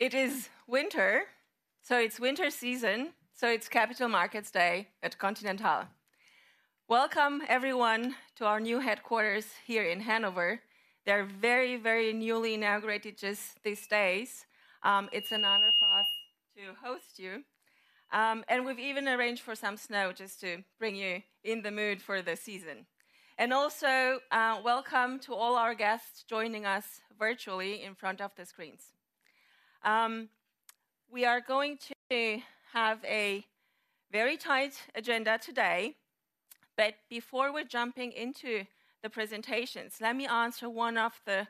It is winter, so it's winter season, so it's Capital Markets Day at Continental. Welcome, everyone, to our new headquarters here in Hanover. They're very, very newly inaugurated just these days. It's an honor for us to host you. And we've even arranged for some snow just to bring you in the mood for the season. Also, welcome to all our guests joining us virtually in front of the screens. We are going to have a very tight agenda today, but before we're jumping into the presentations, let me answer one of the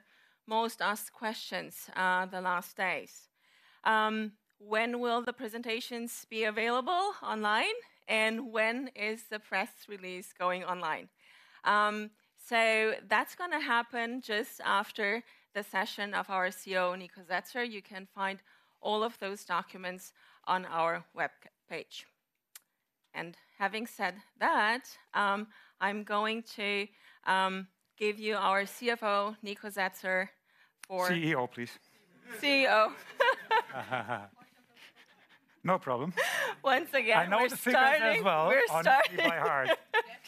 most asked questions the last days. When will the presentations be available online, and when is the press release going online? So that's gonna happen just after the session of our CEO, Nikolai Setzer. You can find all of those documents on our web page. Having said that, I'm going to give you our CFO, Nikolai Setzer, for- CEO, please. CEO. No problem. Once again, we're starting- I know the figures as well. We're starting-... by heart.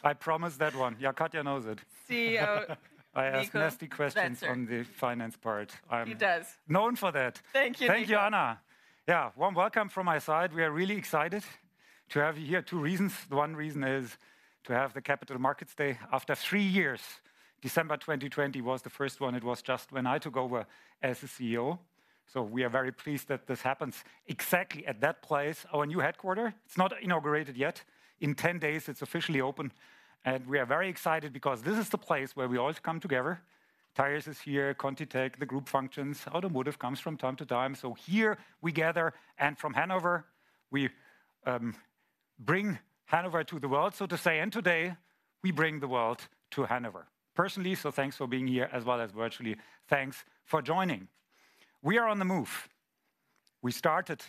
I promise that one. Yeah, Katja knows it. CEO- I ask nasty questions- Niko Setzer... from the finance part. I'm- He does... known for that. Thank you, Niko. Thank you, Anna. Yeah, warm welcome from my side. We are really excited to have you here. Two reasons: one reason is to have the Capital Markets Day after three years. December 2020 was the first one. It was just when I took over as the CEO, so we are very pleased that this happens exactly at that place, our new headquarters. It's not inaugurated yet. In 10 days, it's officially open, and we are very excited because this is the place where we all come together. Tires is here, ContiTech, the group functions. Automotive comes from time to time. So here we gather, and from Hanover, we bring Hanover to the world, so to say, and today we bring the world to Hanover personally. So thanks for being here, as well as virtually. Thanks for joining. We are on the move. We started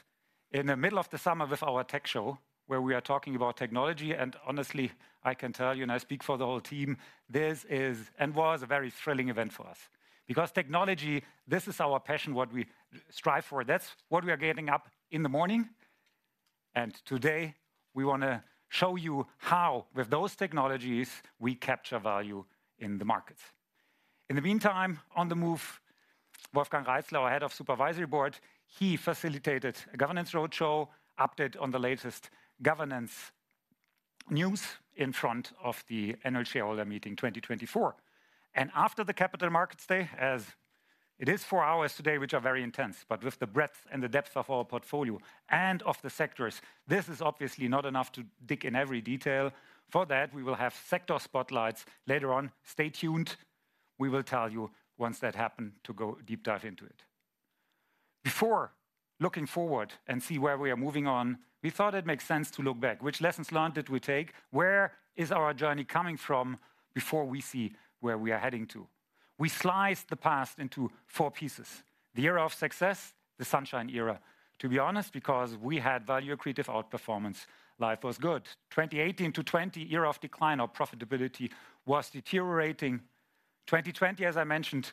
in the middle of the summer with our TechShow, where we are talking about technology, and honestly, I can tell you, and I speak for the whole team, this is and was a very thrilling event for us. Because technology, this is our passion, what we strive for. That's what we are getting up in the morning, and today we want to show you how, with those technologies, we capture value in the markets. In the meantime, on the move, Wolfgang Reitzle, our Head of Supervisory Board, he facilitated a governance roadshow, update on the latest governance news in front of the annual shareholder meeting 2024. After the Capital Markets Day, as it is four hours today, which are very intense, but with the breadth and the depth of our portfolio and of the sectors, this is obviously not enough to dig in every detail. For that, we will have sector spotlights later on. Stay tuned, we will tell you once that happen, to go deep dive into it. Before looking forward and see where we are moving on, we thought it makes sense to look back. Which lessons learned did we take? Where is our journey coming from before we see where we are heading to? We sliced the past into four pieces: the era of success, the sunshine era. To be honest, because we had value accretive outperformance, life was good. 2018-2020, era of decline, our profitability was deteriorating. 2020, as I mentioned,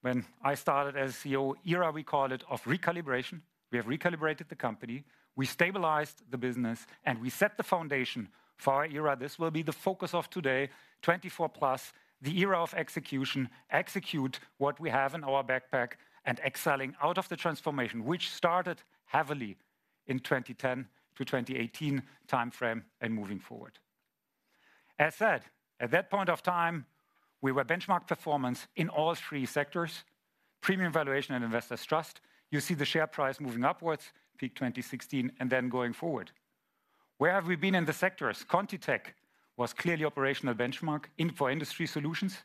when I started as CEO, era, we call it, of recalibration. We have recalibrated the company, we stabilized the business, and we set the foundation for our era. This will be the focus of today, 2024+, the era of execution. Execute what we have in our backpack and excelling out of the transformation, which started heavily in 2010-2018 timeframe and moving forward. As said, at that point of time, we were benchmarked performance in all three sectors: premium valuation and investors trust. You see the share price moving upwards, peak 2016, and then going forward. Where have we been in the sectors? ContiTech was clearly operational benchmark for industry solutions,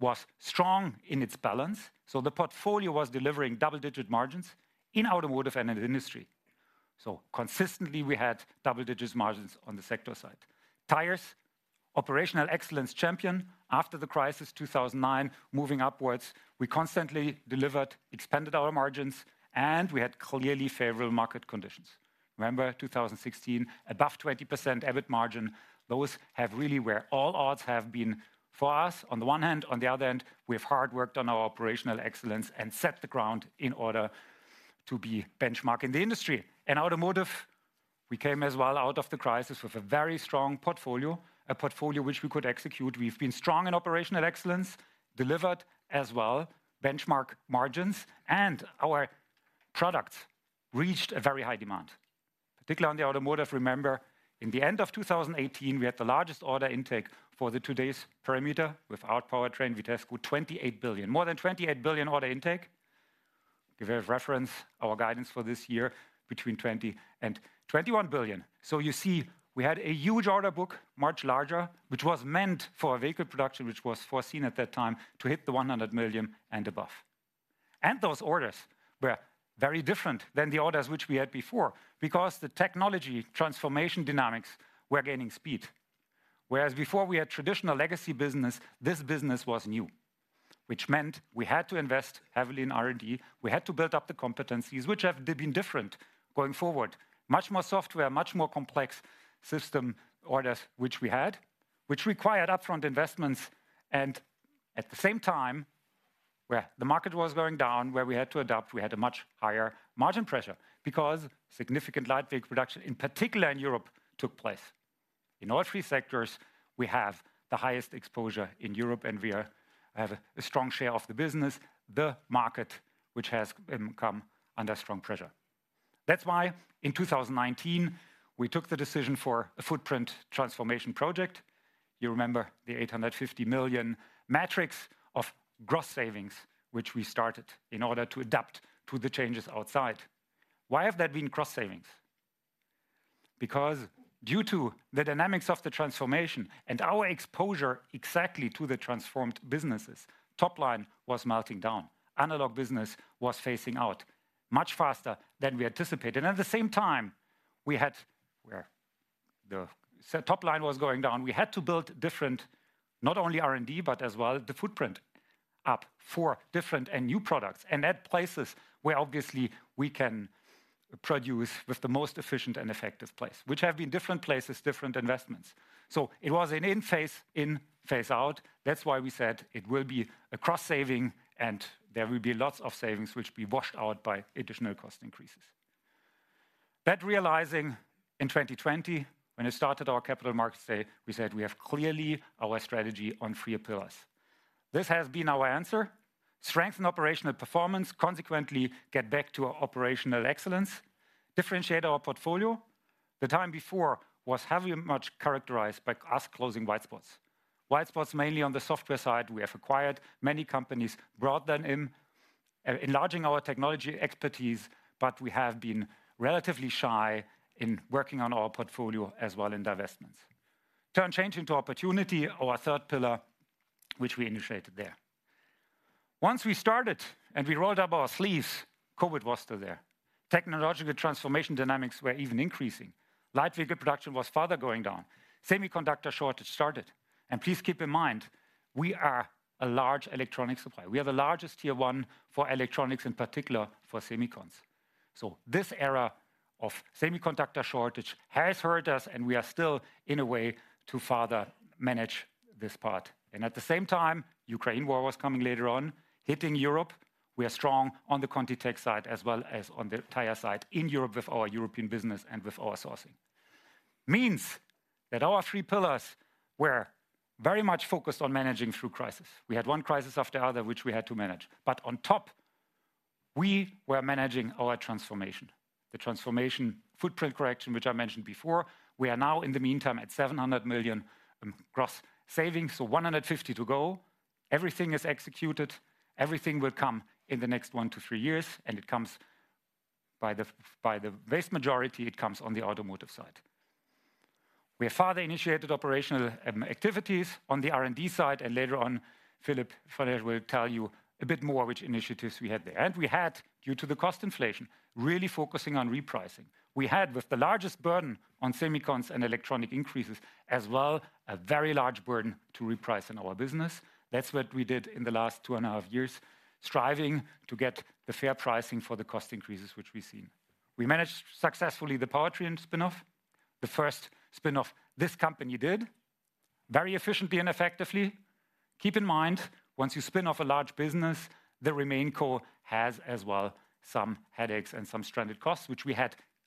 was strong in its balance, so the portfolio was delivering double-digit margins in automotive and in industry. So consistently, we had double-digits margins on the sector side. Tires, operational excellence champion after the crisis, 2009, moving upwards. We constantly delivered, expanded our margins, and we had clearly favorable market conditions. Remember, 2016, above 20% EBIT margin, those have really where all odds have been for us on the one hand. On the other hand, we have hard worked on our operational excellence and set the ground in order to be benchmark in the industry. In automotive, we came as well out of the crisis with a very strong portfolio, a portfolio which we could execute. We've been strong in operational excellence, delivered as well benchmark margins, and our products reached a very high demand. Particularly on the automotive, remember, in the end of 2018, we had the largest order intake for the today's parameter. With our powertrain, Vitesco, 28 billion. More than 28 billion order intake. Give you a reference, our guidance for this year, between 20 billion and 21 billion. So you see, we had a huge order book, much larger, which was meant for a vehicle production, which was foreseen at that time to hit the 100 million and above. And those orders were very different than the orders which we had before because the technology transformation dynamics were gaining speed. Whereas before we had traditional legacy business, this business was new, which meant we had to invest heavily in R&D. We had to build up the competencies, which have been different going forward. Much more software, much more complex system orders, which we had, which required upfront investments and. At the same time, where the market was going down, where we had to adapt, we had a much higher margin pressure because significant light vehicle production, in particular in Europe, took place. In all three sectors, we have the highest exposure in Europe, and we have a strong share of the business, the market, which has come under strong pressure. That's why in 2019, we took the decision for a footprint transformation project. You remember the 850 million of gross savings, which we started in order to adapt to the changes outside. Why have there been cross savings? Because due to the dynamics of the transformation and our exposure exactly to the transformed businesses, top line was melting down. Analog business was phasing out much faster than we anticipated. At the same time, we had, where the set top line was going down, we had to build different, not only R&D, but as well, the footprint up for different and new products, and at places where obviously we can produce with the most efficient and effective place, which have been different places, different investments. So it was an in-phase, in phase out. That's why we said it will be a cross saving, and there will be lots of savings which will be washed out by additional cost increases. That, realizing in 2020, when it started our Capital Markets Day, we said we have clearly our strategy on three pillars. This has been our answer: strengthen operational performance, consequently, get back to our operational excellence, differentiate our portfolio. The time before was heavily much characterized by us closing white spots. White spots, mainly on the software side, we have acquired many companies, brought them in, enlarging our technology expertise, but we have been relatively shy in working on our portfolio as well in divestments. Turn change into opportunity, our third pillar, which we initiated there. Once we started and we rolled up our sleeves, COVID was still there. Technological transformation dynamics were even increasing. Light vehicle production was further going down. Semiconductor shortage started. Please keep in mind, we are a large electronic supplier. We are the largest Tier One for electronics, in particular for semiconductors. So this era of semiconductor shortage has hurt us, and we are still in a way to further manage this part. At the same time, Ukraine war was coming later on, hitting Europe. We are strong on the ContiTech side as well as on the tire side in Europe with our European business and with our sourcing. Means that our three pillars were very much focused on managing through crisis. We had one crisis after the other, which we had to manage, but on top, we were managing our transformation, the transformation footprint correction, which I mentioned before. We are now, in the meantime, at 700 million gross savings, so 150 million to go. Everything is executed. Everything will come in the next one to three years, and it comes by the, by the vast majority, it comes on the automotive side. We have further initiated operational activities on the R&D side, and later on, Philipp von Hirschheydt will tell you a bit more which initiatives we had there. We had, due to the cost inflation, really focusing on repricing. We had, with the largest burden on semiconductors and electronic increases, as well, a very large burden to reprice in our business. That's what we did in the last two and a half years, striving to get the fair pricing for the cost increases, which we've seen. We managed successfully the Powertrain spin-off, the first spin-off this company did, very efficiently and effectively. Keep in mind, once you spin off a large business, the remaining core has as well some headaches and some stranded costs, which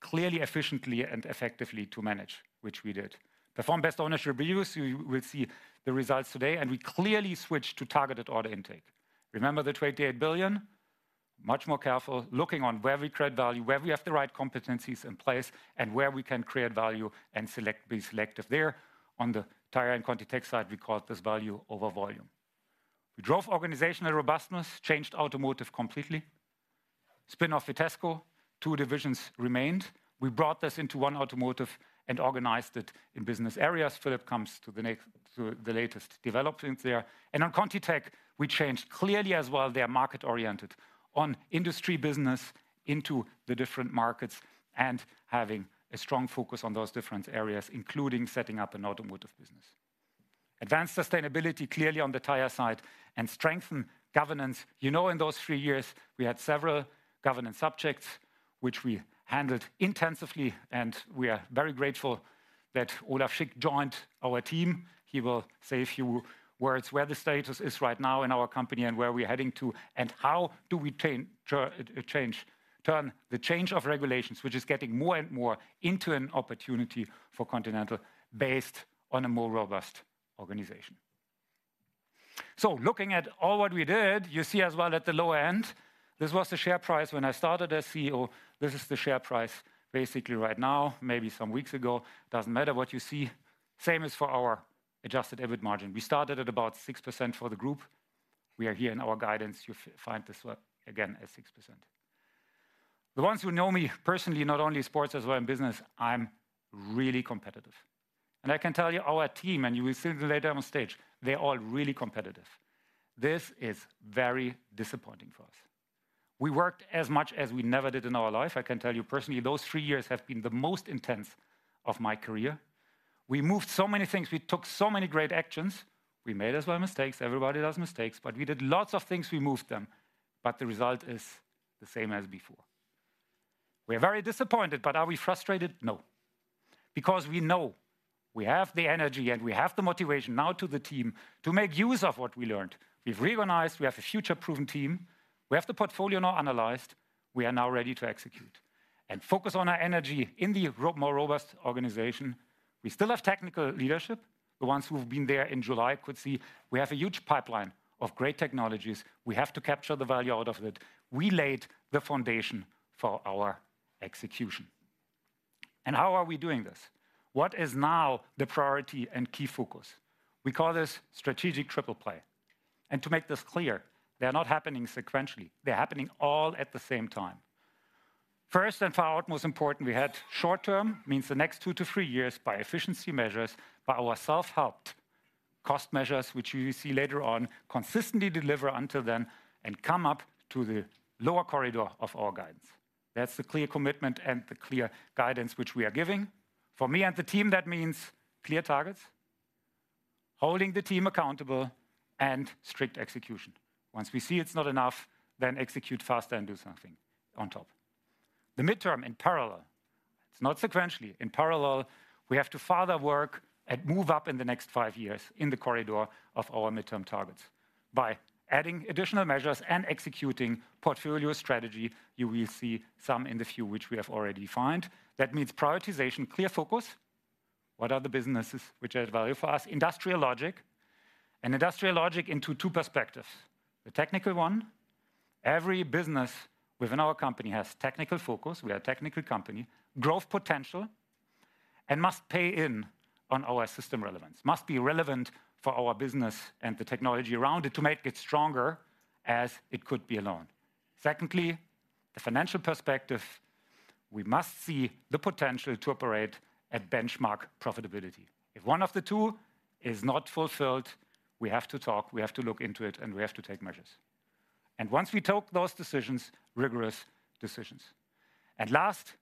we had clearly, efficiently and effectively to manage, which we did. We performed best ownership reviews, you will see the results today, and we clearly switched to targeted order intake. Remember the 28 billion? Much more careful, looking on where we create value, where we have the right competencies in place, and where we can create value and be selective there. On the Tire and ContiTech side, we call this value over volume. We drove organizational robustness, changed automotive completely. Spin-off Vitesco, two divisions remained. We brought this into one automotive and organized it in business areas. Philipp comes to the next, to the latest developments there. And on ContiTech, we changed clearly as well, they are market-oriented on industry business into the different markets and having a strong focus on those different areas, including setting up an automotive business. Advanced sustainability, clearly on the tire side, and strengthen governance. You know, in those three years, we had several governance subjects, which we handled intensively, and we are very grateful that Olaf Schick joined our team. He will say a few words where the status is right now in our company and where we're heading to, and how do we turn the change of regulations, which is getting more and more into an opportunity for Continental, based on a more robust organization. So looking at all what we did, you see as well at the low end, this was the share price when I started as CEO. This is the share price basically right now, maybe some weeks ago. Doesn't matter what you see. Same as for our adjusted EBIT margin. We started at about 6% for the group. We are here in our guidance. You find this, again, at 6%. The ones who know me personally, not only in sports as well in business, I'm really competitive. I can tell you, our team, and you will see later on stage, they're all really competitive. This is very disappointing for us. We worked as much as we never did in our life. I can tell you personally, those three years have been the most intense of my career. We moved so many things. We took so many great actions. We made as well mistakes. Everybody does mistakes, but we did lots of things, we moved them, but the result is the same as before. We're very disappointed, but are we frustrated? No, because we know we have the energy, and we have the motivation now to the team to make use of what we learned. We've reorganized, we have a future-proven team, we have the portfolio now analyzed, we are now ready to execute and focus on our energy in the more robust organization. We still have technical leadership. The ones who have been there in July could see we have a huge pipeline of great technologies. We have to capture the value out of it. We laid the foundation for our execution. How are we doing this? What is now the priority and key focus? We call this Strategic Triple Play, and to make this clear, they are not happening sequentially; they're happening all at the same time. First, and foremost important, we had short term, means the next two to three years, by efficiency measures, by our self-help cost measures, which you will see later on, consistently deliver until then and come up to the lower corridor of our guidance. That's the clear commitment and the clear guidance which we are giving. For me and the team, that means clear targets, holding the team accountable, and strict execution. Once we see it's not enough, then execute faster and do something on top. The midterm in parallel, it's not sequentially, in parallel, we have to further work and move up in the next five years in the corridor of our midterm targets. By adding additional measures and executing portfolio strategy, you will see some in the few which we have already defined. That means prioritization, clear focus. What are the businesses which add value for us? Industrial logic, and industrial logic into two perspectives: the technical one, every business within our company has technical focus, we are a technical company, growth potential, and must pay in on our system relevance. Must be relevant for our business and the technology around it to make it stronger as it could be alone. Secondly, the financial perspective. We must see the potential to operate at benchmark profitability. If one of the two is not fulfilled, we have to talk, we have to look into it, and we have to take measures. Once we take those decisions, rigorous decisions. Last,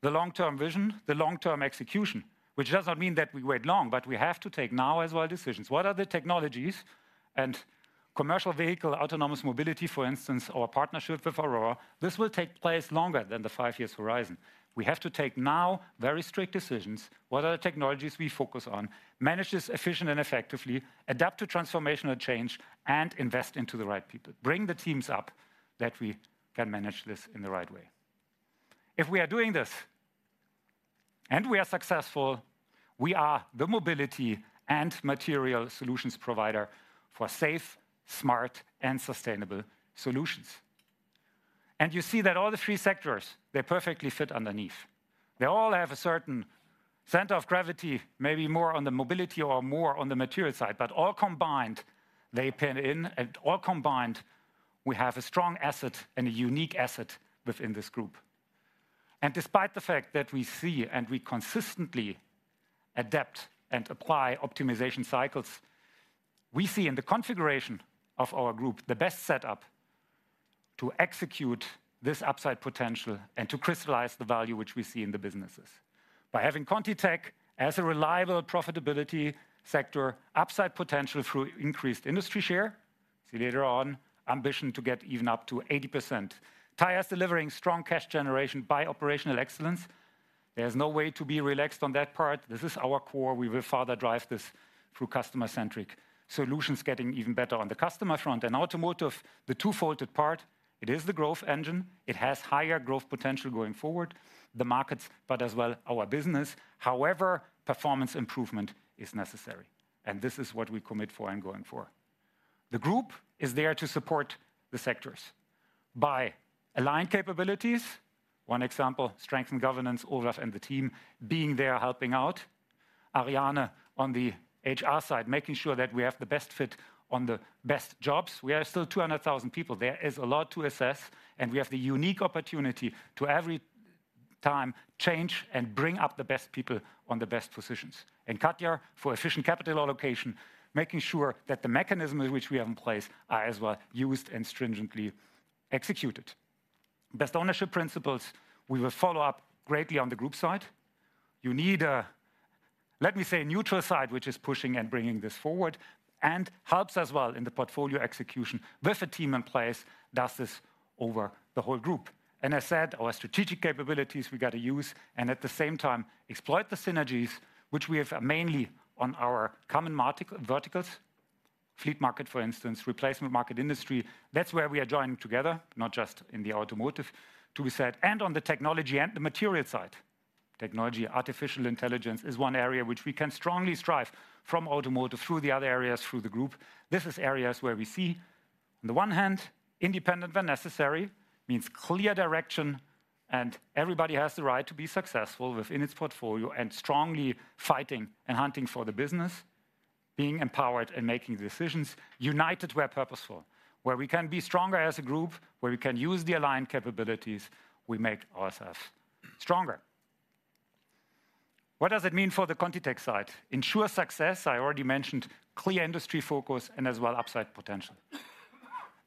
the long-term vision, the long-term execution, which does not mean that we wait long, but we have to take now as well decisions. What are the technologies and commercial vehicle, Autonomous Mobility, for instance, our partnership with Aurora, this will take place longer than the five-year horizon. We have to take now very strict decisions. What are the technologies we focus on? Manage this efficient and effectively, adapt to transformational change, and invest into the right people. Bring the teams up, that we can manage this in the right way. If we are doing this and we are successful, we are the mobility and material solutions provider for safe, smart, and sustainable solutions. And you see that all the three sectors, they perfectly fit underneath. They all have a certain center of gravity, maybe more on the mobility or more on the material side, but all combined, they pin in, and all combined, we have a strong asset and a unique asset within this group. And despite the fact that we see and we consistently adapt and apply optimization cycles, we see in the configuration of our group, the best setup to execute this upside potential and to crystallize the value which we see in the businesses. By having ContiTech as a reliable profitability sector, upside potential through increased industry share, see later on, ambition to get even up to 80%. Tires delivering strong cash generation by operational excellence. There's no way to be relaxed on that part. This is our core. We will further drive this through customer-centric solutions, getting even better on the customer front. Automotive, the twofold part, it is the growth engine. It has higher growth potential going forward, the markets, but as well, our business. However, performance improvement is necessary, and this is what we commit for and going for. The group is there to support the sectors by aligned capabilities. One example, strength and governance, Olaf and the team being there, helping out. Ariane, on the HR side, making sure that we have the best fit on the best jobs. We are still 200,000 people. There is a lot to assess, and we have the unique opportunity to every time change and bring up the best people on the best positions. Katja, for efficient capital allocation, making sure that the mechanisms which we have in place are as well used and stringently executed. Best ownership principles, we will follow up greatly on the group side. You need a, let me say, neutral side, which is pushing and bringing this forward, and helps as well in the portfolio execution with a team in place, does this over the whole group. I said, our strategic capabilities we got to use, and at the same time exploit the synergies which we have mainly on our common market verticals, fleet market, for instance, replacement market industry. That's where we are joining together, not just in the automotive, to be said, and on the technology and the material side. Technology, artificial intelligence is one area which we can strongly strive from automotive through the other areas, through the group. This is areas where we see, on the one hand, independent when necessary, means clear direction, and everybody has the right to be successful within its portfolio, and strongly fighting and hunting for the business, being empowered and making decisions. United, we are purposeful, where we can be stronger as a group, where we can use the aligned capabilities, we make ourselves stronger. What does it mean for the ContiTech side? Ensure success, I already mentioned, clear industry focus and as well, upside potential.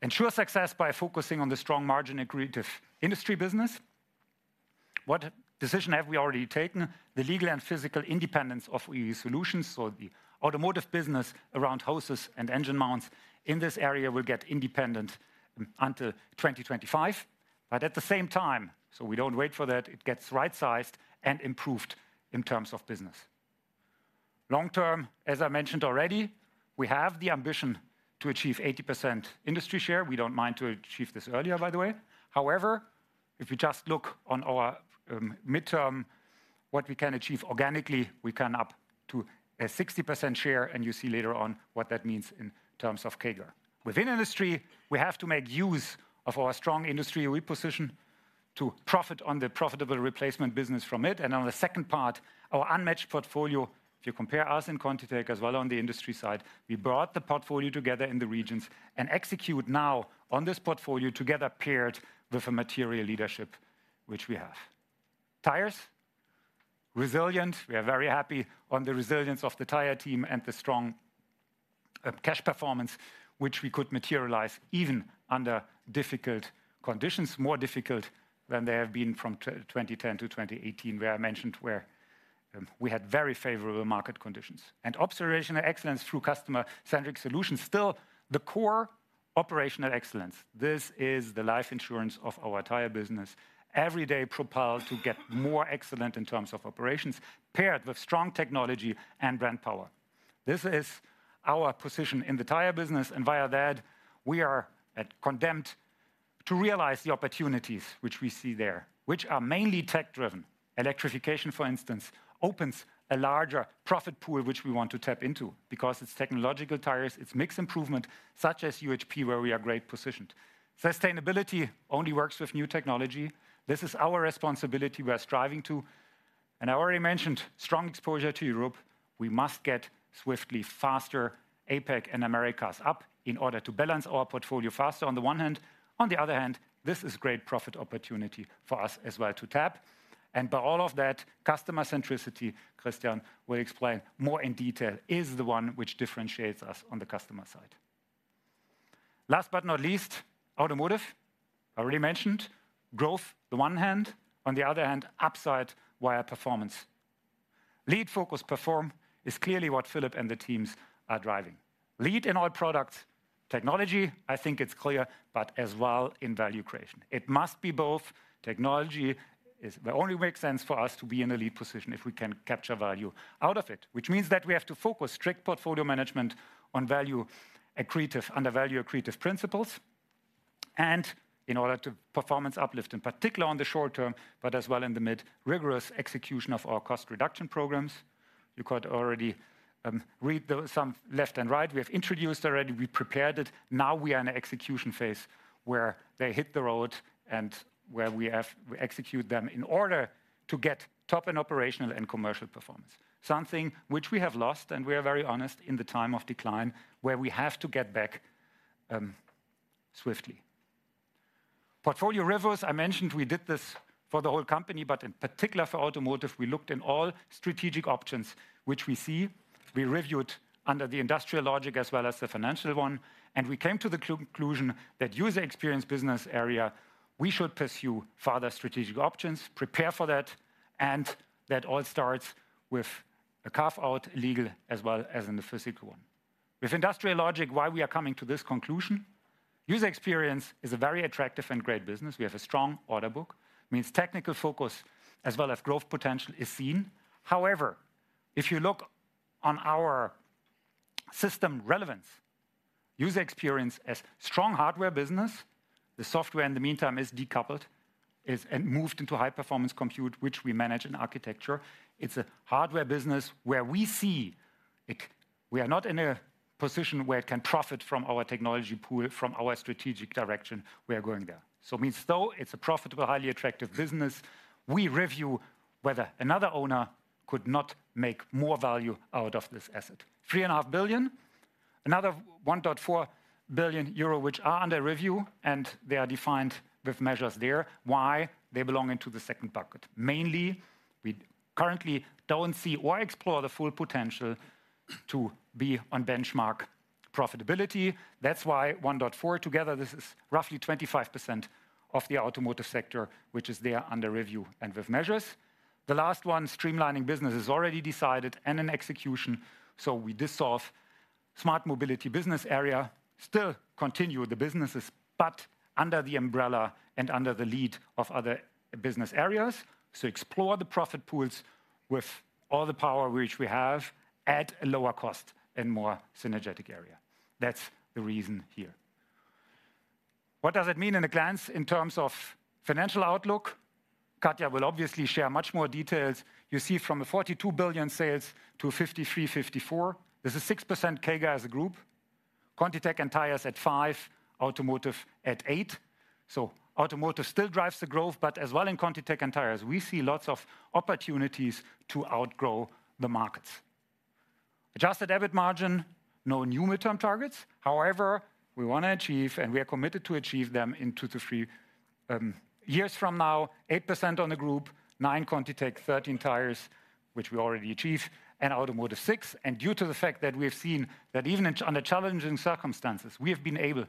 Ensure success by focusing on the strong margin and creative industry business. What decision have we already taken? The legal and physical independence of OE Solutions or the automotive business around hoses and engine mounts in this area will get independent until 2025. But at the same time, so we don't wait for that, it gets right-sized and improved in terms of business.... Long term, as I mentioned already, we have the ambition to achieve 80% industry share. We don't mind to achieve this earlier, by the way. However, if you just look on our midterm, what we can achieve organically, we can up to a 60% share, and you see later on what that means in terms of CAGR. Within industry, we have to make use of our strong industry reposition to profit on the profitable replacement business from it. And on the second part, our unmatched portfolio, if you compare us in ContiTech as well on the industry side, we brought the portfolio together in the regions and execute now on this portfolio together, paired with a material leadership, which we have. Tires, resilient. We are very happy on the resilience of the tire team and the strong cash performance, which we could materialize even under difficult conditions, more difficult than they have been from 2010 to 2018, where we had very favorable market conditions. Operational excellence through customer-centric solutions. Still, the core operational excellence, this is the life insurance of our tire business. Every day propelled to get more excellent in terms of operations, paired with strong technology and brand power. This is our position in the tire business, and via that, we are condemned to realize the opportunities which we see there, which are mainly tech-driven. Electrification, for instance, opens a larger profit pool, which we want to tap into because it's technological tires, it's mixed improvement, such as UHP, where we are great positioned. Sustainability only works with new technology. This is our responsibility we are striving to. I already mentioned strong exposure to Europe. We must get swiftly faster APAC and Americas up in order to balance our portfolio faster, on the one hand. On the other hand, this is great profit opportunity for us as well to tap. By all of that, customer centricity, Christian will explain more in detail, is the one which differentiates us on the customer side. Last but not least, automotive. I already mentioned growth, the one hand, on the other hand, upside wire performance. Lead, focus, perform is clearly what Philipp and the teams are driving. Lead in all products. Technology, I think it's clear, but as well in value creation. It must be both. Technology is—it only makes sense for us to be in a lead position if we can capture value out of it, which means that we have to focus strict portfolio management on value accretive, under value accretive principles, and in order performance uplift, in particular on the short term, but as well in the mid, rigorous execution of our cost reduction programs. You could already read the—some left and right. We have introduced already, we prepared it. Now we are in the execution phase, where they hit the road and where we have—we execute them in order to get top in operational and commercial performance. Something which we have lost, and we are very honest, in the time of decline, where we have to get back, swiftly. Portfolio review, I mentioned we did this for the whole company, but in particular for automotive, we looked into all strategic options, which we see. We reviewed under the industrial logic as well as the financial one, and we came to the conclusion that User Experience business area, we should pursue further strategic options, prepare for that, and that all starts with a carve-out, legal, as well as in the physical one. With industrial logic, why we are coming to this conclusion? User Experience is a very attractive and great business. We have a strong order book, means technical focus as well as growth potential is seen. However, if you look on our system relevance, User Experience as strong hardware business, the software, in the meantime, is decoupled, is and moved into high-performance compute, which we manage in architecture. It's a hardware business where we see it, we are not in a position where it can profit from our technology pool, from our strategic direction. We are going there. So it means though it's a profitable, highly attractive business, we review whether another owner could not make more value out of this asset. 3.5 billion, another 1.4 billion euro, which are under review, and they are defined with measures there. Why? They belong into the second bucket. Mainly, we currently don't see or explore the full potential to be on benchmark profitability. That's why 1.4 together, this is roughly 25% of the automotive sector, which is there under review and with measures. The last one, streamlining business, is already decided and in execution, so we dissolve Smart Mobility business area, still continue the businesses, but under the umbrella and under the lead of other business areas. So explore the profit pools with all the power which we have at a lower cost and more synergetic area. That's the reason here. What does it mean at a glance in terms of financial outlook? Katja will obviously share much more details. You see from 42 billion sales to 53 billion-54 billion. This is 6% CAGR as a group, ContiTech and Tires at 5%, Automotive at 8%. So automotive still drives the growth, but as well in ContiTech and Tires, we see lots of opportunities to outgrow the markets. Adjusted EBIT margin, no new midterm targets. However, we want to achieve, and we are committed to achieve them in two to three years from now, 8% on the group, 9% ContiTech, 13% Tires, which we already achieve, and Automotive 6%. Due to the fact that we have seen that even in under challenging circumstances, we have been able,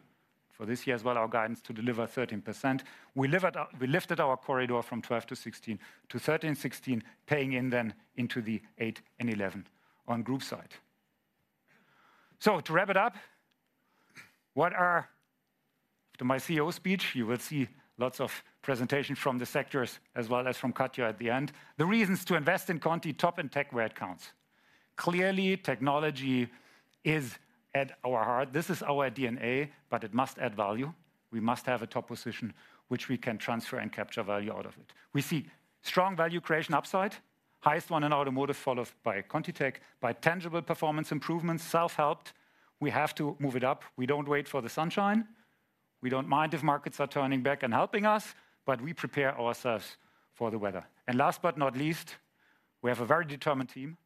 for this year as well, our guidance, to deliver 13%. We levered our we lifted our corridor from 12%-16% to 13%-16%, paying in then into the 8%-11% on group side. So to wrap it up, what are to my CEO speech, you will see lots of presentation from the sectors as well as from Katja at the end. The reasons to invest in Conti, top in tech where it counts. Clearly, technology is at our heart. This is our DNA, but it must add value. We must have a top position, which we can transfer and capture value out of it. We see strong value creation upside, highest one in automotive, followed by ContiTech, by tangible performance improvements, self-help. We have to move it up. We don't wait for the sunshine. We don't mind if markets are turning back and helping us, but we prepare ourselves for the weather. And last but not least, we have a very determined team,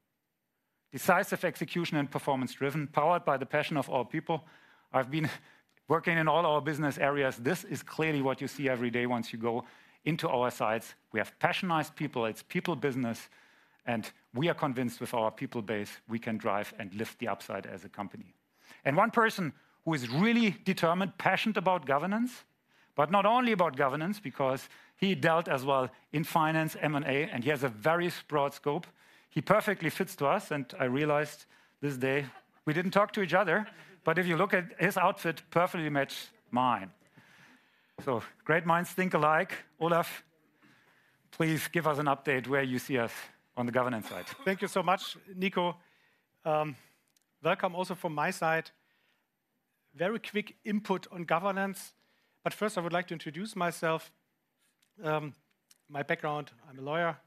decisive execution and performance-driven, powered by the passion of our people. I've been working in all our business areas. This is clearly what you see every day once you go into our sites. We have passionate people. It's people business, and we are convinced with our people base, we can drive and lift the upside as a company. One person who is really determined, passionate about governance, but not only about governance because he dealt as well in finance, M&A, and he has a very broad scope. He perfectly fits to us, and I realized this day we didn't talk to each other, but if you look at his outfit, perfectly match mine. So great minds think alike. Olaf, please give us an update where you see us on the governance side. Thank you so much, Niko. Welcome also from my side. Very quick input on governance, but first, I would like to introduce myself. My background, I'm a lawyer.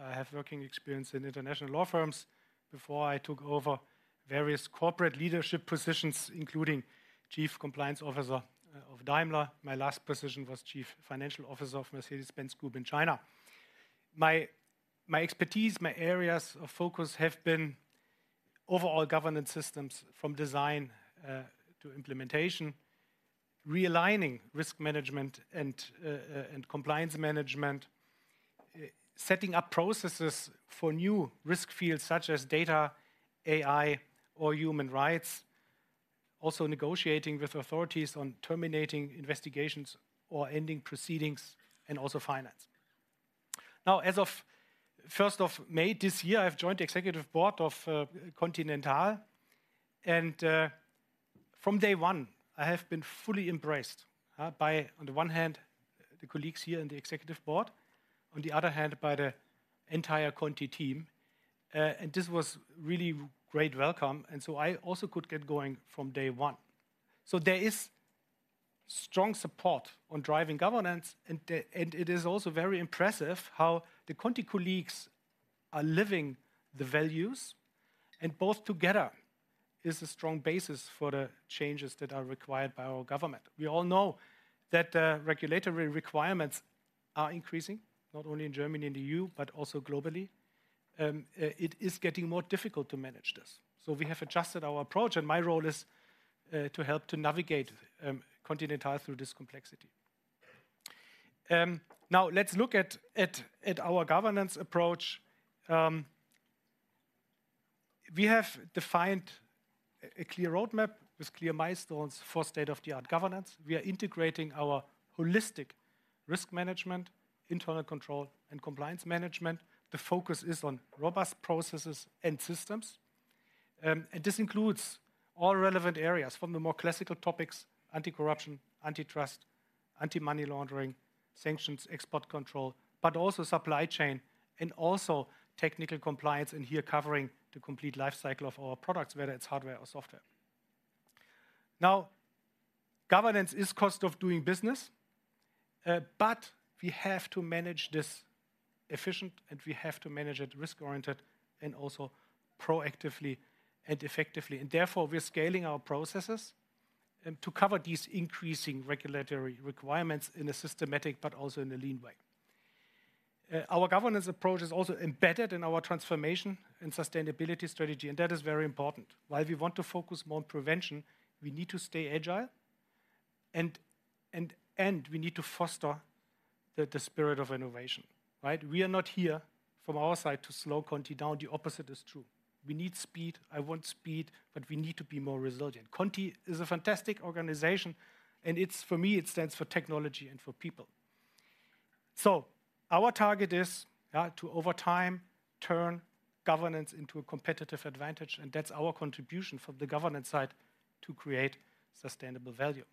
I have working experience in international law firms before I took over various corporate leadership positions, including Chief Compliance Officer of Daimler. My last position was Chief Financial Officer of Mercedes-Benz Group in China. My expertise, my areas of focus have been overall governance systems from design to implementation, realigning risk management and compliance management, setting up processes for new risk fields such as data, AI, or human rights. Also negotiating with authorities on terminating investigations or ending proceedings, and also finance. Now, as of first of May this year, I've joined the Executive Board of Continental, and from day one, I have been fully embraced by, on the one hand, the colleagues here in the Executive Board, on the other hand, by the entire Conti team. And this was really great welcome, and so I also could get going from day one. So there is strong support on driving governance, and it is also very impressive how the Conti colleagues are living the values, and both together is a strong basis for the changes that are required by our governance. We all know that regulatory requirements are increasing, not only in Germany and the EU, but also globally. It is getting more difficult to manage this, so we have adjusted our approach, and my role is to help to navigate Continental through this complexity. Now let's look at our governance approach. We have defined a clear roadmap with clear milestones for state-of-the-art governance. We are integrating our holistic risk management, internal control, and compliance management. The focus is on robust processes and systems, and this includes all relevant areas from the more classical topics: anti-corruption, antitrust, anti-money laundering, sanctions, export control, but also supply chain and also technical compliance, and here covering the complete life cycle of our products, whether it's hardware or software. Now, governance is cost of doing business, but we have to manage this efficient, and we have to manage it risk-oriented and also proactively and effectively. And therefore, we're scaling our processes, and to cover these increasing regulatory requirements in a systematic but also in a lean way. Our governance approach is also embedded in our transformation and sustainability strategy, and that is very important. While we want to focus more on prevention, we need to stay agile and we need to foster the spirit of innovation, right? We are not here from our side to slow Conti down. The opposite is true. We need speed. I want speed, but we need to be more resilient. Conti is a fantastic organization, and it's... For me, it stands for technology and for people. So our target is to over time turn governance into a competitive advantage, and that's our contribution from the governance side to create sustainable value.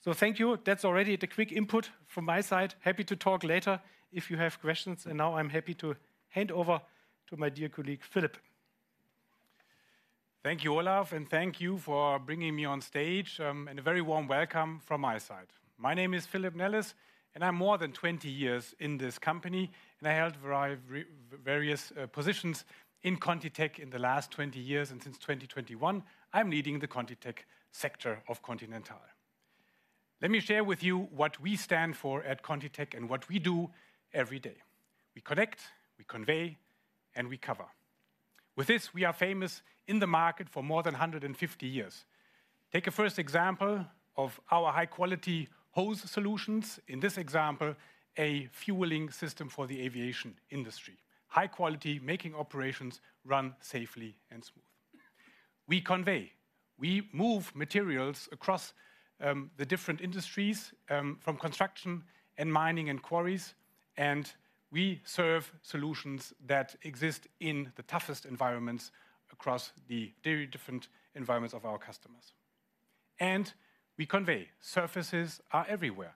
So thank you. That's already the quick input from my side. Happy to talk later if you have questions, and now I'm happy to hand over to my dear colleague, Philipp. Thank you, Olaf, and thank you for bringing me on stage, and a very warm welcome from my side. My name is Philip Nelles, and I'm more than 20 years in this company, and I held various positions in ContiTech in the last 20 years, and since 2021, I'm leading the ContiTech sector of Continental. Let me share with you what we stand for at ContiTech and what we do every day. We connect, we convey, and we cover. With this, we are famous in the market for more than 150 years. Take a first example of our high-quality hose solutions. In this example, a fueling system for the aviation industry. High quality, making operations run safely and smooth. We convey, we move materials across, the different industries, from construction and mining and quarries- We serve solutions that exist in the toughest environments across the very different environments of our customers. We convey, surfaces are everywhere.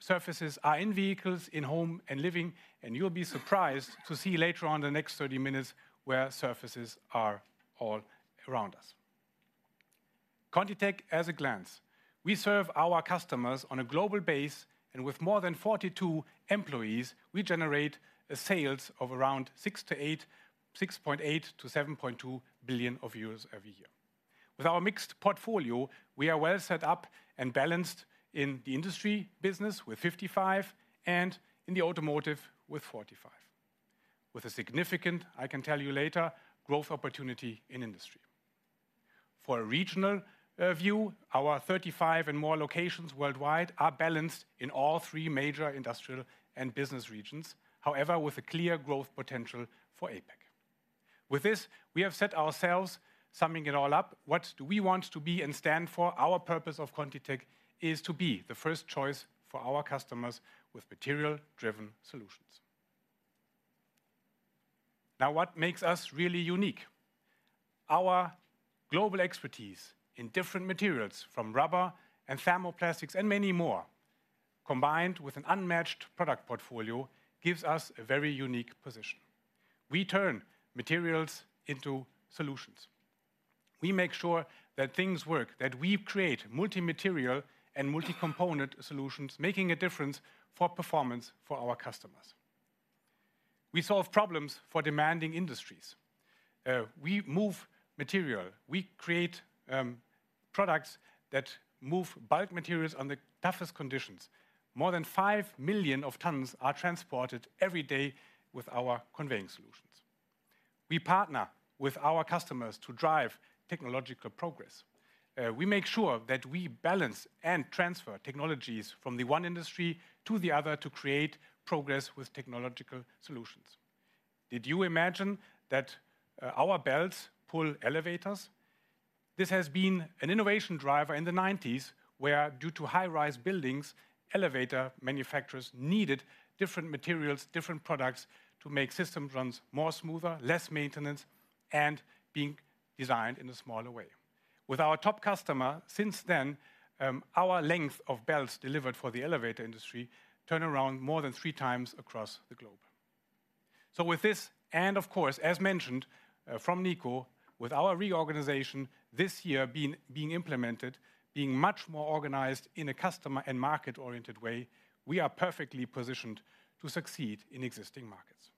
Surfaces are in vehicles, in home and living, and you'll be surprised to see later on in the next 30 minutes where surfaces are all around us. ContiTech at a glance. We serve our customers on a global base, and with more than 42 employees, we generate sales of around six to eight, 6.8 billion-7.2 billion euros every year. With our mixed portfolio, we are well set up and balanced in the industry business with 55, and in the automotive with 45. With a significant, I can tell you later, growth opportunity in industry. For a regional view, our 35 and more locations worldwide are balanced in all three major industrial and business regions, however, with a clear growth potential for APAC. With this, we have set ourselves, summing it all up, what do we want to be and stand for? Our purpose of ContiTech is to be the first choice for our customers with material-driven solutions. Now, what makes us really unique? Our global expertise in different materials, from rubber and thermoplastics, and many more, combined with an unmatched product portfolio, gives us a very unique position. We turn materials into solutions. We make sure that things work, that we create multi-material and multi-component solutions, making a difference for performance for our customers. We solve problems for demanding industries. We move material. We create products that move bulk materials on the toughest conditions. More than 5 million tons are transported every day with our conveying solutions. We partner with our customers to drive technological progress. We make sure that we balance and transfer technologies from the one industry to the other to create progress with technological solutions. Did you imagine that our belts pull elevators? This has been an innovation driver in the 1990s, where, due to high-rise buildings, elevator manufacturers needed different materials, different products, to make system runs more smoother, less maintenance, and being designed in a smaller way. With our top customer, since then, our length of belts delivered for the elevator industry turn around more than 3 times across the globe. So with this, and of course, as mentioned from Niko, with our reorganization this year being implemented, being much more organized in a customer and market-oriented way, we are perfectly positioned to succeed in existing markets.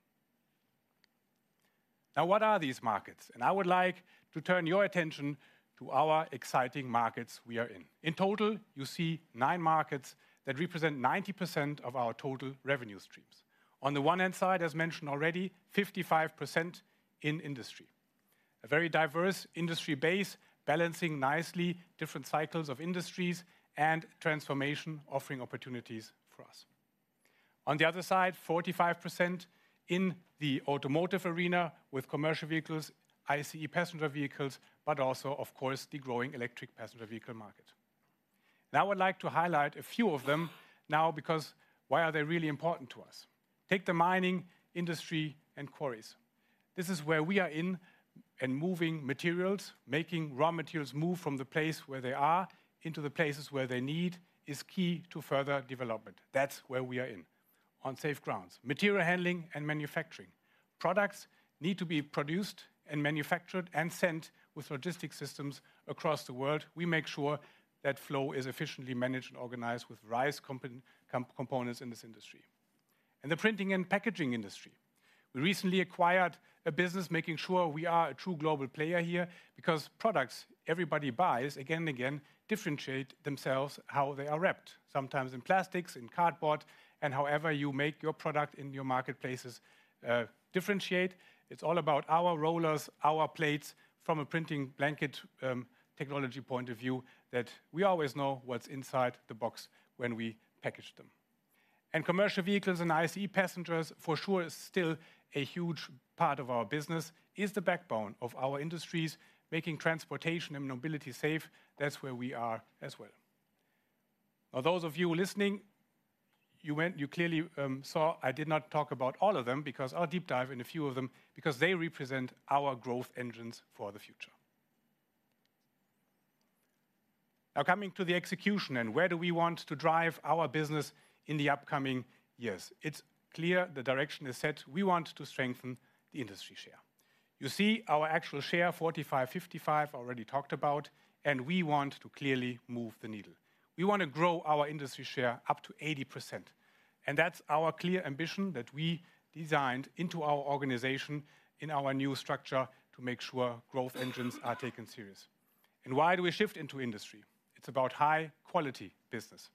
Now, what are these markets? And I would like to turn your attention to our exciting markets we are in. In total, you see nine markets that represent 90% of our total revenue streams. On the one hand side, as mentioned already, 55% in industry. A very diverse industry base, balancing nicely different cycles of industries and transformation, offering opportunities for us. On the other side, 45% in the automotive arena with commercial vehicles, ICE passenger vehicles, but also, of course, the growing electric passenger vehicle market. Now, I'd like to highlight a few of them now, because why are they really important to us? Take the mining industry and quarries. This is where we are in and moving materials, making raw materials move from the place where they are into the places where they're needed, is key to further development. That's where we are in, on safe grounds. Material handling and manufacturing. Products need to be produced and manufactured and sent with logistics systems across the world. We make sure that flow is efficiently managed and organized with various components in this industry. And the printing and packaging industry. We recently acquired a business, making sure we are a true global player here, because products everybody buys, again and again, differentiate themselves how they are wrapped, sometimes in plastics, in cardboard, and however you make your product in your marketplaces, differentiate. It's all about our rollers, our plates, from a printing blanket, technology point of view, that we always know what's inside the box when we package them. Commercial vehicles and ICE passengers, for sure, is still a huge part of our business, is the backbone of our industries, making transportation and mobility safe. That's where we are as well. Now, those of you listening, you clearly saw I did not talk about all of them because I'll deep dive in a few of them because they represent our growth engines for the future. Now, coming to the execution, and where do we want to drive our business in the upcoming years? It's clear the direction is set. We want to strengthen the industry share. You see our actual share, 45, 55, already talked about, and we want to clearly move the needle. We want to grow our industry share up to 80%, and that's our clear ambition that we designed into our organization in our new structure to make sure growth engines are taken serious. Why do we shift into industry? It's about high-quality business.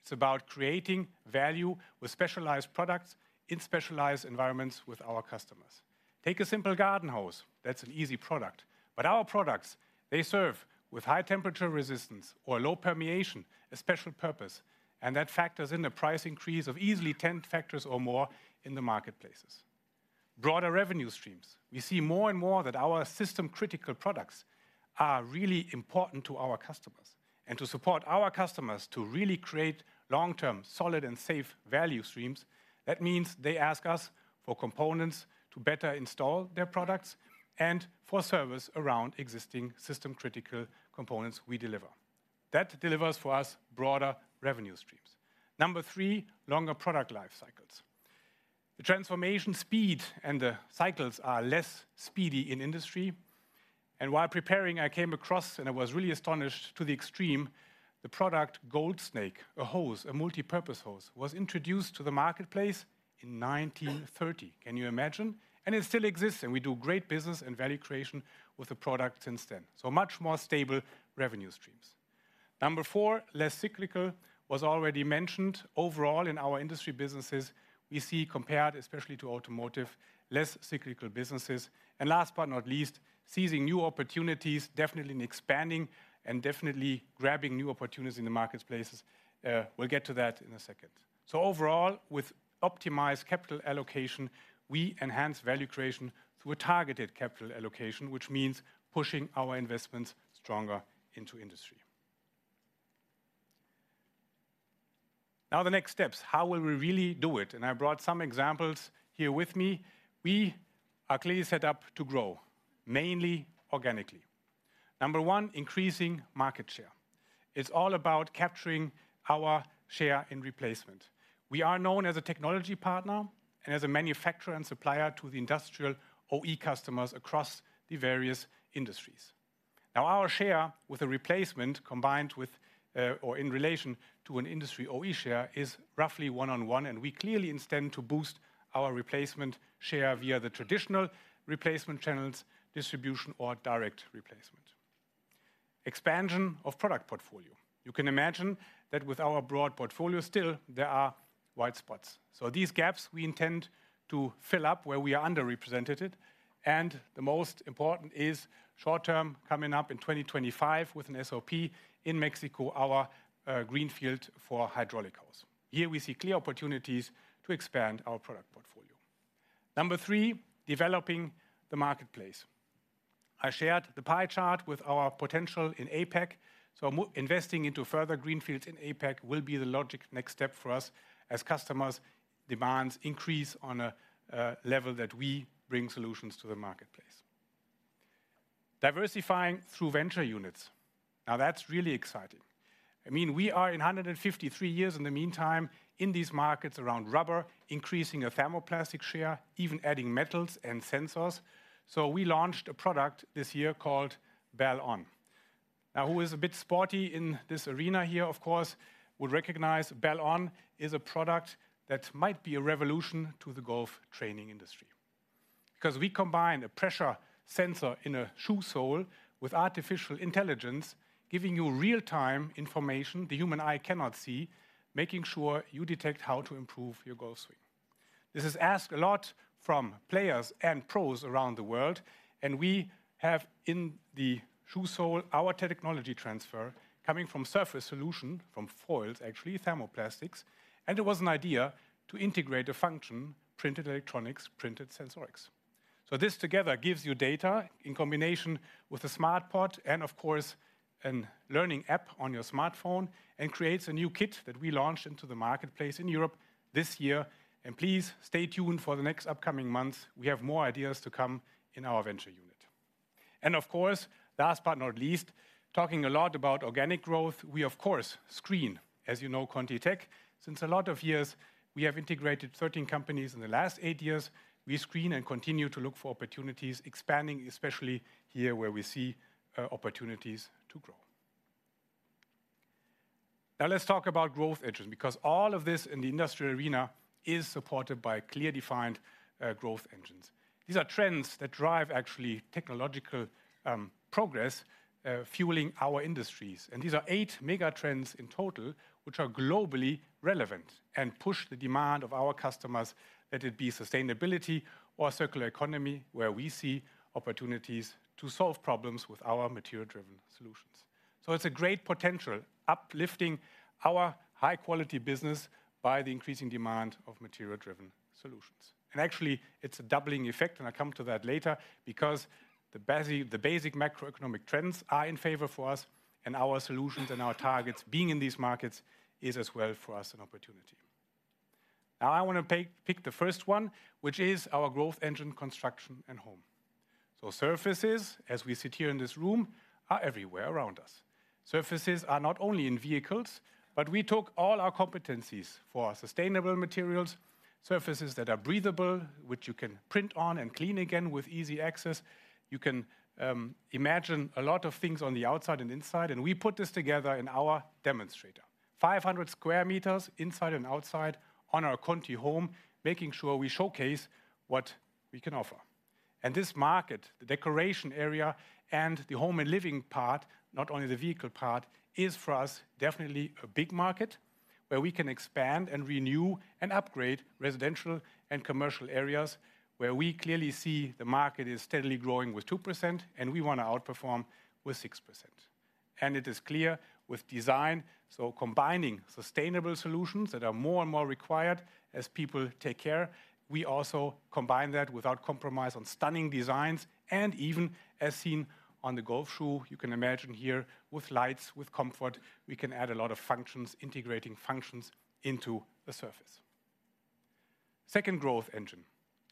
It's about creating value with specialized products in specialized environments with our customers. Take a simple garden hose. That's an easy product, but our products, they serve with high temperature resistance or low permeation, a special purpose, and that factors in a price increase of easily 10 factors or more in the marketplaces... broader revenue streams. We see more and more that our system-critical products are really important to our customers. To support our customers to really create long-term, solid, and safe value streams, that means they ask us for components to better install their products and for service around existing system-critical components we deliver. That delivers for us broader revenue streams. Number three, longer product life cycles. The transformation speed and the cycles are less speedy in industry. And while preparing, I came across, and I was really astonished to the extreme, the product Gold Snake, a hose, a multipurpose hose, was introduced to the marketplace in 1930. Can you imagine? And it still exists, and we do great business and value creation with the product since then. So much more stable revenue streams. Number four, less cyclical, was already mentioned. Overall, in our industry businesses, we see, compared especially to automotive, less cyclical businesses. Last but not least, seizing new opportunities, definitely in expanding and definitely grabbing new opportunities in the marketplaces. We'll get to that in a second. So overall, with optimized capital allocation, we enhance value creation through a targeted capital allocation, which means pushing our investments stronger into industry. Now, the next steps: how will we really do it? I brought some examples here with me. We are clearly set up to grow, mainly organically. Number one, increasing market share. It's all about capturing our share in replacement. We are known as a technology partner and as a manufacturer and supplier to the industrial OE customers across the various industries. Now, our share with a replacement, combined with, or in relation to an industry OE share, is roughly 1:1, and we clearly intend to boost our replacement share via the traditional replacement channels, distribution, or direct replacement. Expansion of product portfolio. You can imagine that with our broad portfolio, still there are white spots. So these gaps we intend to fill up where we are underrepresented, and the most important is short term, coming up in 2025 with an SOP in Mexico, our greenfield for hydraulic hose. Here we see clear opportunities to expand our product portfolio. Number 3, developing the marketplace. I shared the pie chart with our potential in APAC, so investing into further greenfields in APAC will be the logic next step for us as customers' demands increase on a level that we bring solutions to the marketplace. Diversifying through venture units. Now, that's really exciting. I mean, we are in 153 years in the meantime, in these markets around rubber, increasing a thermoplastic share, even adding metals and sensors. So we launched a product this year called BAL.ON. Now, who is a bit sporty in this arena here, of course, would recognize BAL.ON is a product that might be a revolution to the golf training industry. Because we combine a pressure sensor in a shoe sole with artificial intelligence, giving you real-time information the human eye cannot see, making sure you detect how to improve your golf swing. This is asked a lot from players and pros around the world, and we have in the shoe sole our technology transfer coming from surface solution, from foils, actually, thermoplastics, and it was an idea to integrate a function, printed electronics, printed sensorics. So this together gives you data in combination with a smart pod and, of course, a learning app on your smartphone, and creates a new kit that we launched into the marketplace in Europe this year. Please stay tuned for the next upcoming months. We have more ideas to come in our venture unit. Of course, last but not least, talking a lot about organic growth, we, of course, screen. As you know, ContiTech, since a lot of years, we have integrated 13 companies in the last 8 years. We screen and continue to look for opportunities, expanding, especially here, where we see, opportunities to grow. Now let's talk about growth engines, because all of this in the industrial arena is supported by clear defined, growth engines. These are trends that drive actually technological, progress, fueling our industries. These are 8 mega trends in total, which are globally relevant and push the demand of our customers, let it be sustainability or circular economy, where we see opportunities to solve problems with our material-driven solutions. It's a great potential, uplifting our high-quality business by the increasing demand of material-driven solutions. Actually, it's a doubling effect, and I come to that later, because the basic macroeconomic trends are in favor for us, and our solutions and our targets being in these markets is as well for us an opportunity. Now, I want to pick the first one, which is our growth engine, construction and home. Surfaces, as we sit here in this room, are everywhere around us. Surfaces are not only in vehicles, but we took all our competencies for sustainable materials, surfaces that are breathable, which you can print on and clean again with easy access. You can imagine a lot of things on the outside and inside, and we put this together in our demonstrator. 500 sq m, inside and outside, on our ContiHome, making sure we showcase what we can offer. This market, the decoration area and the home and living part, not only the vehicle part, is for us, definitely a big market where we can expand and renew and upgrade residential and commercial areas, where we clearly see the market is steadily growing with 2%, and we want to outperform with 6%... and it is clear with design. Combining sustainable solutions that are more and more required as people take care, we also combine that without compromise on stunning designs, and even as seen on the golf shoe, you can imagine here with lights, with comfort, we can add a lot of functions, integrating functions into a surface. Second growth engine.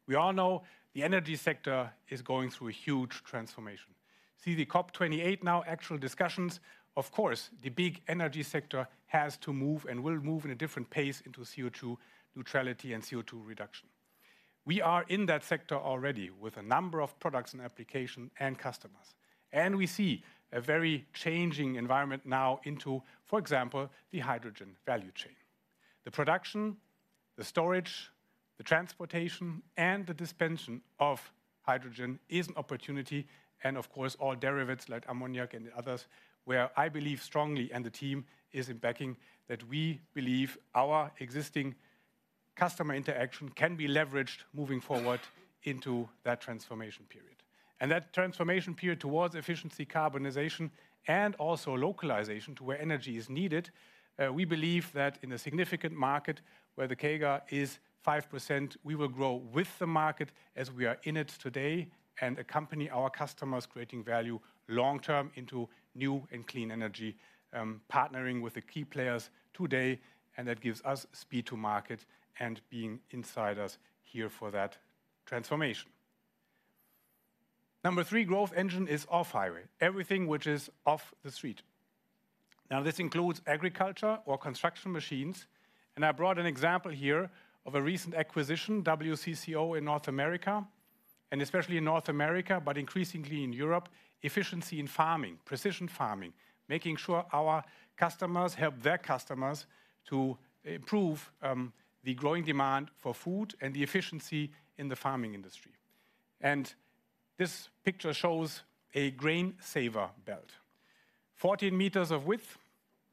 We all know the energy sector is going through a huge transformation. See, the COP28 now actual discussions, of course, the big energy sector has to move and will move in a different pace into CO2 neutrality and CO2 reduction. We are in that sector already with a number of products and application and customers, and we see a very changing environment now into, for example, the hydrogen value chain. The production, the storage, the transportation, and the dispensation of hydrogen is an opportunity, and of course, all derivatives like ammonia and others, where I believe strongly, and the team is in backing, that we believe our existing customer interaction can be leveraged moving forward into that transformation period. And that transformation period towards efficiency, carbonization, and also localization to where energy is needed, we believe that in a significant market where the CAGR is 5%, we will grow with the market as we are in it today, and accompany our customers, creating value long-term into new and clean energy, partnering with the key players today, and that gives us speed to market and being insiders here for that transformation. Number three growth engine is off-highway, everything which is off the street. Now, this includes agriculture or construction machines, and I brought an example here of a recent acquisition, WCCO in North America, and especially in North America, but increasingly in Europe, efficiency in farming, precision farming, making sure our customers help their customers to improve the growing demand for food and the efficiency in the farming industry. This picture shows a grain saver belt. 14 meters of width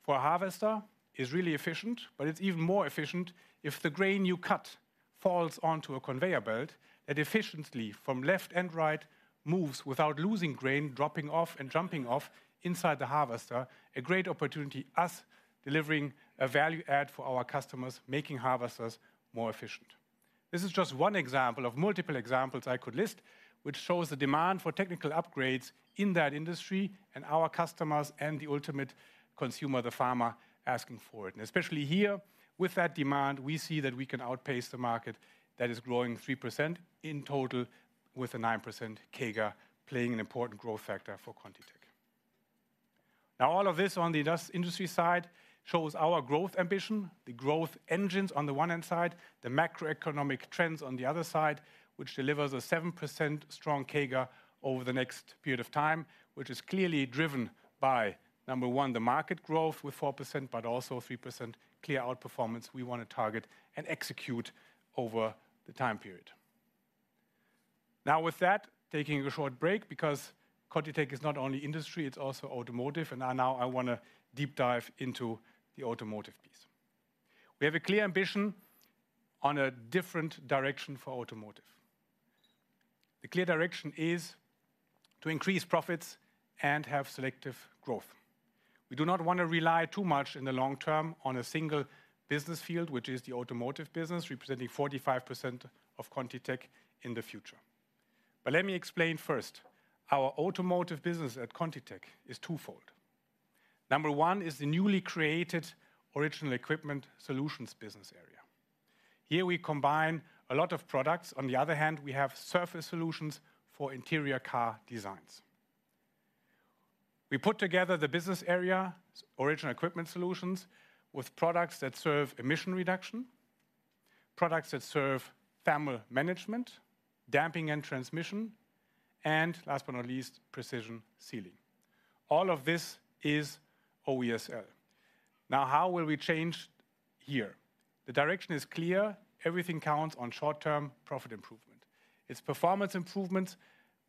for a harvester is really efficient, but it's even more efficient if the grain you cut falls onto a conveyor belt that efficiently from left and right, moves without losing grain, dropping off and jumping off inside the harvester. A great opportunity, us delivering a value add for our customers, making harvesters more efficient. This is just one example of multiple examples I could list, which shows the demand for technical upgrades in that industry and our customers and the ultimate consumer, the farmer, asking for it. Especially here, with that demand, we see that we can outpace the market that is growing 3% in total, with a 9% CAGR playing an important growth factor for ContiTech. Now, all of this on the industry side shows our growth ambition, the growth engines on the one hand side, the macroeconomic trends on the other side, which delivers a 7% strong CAGR over the next period of time, which is clearly driven by, number one, the market growth with 4%, but also a 3% clear outperformance we want to target and execute over the time period. Now, with that, taking a short break because ContiTech is not only industry, it's also automotive, and now I want to deep dive into the automotive piece. We have a clear ambition on a different direction for automotive. The clear direction is to increase profits and have selective growth. We do not want to rely too much in the long term on a single business field, which is the automotive business, representing 45% of ContiTech in the future. But let me explain first, our automotive business at ContiTech is twofold. Number one is the newly created original equipment solutions business area. Here we combine a lot of products. On the other hand, we have surface solutions for interior car designs. We put together the business area, original equipment solutions, with products that serve emission reduction, products that serve thermal management, damping and transmission, and last but not least, precision sealing. All of this is OESL. Now, how will we change here? The direction is clear. Everything counts on short-term profit improvement. It's performance improvements.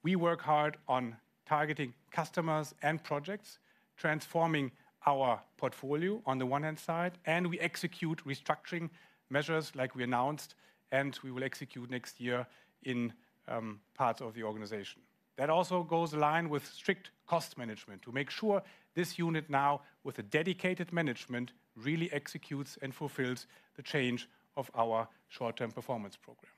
We work hard on targeting customers and projects, transforming our portfolio on the one hand side, and we execute restructuring measures like we announced, and we will execute next year in parts of the organization. That also goes in line with strict cost management to make sure this unit now with a dedicated management really executes and fulfills the change of our short-term performance program.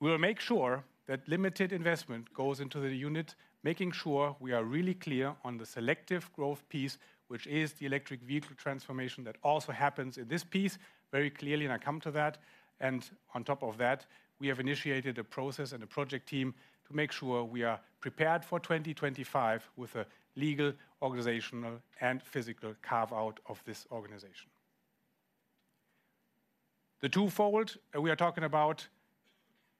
We will make sure that limited investment goes into the unit, making sure we are really clear on the selective growth piece, which is the electric vehicle transformation. That also happens in this piece very clearly, and I come to that. And on top of that, we have initiated a process and a project team to make sure we are prepared for 2025 with a legal, organizational, and physical carve-out of this organization. The twofold, and we are talking about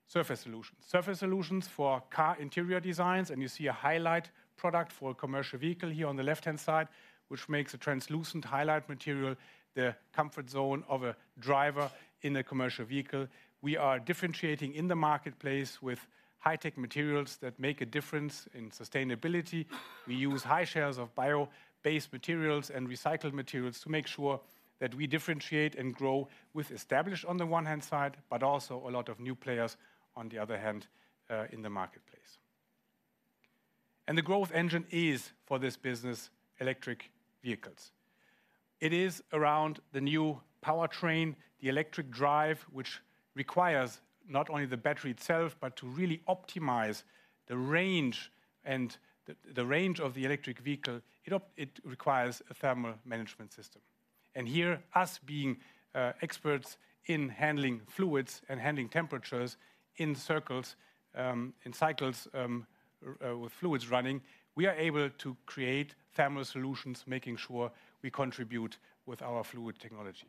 surface solutions. Surface solutions for car interior designs, and you see a highlight product for a commercial vehicle here on the left-hand side, which makes a translucent highlight material, the comfort zone of a driver in a commercial vehicle. We are differentiating in the marketplace with high-tech materials that make a difference in sustainability. We use high shares of bio-based materials and recycled materials to make sure that we differentiate and grow with established on the one-hand side, but also a lot of new players on the other hand, in the market. And the growth engine is, for this business, electric vehicles. It is around the new powertrain, the electric drive, which requires not only the battery itself, but to really optimize the range and the range of the electric vehicle, it requires a thermal management system. And here, us being experts in handling fluids and handling temperatures in cycles with fluids running, we are able to create thermal solutions, making sure we contribute with our fluid technology.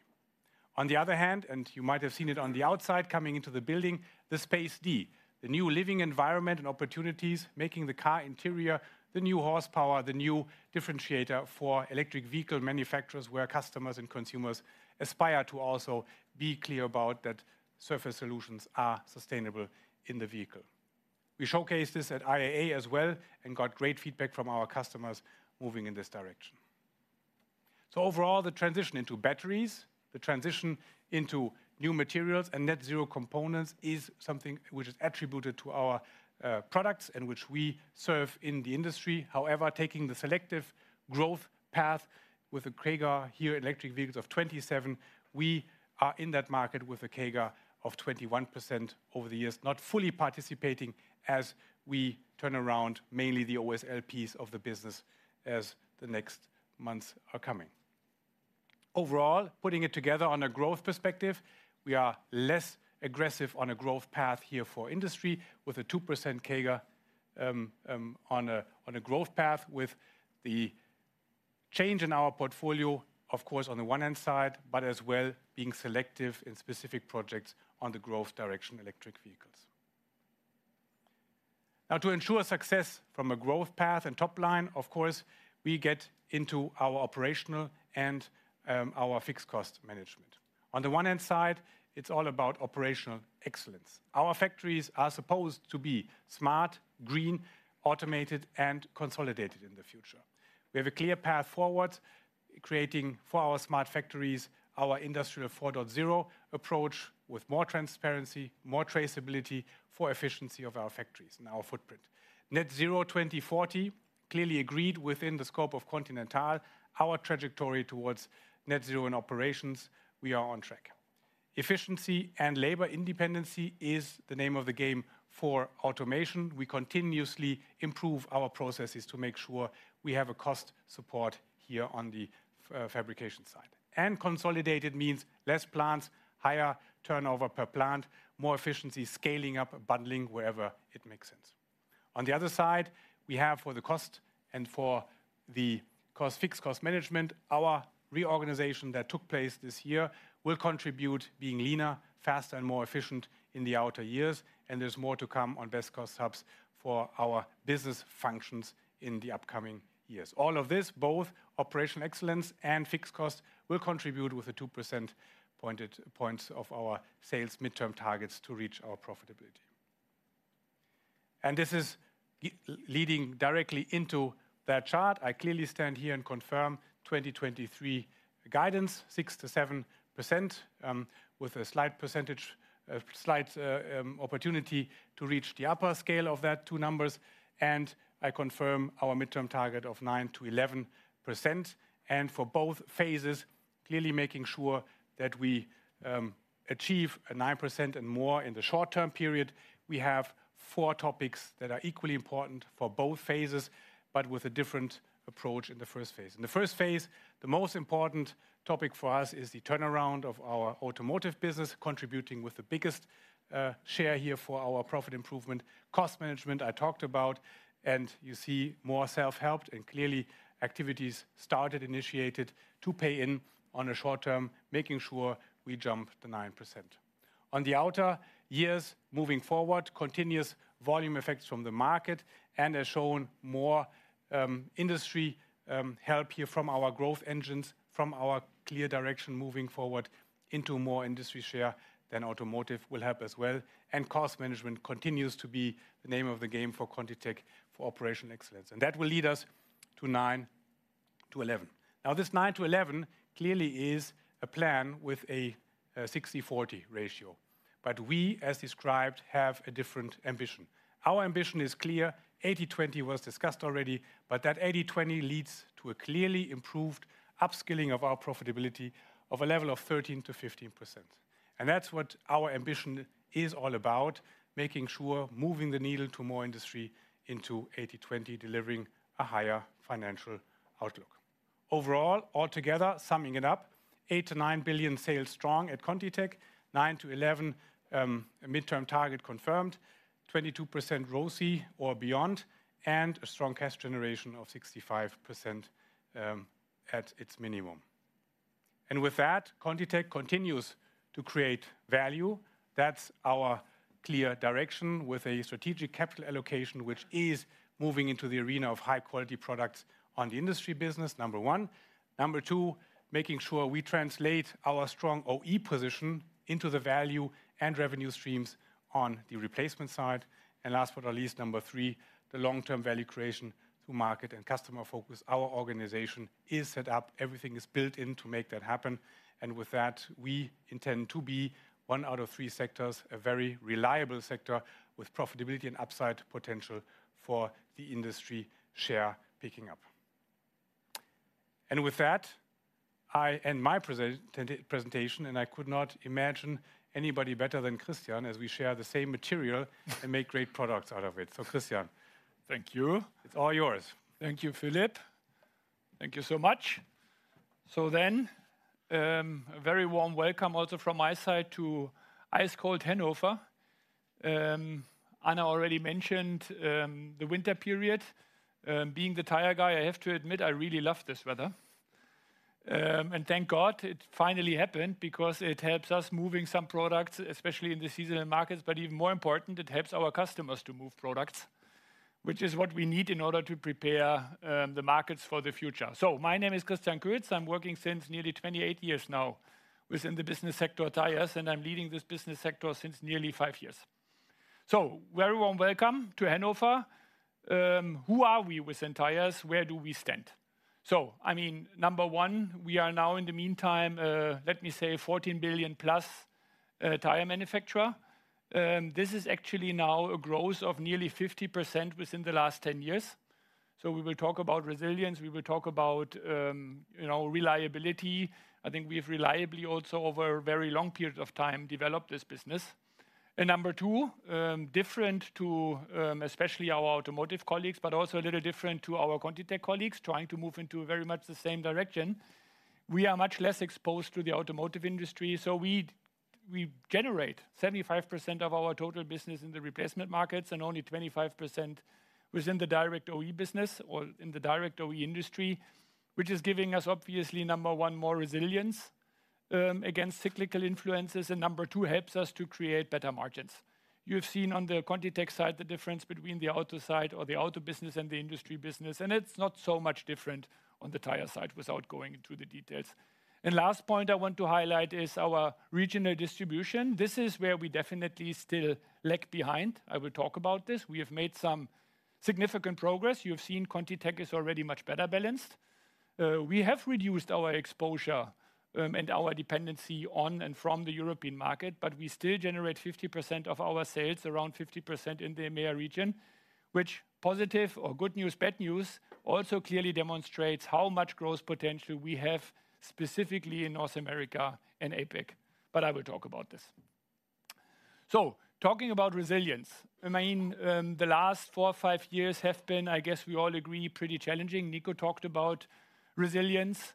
On the other hand, and you might have seen it on the outside coming into the building, the Space D, the new living environment and opportunities, making the car interior, the new horsepower, the new differentiator for electric vehicle manufacturers, where customers and consumers aspire to also be clear about that surface solutions are sustainable in the vehicle. We showcased this at IAA as well, and got great feedback from our customers moving in this direction. So overall, the transition into batteries, the transition into new materials and Net Zero components, is something which is attributed to our products and which we serve in the industry. However, taking the selective growth path with a CAGR here, electric vehicles of 27, we are in that market with a CAGR of 21% over the years, not fully participating as we turn around, mainly the OESL of the business as the next months are coming. Overall, putting it together on a growth perspective, we are less aggressive on a growth path here for industry, with a 2% CAGR, on a growth path, with the change in our portfolio, of course, on the one hand side, but as well, being selective in specific projects on the growth direction, electric vehicles. Now, to ensure success from a growth path and top line, of course, we get into our operational and our fixed cost management. On the one hand side, it's all about operational excellence. Our factories are supposed to be smart, green, automated, and consolidated in the future. We have a clear path forward, creating for our smart factories, our Industrial 4.0 approach, with more transparency, more traceability for efficiency of our factories and our footprint. Net zero 2040, clearly agreed within the scope of Continental, our trajectory towards net zero in operations, we are on track. Efficiency and labor independency is the name of the game for automation. We continuously improve our processes to make sure we have a cost support here on the fabrication side. Consolidated means less plants, higher turnover per plant, more efficiency, scaling up, bundling wherever it makes sense. On the other side, we have for the cost and for the cost-fixed cost management, our reorganization that took place this year will contribute being leaner, faster, and more efficient in the outer years, and there's more to come on best cost hubs for our business functions in the upcoming years. All of this, both operational excellence and fixed cost, will contribute with 2 percentage points of our sales midterm targets to reach our profitability. And this is leading directly into that chart. I clearly stand here and confirm 2023 guidance, 6%-7%, with a slight percentage, a slight, opportunity to reach the upper scale of that two numbers, and I confirm our midterm target of 9%-11%. For both phases, clearly making sure that we achieve a 9% and more in the short-term period. We have four topics that are equally important for both phases, but with a different approach in the first phase. In the first phase, the most important topic for us is the turnaround of our automotive business, contributing with the biggest share here for our profit improvement. Cost management, I talked about, and you see more self-helped and clearly activities started, initiated to pay in on a short term, making sure we jump to 9%. On the outer years, moving forward, continuous volume effects from the market and as shown, more industry help here from our growth engines, from our clear direction, moving forward into more industry share than automotive will help as well. Cost management continues to be the name of the game for ContiTech, for operational excellence, and that will lead us to 9-11. Now, this 9-11 clearly is a plan with a 60/40 ratio, but we, as described, have a different ambition. Our ambition is clear. 80/20 was discussed already, but that 80/20 leads to a clearly improved upscaling of our profitability of a level of 13%-15%. And that's what our ambition is all about, making sure moving the needle to more industry into 80/20, delivering a higher financial outlook. Overall, altogether, summing it up, 8 billion-9 billion sales strong at ContiTech, 9-11 midterm target confirmed, 22% ROCE or beyond, and a strong cash generation of 65% at its minimum. And with that, ContiTech continues to create value. That's our clear direction with a strategic capital allocation, which is moving into the arena of high-quality products on the industry business, number one. Number two, making sure we translate our strong OE position into the value and revenue streams on the replacement side. And last but not least, number three, the long-term value creation to market and customer focus, our organization is set up, everything is built in to make that happen. And with that, we intend to be one out of three sectors, a very reliable sector with profitability and upside potential for the industry share picking up. And with that, I end my presentation, and I could not imagine anybody better than Christian, as we share the same material and make great products out of it. So, Christian. Thank you. It's all yours. Thank you, Philipp. Thank you so much. So then, a very warm welcome also from my side to ice-cold Hanover. Anna already mentioned the winter period. Being the tire guy, I have to admit, I really love this weather. And thank God it finally happened because it helps us moving some products, especially in the seasonal markets. But even more important, it helps our customers to move products, which is what we need in order to prepare the markets for the future. So my name is Christian Kötz. I'm working since nearly 28 years now within the business sector Tires, and I'm leading this business sector since nearly five years. So very warm welcome to Hanover. Who are we within Tires? Where do we stand? So, I mean, number one, we are now in the meantime, let me say, 14 billion-plus tire manufacturer. This is actually now a growth of nearly 50% within the last 10 years. So we will talk about resilience, we will talk about, you know, reliability. I think we've reliably, also over a very long period of time, developed this business. And number two, different to, especially our automotive colleagues, but also a little different to our ContiTech colleagues, trying to move into very much the same direction. We are much less exposed to the automotive industry, so we generate 75% of our total business in the replacement markets and only 25% within the direct OE business or in the direct OE industry, which is giving us, obviously, number one, more resilience against cyclical influences, and number two, helps us to create better margins. You've seen on the ContiTech side the difference between the auto side or the auto business and the industry business, and it's not so much different on the tire side, without going into the details. Last point I want to highlight is our regional distribution. This is where we definitely still lag behind. I will talk about this. We have made some significant progress. You have seen ContiTech is already much better balanced. We have reduced our exposure and our dependency on and from the European market, but we still generate 50% of our sales, around 50% in the EMEA region, which, positive or good news, bad news, also clearly demonstrates how much growth potential we have, specifically in North America and APAC, but I will talk about this. Talking about resilience, I mean, the last four or five years have been, I guess, we all agree, pretty challenging. Niko talked about resilience.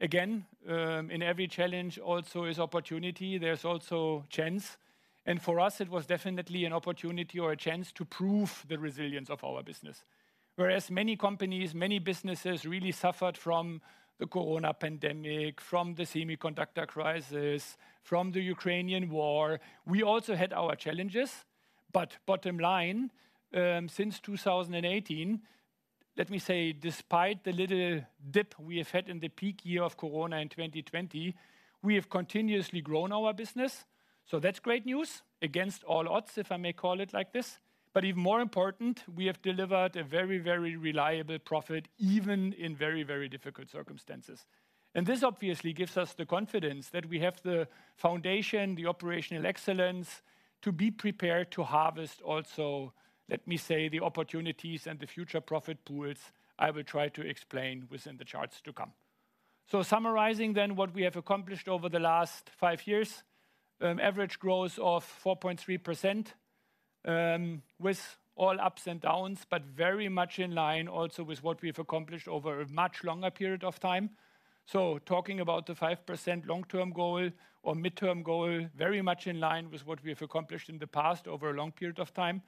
Again, in every challenge also is opportunity. There's also chance, and for us, it was definitely an opportunity or a chance to prove the resilience of our business. Whereas many companies, many businesses really suffered from the corona pandemic, from the semiconductor crisis, from the Ukrainian war. We also had our challenges, but bottom line, since 2018, let me say, despite the little dip we have had in the peak year of corona in 2020, we have continuously grown our business. So that's great news, against all odds, if I may call it like this. But even more important, we have delivered a very, very reliable profit, even in very, very difficult circumstances. And this obviously gives us the confidence that we have the foundation, the operational excellence, to be prepared to harvest also, let me say, the opportunities and the future profit pools I will try to explain within the charts to come. So summarizing then what we have accomplished over the last five years, average growth of 4.3%, with all ups and downs, but very much in line also with what we've accomplished over a much longer period of time. So talking about the 5% long-term goal or midterm goal, very much in line with what we have accomplished in the past over a long period of time,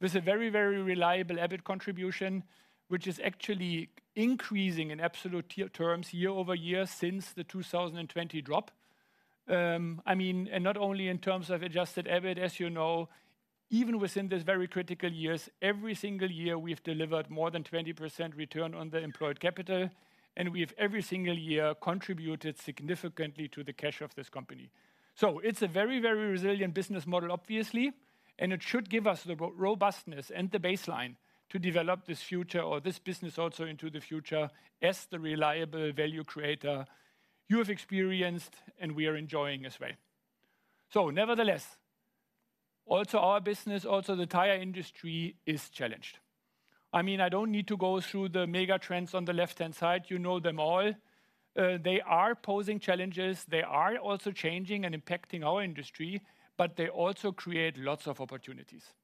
with a very, very reliable EBIT contribution, which is actually increasing in absolute terms year-over-year since the 2020 drop. I mean, and not only in terms of adjusted EBIT, as you know, even within these very critical years, every single year, we've delivered more than 20% return on the employed capital, and we've every single year contributed significantly to the cash of this company. So it's a very, very resilient business model, obviously, and it should give us the robustness and the baseline to develop this future or this business also into the future, as the reliable value creator you have experienced, and we are enjoying as well. So nevertheless, also our business, also the tire industry is challenged. I mean, I don't need to go through the mega trends on the left-hand side. You know them all. They are posing challenges. They are also changing and impacting our industry, but they also create lots of opportunities.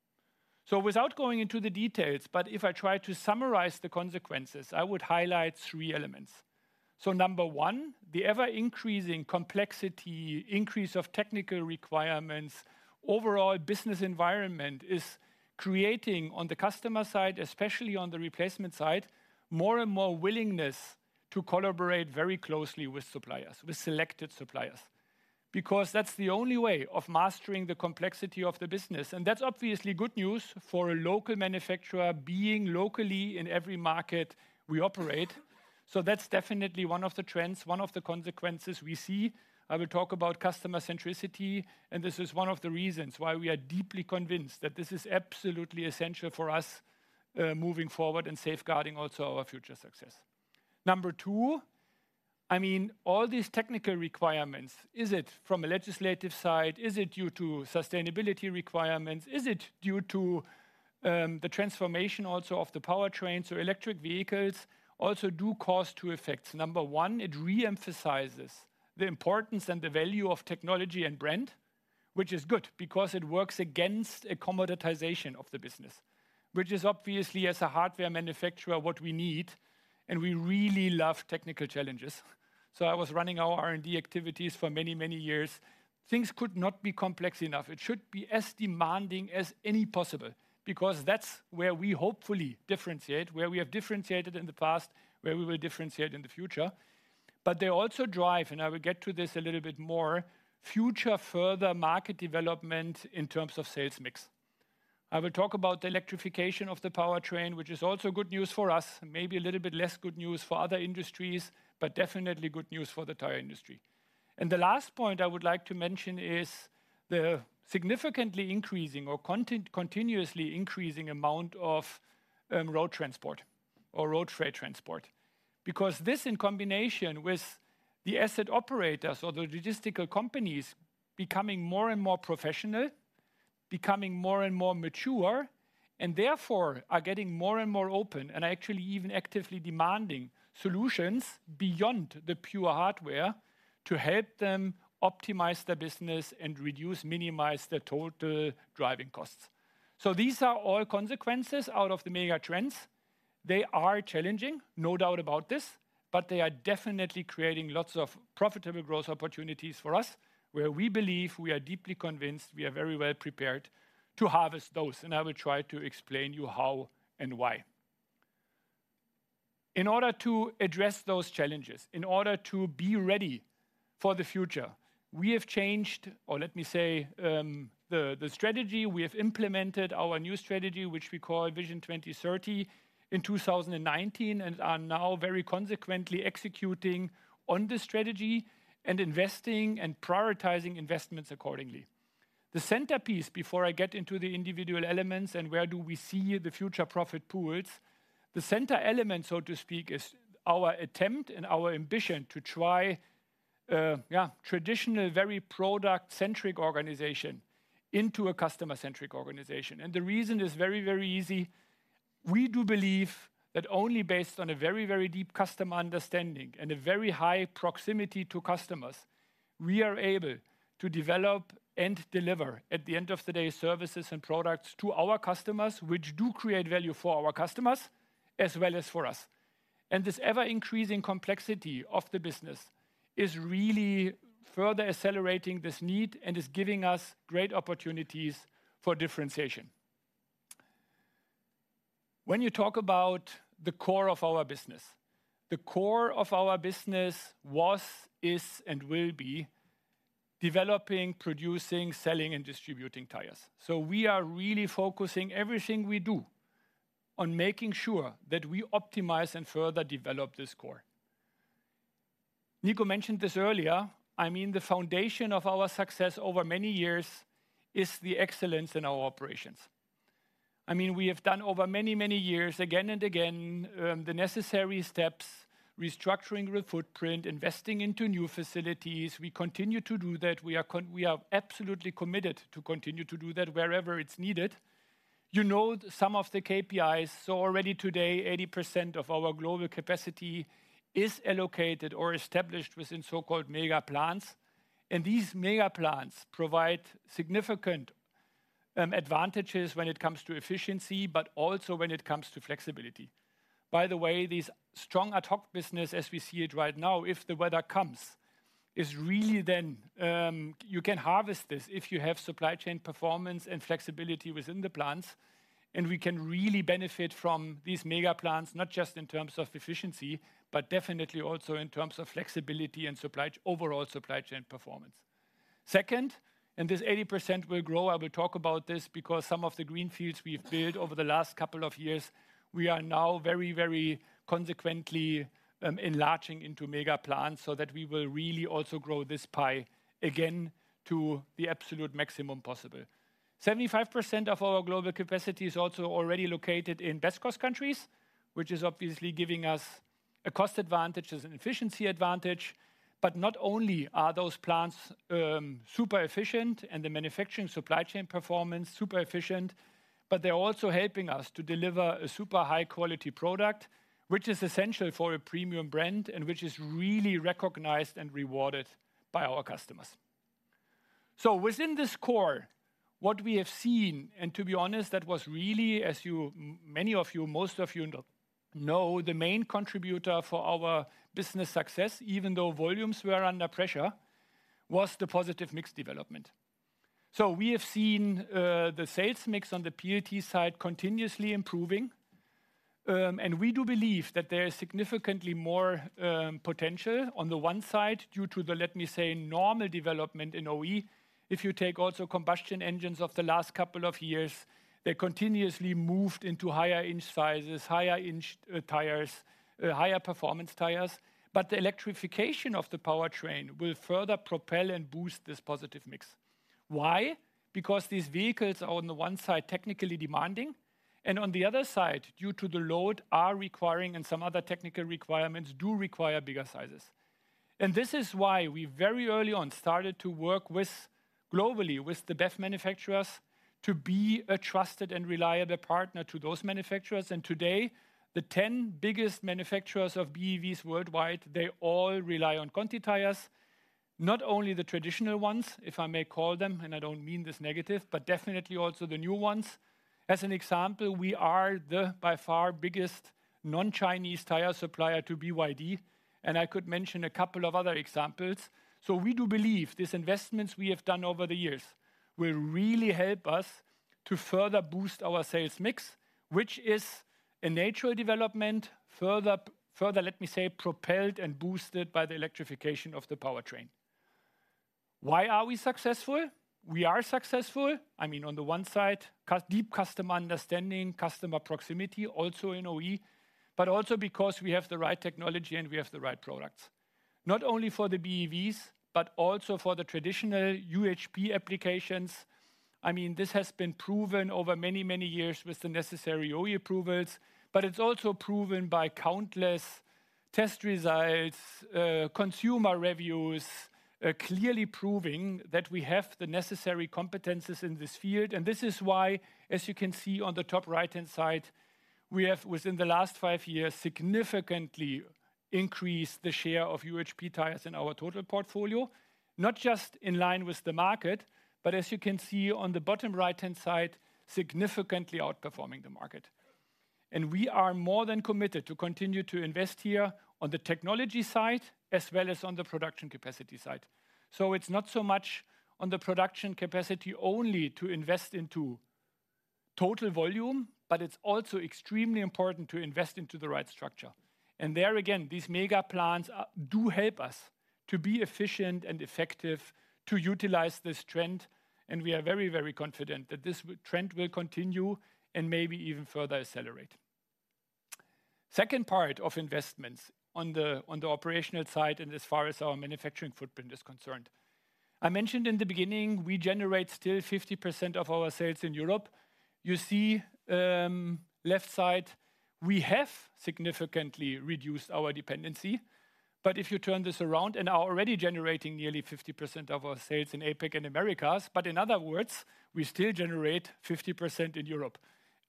So without going into the details, but if I try to summarize the consequences, I would highlight three elements. So number one, the ever-increasing complexity, increase of technical requirements, overall business environment is creating, on the customer side, especially on the replacement side, more and more willingness to collaborate very closely with suppliers, with selected suppliers. Because that's the only way of mastering the complexity of the business, and that's obviously good news for a local manufacturer being locally in every market we operate. So that's definitely one of the trends, one of the consequences we see. I will talk about customer centricity, and this is one of the reasons why we are deeply convinced that this is absolutely essential for us, moving forward and safeguarding also our future success. Number two... I mean, all these technical requirements, is it from a legislative side? Is it due to sustainability requirements? Is it due to the transformation also of the powertrains or electric vehicles also do cause two effects. Number one, it re-emphasizes the importance and the value of technology and brand, which is good because it works against a commoditization of the business, which is obviously, as a hardware manufacturer, what we need, and we really love technical challenges. So I was running our R&D activities for many, many years. Things could not be complex enough. It should be as demanding as any possible, because that's where we hopefully differentiate, where we have differentiated in the past, where we will differentiate in the future. But they also drive, and I will get to this a little bit more, future further market development in terms of sales mix. I will talk about the electrification of the powertrain, which is also good news for us, maybe a little bit less good news for other industries, but definitely good news for the tire industry. And the last point I would like to mention is the significantly increasing or content, continuously increasing amount of road transport or road freight transport. Because this, in combination with the asset operators or the logistical companies, becoming more and more professional, becoming more and more mature, and therefore are getting more and more open and are actually even actively demanding solutions beyond the pure hardware to help them optimize their business and reduce, minimize their total driving costs. So these are all consequences out of the mega trends. They are challenging, no doubt about this, but they are definitely creating lots of profitable growth opportunities for us, where we believe, we are deeply convinced, we are very well prepared to harvest those, and I will try to explain you how and why. In order to address those challenges, in order to be ready for the future, we have changed, or let me say, the strategy. We have implemented our new strategy, which we call Vision 2030, in 2019, and are now very consequently executing on this strategy and investing and prioritizing investments accordingly. The centerpiece, before I get into the individual elements and where do we see the future profit pools, the center element, so to speak, is our attempt and our ambition to try traditional, very product-centric organization into a customer-centric organization. The reason is very, very easy. We do believe that only based on a very, very deep customer understanding and a very high proximity to customers, we are able to develop and deliver, at the end of the day, services and products to our customers, which do create value for our customers as well as for us. And this ever-increasing complexity of the business is really further accelerating this need and is giving us great opportunities for differentiation. When you talk about the core of our business, the core of our business was, is, and will be developing, producing, selling, and distributing tires. So we are really focusing everything we do on making sure that we optimize and further develop this core. Niko mentioned this earlier, I mean, the foundation of our success over many years is the excellence in our operations. I mean, we have done over many, many years, again and again, the necessary steps, restructuring the footprint, investing into new facilities. We continue to do that. We are absolutely committed to continue to do that wherever it's needed. You know, some of the KPIs, so already today, 80% of our global capacity is allocated or established within so-called mega plants, and these mega plants provide significant, advantages when it comes to efficiency, but also when it comes to flexibility. By the way, this strong ad hoc business, as we see it right now, if the weather comes, is really then... You can harvest this if you have supply chain performance and flexibility within the plants, and we can really benefit from these mega plants, not just in terms of efficiency, but definitely also in terms of flexibility and supply, overall supply chain performance. Second, and this 80% will grow. I will talk about this because some of the greenfields we've built over the last couple of years, we are now very, very consequently, enlarging into mega plants, so that we will really also grow this pie again to the absolute maximum possible. 75% of our global capacity is also already located in best cost countries, which is obviously giving us a cost advantage as an efficiency advantage. But not only are those plants super efficient and the manufacturing supply chain performance super efficient, but they're also helping us to deliver a super high quality product, which is essential for a premium brand and which is really recognized and rewarded by our customers. So within this core, what we have seen, and to be honest, that was really, as you, many of you, most of you know, the main contributor for our business success, even though volumes were under pressure, was the positive mix development. So we have seen the sales mix on the PLT side continuously improving, and we do believe that there is significantly more potential on the one side due to the, let me say, normal development in OE. If you take also combustion engines of the last couple of years, they continuously moved into higher inch sizes, higher inch, tires, higher performance tires, but the electrification of the powertrain will further propel and boost this positive mix. Why? Because these vehicles are, on the one side, technically demanding. On the other side, due to the load are requiring and some other technical requirements do require bigger sizes. This is why we very early on started to work with, globally, with the BEV manufacturers to be a trusted and reliable partner to those manufacturers. Today, the 10 biggest manufacturers of BEVs worldwide, they all rely on Conti tires. Not only the traditional ones, if I may call them, and I don't mean this negative, but definitely also the new ones. As an example, we are the, by far, biggest non-Chinese tire supplier to BYD, and I could mention a couple of other examples. So we do believe these investments we have done over the years will really help us to further boost our sales mix, which is a natural development. Further, further, let me say, propelled and boosted by the electrification of the powertrain. Why are we successful? We are successful, I mean, on the one side, deep customer understanding, customer proximity, also in OE, but also because we have the right technology and we have the right products. Not only for the BEVs, but also for the traditional UHP applications. I mean, this has been proven over many, many years with the necessary OE approvals, but it's also proven by countless test results, consumer reviews, clearly proving that we have the necessary competencies in this field. This is why, as you can see on the top right-hand side, we have, within the last five years, significantly increased the share of UHP tires in our total portfolio. Not just in line with the market, but as you can see on the bottom right-hand side, significantly outperforming the market. We are more than committed to continue to invest here on the technology side, as well as on the production capacity side. It's not so much on the production capacity only to invest into total volume, but it's also extremely important to invest into the right structure. There again, these mega plants do help us to be efficient and effective, to utilize this trend, and we are very, very confident that this trend will continue and maybe even further accelerate. Second part of investments on the operational side, as far as our manufacturing footprint is concerned. I mentioned in the beginning, we generate still 50% of our sales in Europe. You see, left side, we have significantly reduced our dependency, but if you turn this around, and are already generating nearly 50% of our sales in APAC and Americas. But in other words, we still generate 50% in Europe,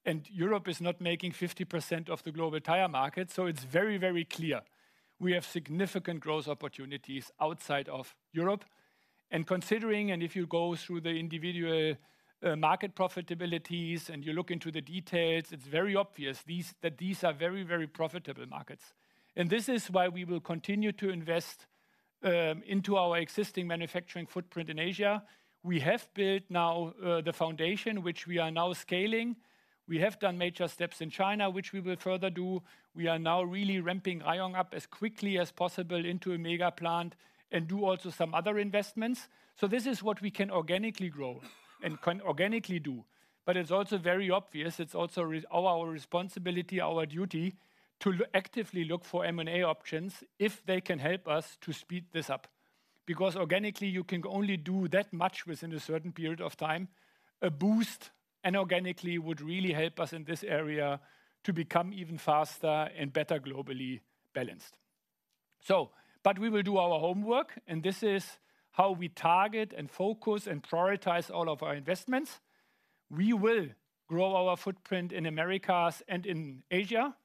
and Europe is not making 50% of the global tire market. So it's very, very clear we have significant growth opportunities outside of Europe. Considering, if you go through the individual market profitabilities, and you look into the details, it's very obvious that these are very, very profitable markets. And this is why we will continue to invest into our existing manufacturing footprint in Asia. We have built now the foundation, which we are now scaling. We have done major steps in China, which we will further do. We are now really ramping Ayong up as quickly as possible into a mega plant and do also some other investments. So this is what we can organically grow and can organically do. But it's also very obvious, it's also our responsibility, our duty, to actively look for M&A options if they can help us to speed this up. Because organically, you can only do that much within a certain period of time. A boost, and organically, would really help us in this area to become even faster and better globally balanced. So but we will do our homework, and this is how we target and focus and prioritize all of our investments. We will grow our footprint in Americas and in Asia,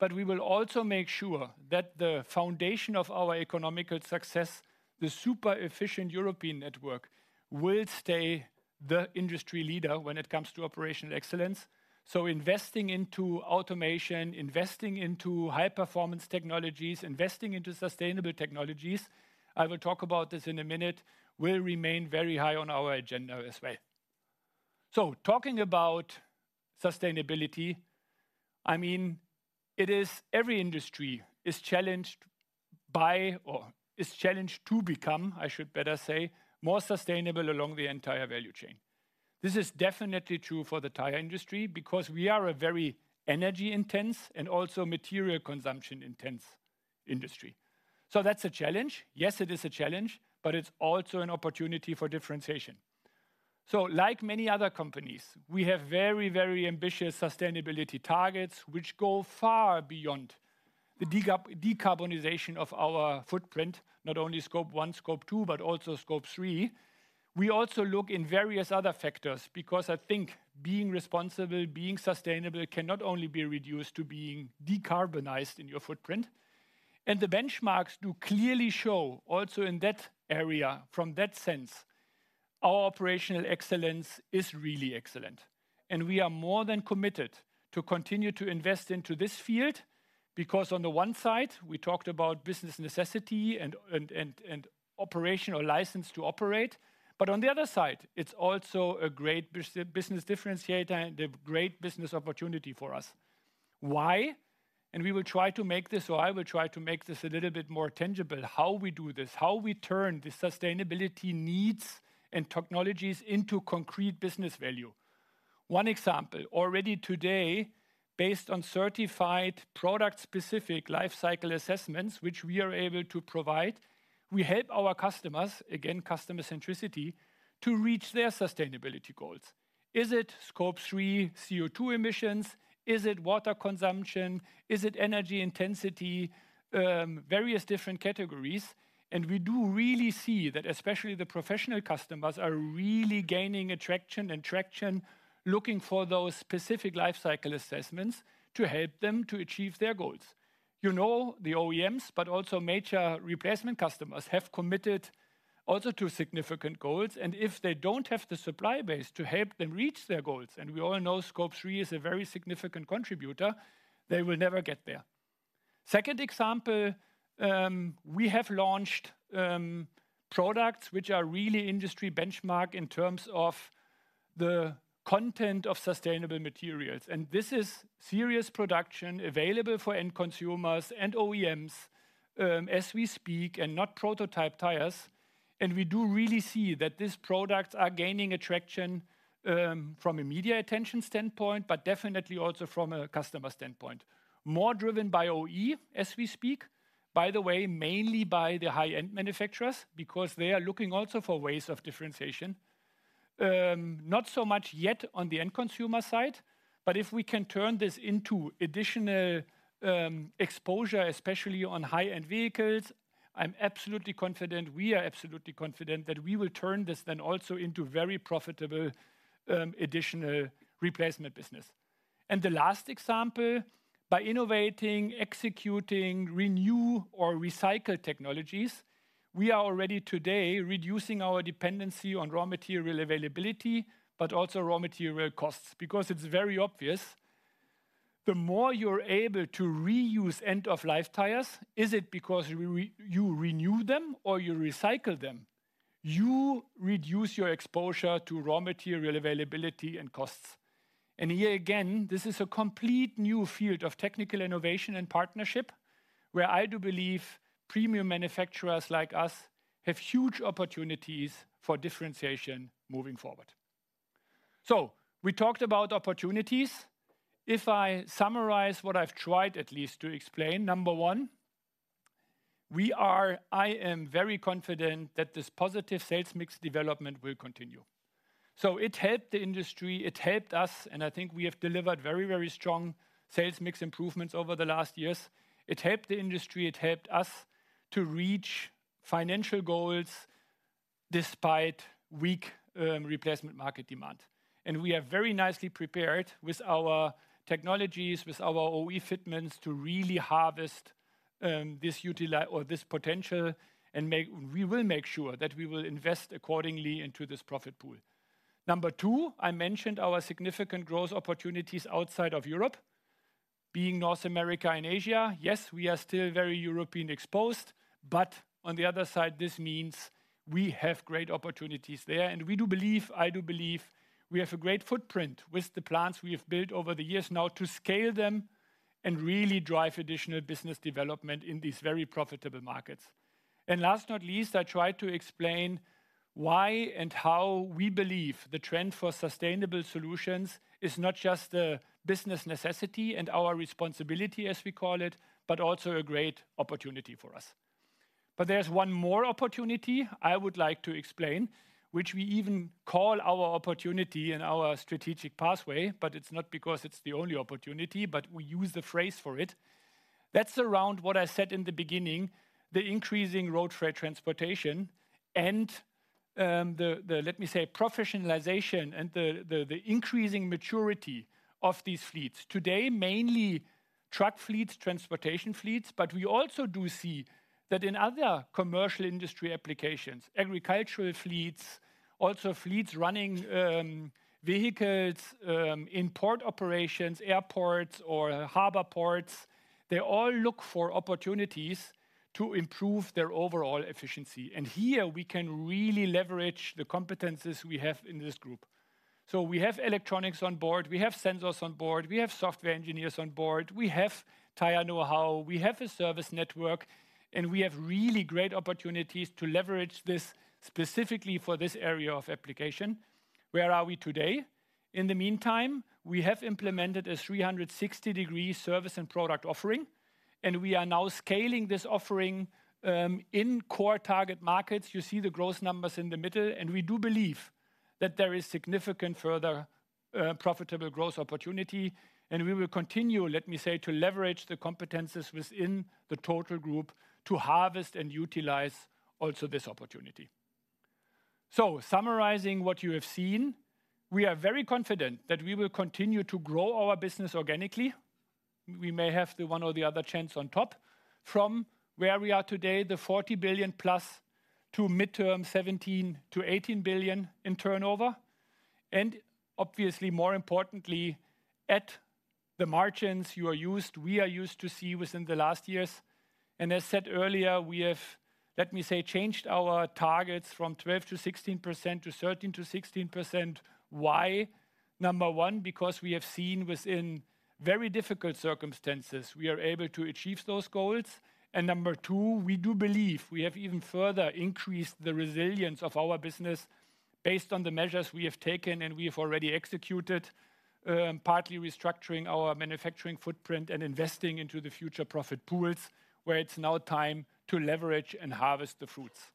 but we will also make sure that the foundation of our economic success, the super efficient European network, will stay the industry leader when it comes to operational excellence. So investing into automation, investing into high-performance technologies, investing into sustainable technologies, I will talk about this in a minute, will remain very high on our agenda as well. So talking about sustainability, I mean, every industry is challenged by or is challenged to become, I should better say, more sustainable along the entire value chain. This is definitely true for the tire industry because we are a very energy-intense and also material consumption-intense industry. So that's a challenge. Yes, it is a challenge, but it's also an opportunity for differentiation. So, like many other companies, we have very, very ambitious sustainability targets which go far beyond the decarbonization of our footprint. Not only Scope 1, Scope 2, but also Scope 3. We also look in various other factors, because I think being responsible, being sustainable, cannot only be reduced to being decarbonized in your footprint. And the benchmarks do clearly show also in that area, from that sense, our operational excellence is really excellent. And we are more than committed to continue to invest into this field, because on the one side, we talked about business necessity and operational license to operate, but on the other side, it's also a great business differentiator and a great business opportunity for us. Why? We will try to make this, or I will try to make this a little bit more tangible, how we do this, how we turn the sustainability needs and technologies into concrete business value. One example, already today, based on certified product-specific life cycle assessments, which we are able to provide. We help our customers, again, customer centricity, to reach their sustainability goals. Is it Scope 3 CO₂ emissions? Is it water consumption? Is it energy intensity? Various different categories, and we do really see that especially the professional customers are really gaining attraction and traction, looking for those specific life cycle assessments to help them to achieve their goals. You know, the OEMs, but also major replacement customers, have committed also to significant goals, and if they don't have the supply base to help them reach their goals, and we all know Scope 3 is a very significant contributor, they will never get there. Second example, we have launched products which are really industry benchmark in terms of the content of sustainable materials. This is serious production available for end consumers and OEMs, as we speak, and not prototype tires. We do really see that these products are gaining attraction from a media attention standpoint, but definitely also from a customer standpoint. More driven by OE as we speak, by the way, mainly by the high-end manufacturers, because they are looking also for ways of differentiation. Not so much yet on the end consumer side, but if we can turn this into additional exposure, especially on high-end vehicles, I'm absolutely confident. We are absolutely confident that we will turn this then also into very profitable additional replacement business. And the last example, by innovating, executing, renew, or recycle technologies, we are already today reducing our dependency on raw material availability, but also raw material costs. Because it's very obvious, the more you're able to reuse end-of-life tires, is it because you renew them or you recycle them? You reduce your exposure to raw material availability and costs. And here again, this is a complete new field of technical innovation and partnership, where I do believe premium manufacturers like us have huge opportunities for differentiation moving forward. So we talked about opportunities. If I summarize what I've tried at least to explain, number one, we are—I am very confident that this positive sales mix development will continue. So it helped the industry, it helped us, and I think we have delivered very, very strong sales mix improvements over the last years. It helped the industry, it helped us to reach financial goals despite weak replacement market demand. And we are very nicely prepared with our technologies, with our OE fitments, to really harvest this potential and make—we will make sure that we will invest accordingly into this profit pool. Number two, I mentioned our significant growth opportunities outside of Europe, being North America and Asia. Yes, we are still very European exposed, but on the other side, this means we have great opportunities there, and we do believe, I do believe we have a great footprint with the plants we have built over the years now to scale them and really drive additional business development in these very profitable markets. And last but not least, I tried to explain why and how we believe the trend for sustainable solutions is not just a business necessity and our responsibility, as we call it, but also a great opportunity for us. But there's one more opportunity I would like to explain, which we even call our opportunity and our strategic pathway, but it's not because it's the only opportunity, but we use the phrase for it. That's around what I said in the beginning, the increasing road freight transportation and, the, let me say, professionalization and the, the increasing maturity of these fleets. Today, mainly truck fleets, transportation fleets, but we also do see that in other commercial industry applications, agricultural fleets, also fleets running, vehicles, in port operations, airports or harbor ports, they all look for opportunities to improve their overall efficiency. And here, we can really leverage the competencies we have in this group. So we have electronics on board, we have sensors on board, we have software engineers on board, we have tire know-how, we have a service network, and we have really great opportunities to leverage this specifically for this area of application. Where are we today? In the meantime, we have implemented a 360-degree service and product offering, and we are now scaling this offering in core target markets. You see the growth numbers in the middle, and we do believe that there is significant further profitable growth opportunity, and we will continue, let me say, to leverage the competencies within the total group to harvest and utilize also this opportunity. So summarizing what you have seen, we are very confident that we will continue to grow our business organically. We may have the one or the other chance on top. From where we are today, the 40 billion-plus, to midterm 17 billion-18 billion in turnover, and obviously, more importantly, at the margins you are used- we are used to see within the last years. And as said earlier, we have-... Let me say, changed our targets from 12%-16% to 13%-16%. Why? Number one, because we have seen within very difficult circumstances, we are able to achieve those goals. And number two, we do believe we have even further increased the resilience of our business based on the measures we have taken, and we have already executed, partly restructuring our manufacturing footprint and investing into the future profit pools, where it's now time to leverage and harvest the fruits.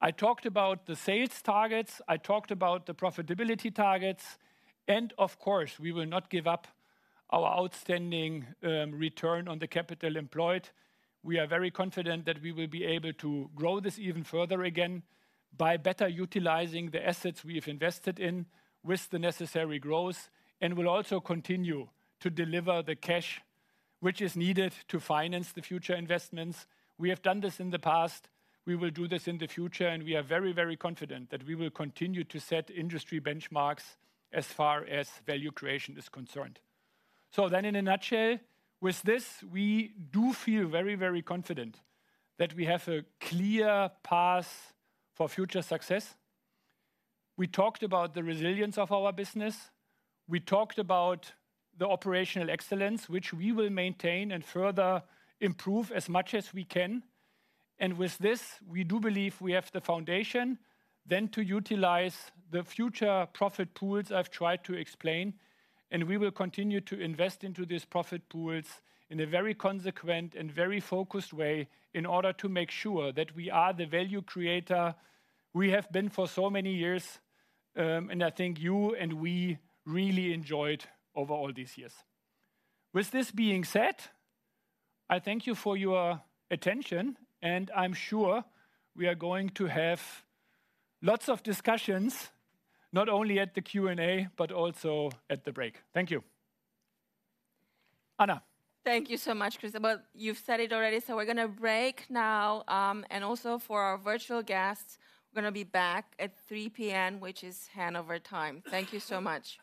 I talked about the sales targets, I talked about the profitability targets, and of course, we will not give up our outstanding, return on the capital employed. We are very confident that we will be able to grow this even further, again, by better utilizing the assets we have invested in with the necessary growth, and will also continue to deliver the cash, which is needed to finance the future investments. We have done this in the past, we will do this in the future, and we are very, very confident that we will continue to set industry benchmarks as far as value creation is concerned. So then, in a nutshell, with this, we do feel very, very confident that we have a clear path for future success. We talked about the resilience of our business. We talked about the operational excellence, which we will maintain and further improve as much as we can. With this, we do believe we have the foundation then to utilize the future profit pools I've tried to explain, and we will continue to invest into these profit pools in a very consequent and very focused way in order to make sure that we are the value creator we have been for so many years, and I think you and we really enjoyed over all these years. With this being said, I thank you for your attention, and I'm sure we are going to have lots of discussions, not only at the Q&A, but also at the break. Thank you. Anna? Thank you so much, Chris Kötz. Well, you've said it already, so we're gonna break now. And also for our virtual guests, we're gonna be back at 3 P.M., which is Hanover time. Thank you so much. ...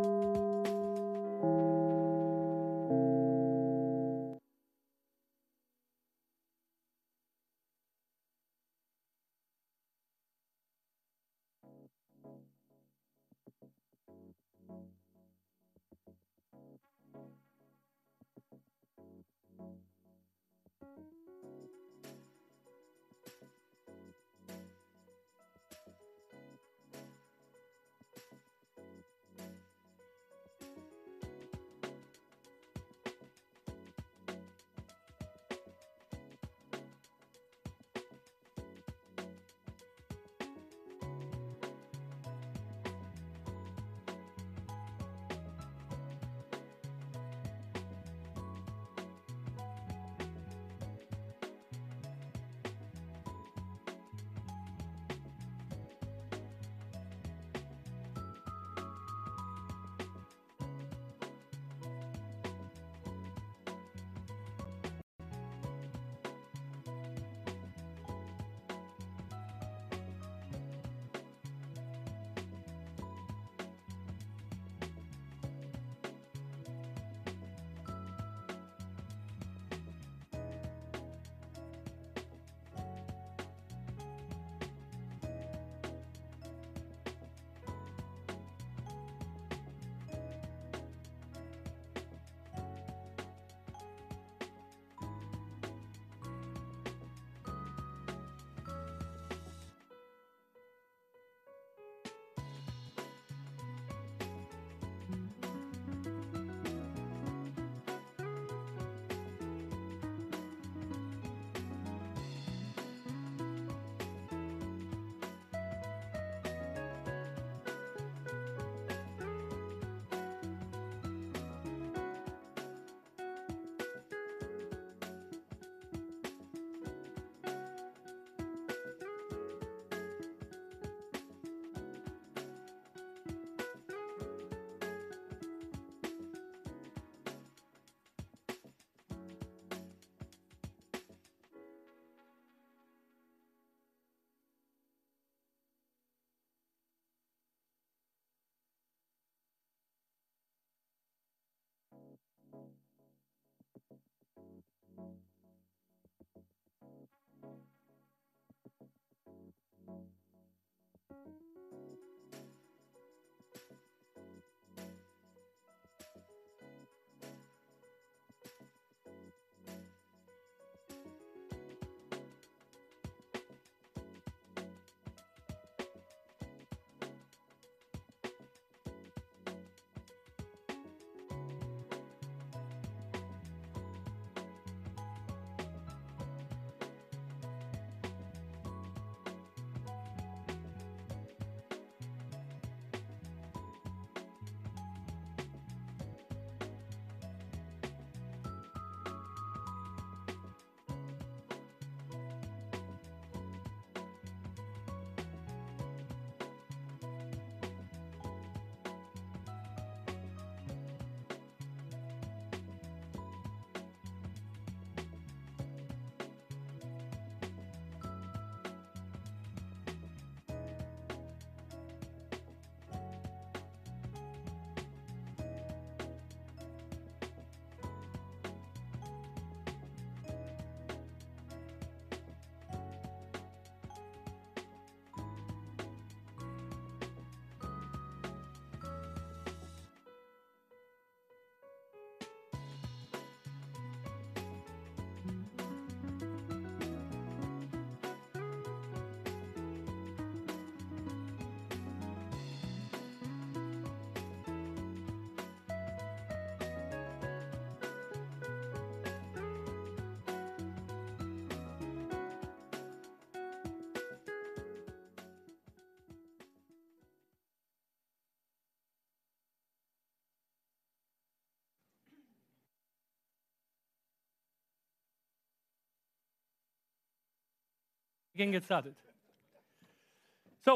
We can get started. So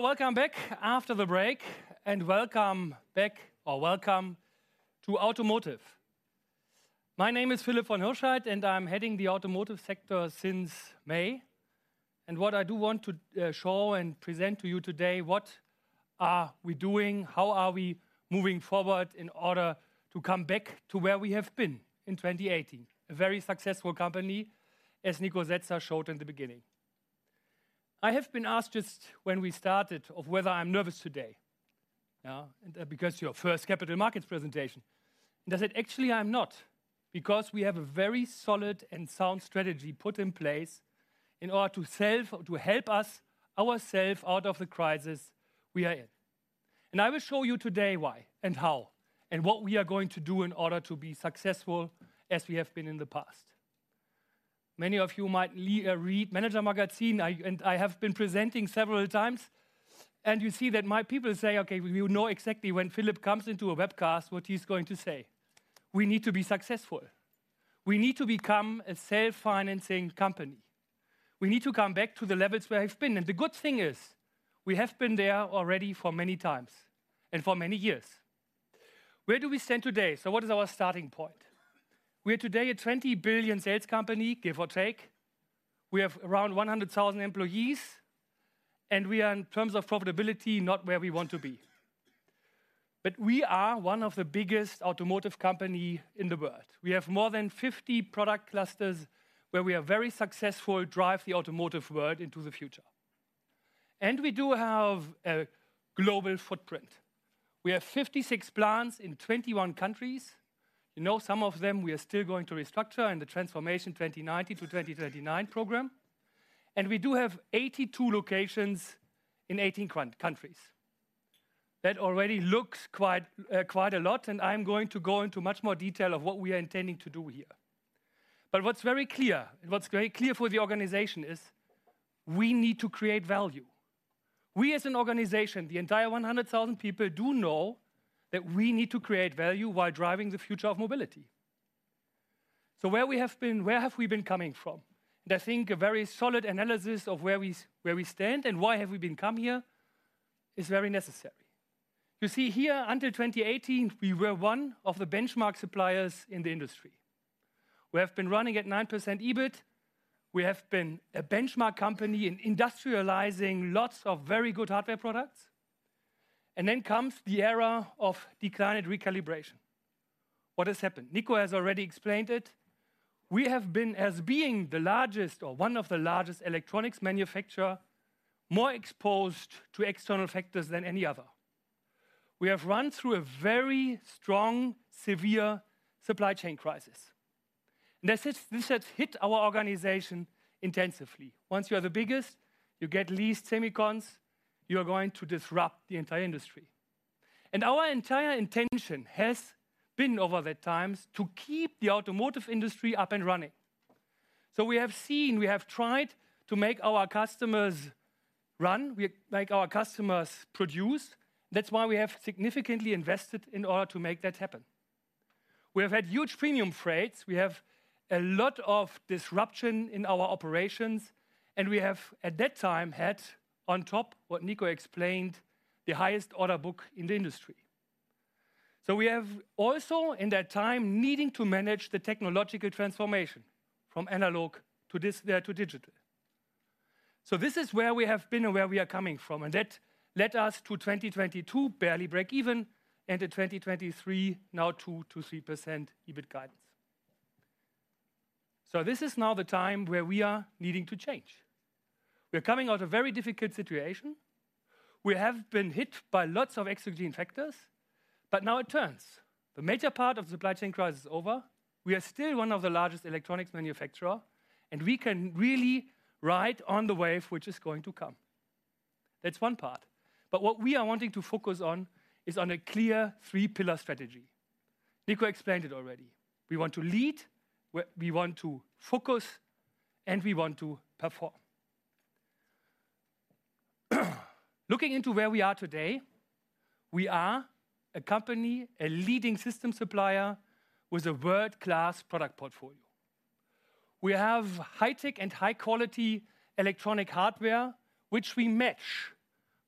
welcome back after the break, and welcome back, or welcome to Automotive. My name is Philipp von Hirschheydt, and I'm heading the automotive sector since May. And what I do want to show and present to you today, what are we doing? How are we moving forward in order to come back to where we have been in 2018? A very successful company, as Niko Setzer showed in the beginning. I have been asked just when we started of whether I'm nervous today. Yeah, and because your first capital markets presentation. And I said, "Actually, I'm not, because we have a very solid and sound strategy put in place in order to to help us, ourself, out of the crisis we are in." And I will show you today why and how, and what we are going to do in order to be successful, as we have been in the past. Many of you might read Manager Magazin, and I have been presenting several times, and you see that my people say, "Okay, we know exactly when Philipp comes into a webcast, what he's going to say." We need to be successful. We need to become a self-financing company. We need to come back to the levels where we have been. And the good thing is, we have been there already for many times and for many years. Where do we stand today? So what is our starting point? We are today a 20 billion sales company, give or take. We have around 100,000 employees, and we are, in terms of profitability, not where we want to be. But we are one of the biggest automotive company in the world. We have more than 50 product clusters, where we are very successful, drive the automotive world into the future. And we do have a global footprint. We have 56 plants in 21 countries. You know, some of them we are still going to restructure in the Transformation 2019-2039 program. And we do have 82 locations in 18 countries. That already looks quite, quite a lot, and I'm going to go into much more detail of what we are intending to do here. But what's very clear, and what's very clear for the organization, is we need to create value. We as an organization, the entire 100,000 people, do know that we need to create value while driving the future of mobility. So where we have been, where have we been coming from? And I think a very solid analysis of where we, where we stand and why have we been come here is very necessary. You see here, until 2018, we were one of the benchmark suppliers in the industry. We have been running at 9% EBIT. We have been a benchmark company in industrializing lots of very good hardware products. And then comes the era of decline and recalibration. What has happened? Niko has already explained it. We have been, as being the largest or one of the largest electronics manufacturer, more exposed to external factors than any other. We have run through a very strong, severe supply chain crisis, and this has hit our organization intensively. Once you are the biggest, you get least semiconductors, you are going to disrupt the entire industry. And our entire intention has been, over the times, to keep the automotive industry up and running. So we have seen, we have tried to make our customers-... run, we make our customers produce. That's why we have significantly invested in order to make that happen. We have had huge premium freights, we have a lot of disruption in our operations, and we have, at that time, had on top, what Niko explained, the highest order book in the industry. So we have also, in that time, needing to manage the technological transformation from analog to this, to digital. So this is where we have been and where we are coming from, and that led us to 2022, barely break even, and to 2023, now 2%-3% EBIT guidance. So this is now the time where we are needing to change. We are coming out a very difficult situation. We have been hit by lots of exogenous factors, but now it turns. The major part of supply chain crisis is over. We are still one of the largest electronics manufacturer, and we can really ride on the wave which is going to come. That's one part, but what we are wanting to focus on is on a clear three-pillar strategy. Niko explained it already. We want to lead, we want to focus, and we want to perform. Looking into where we are today, we are a company, a leading system supplier with a world-class product portfolio. We have high-tech and high-quality electronic hardware, which we match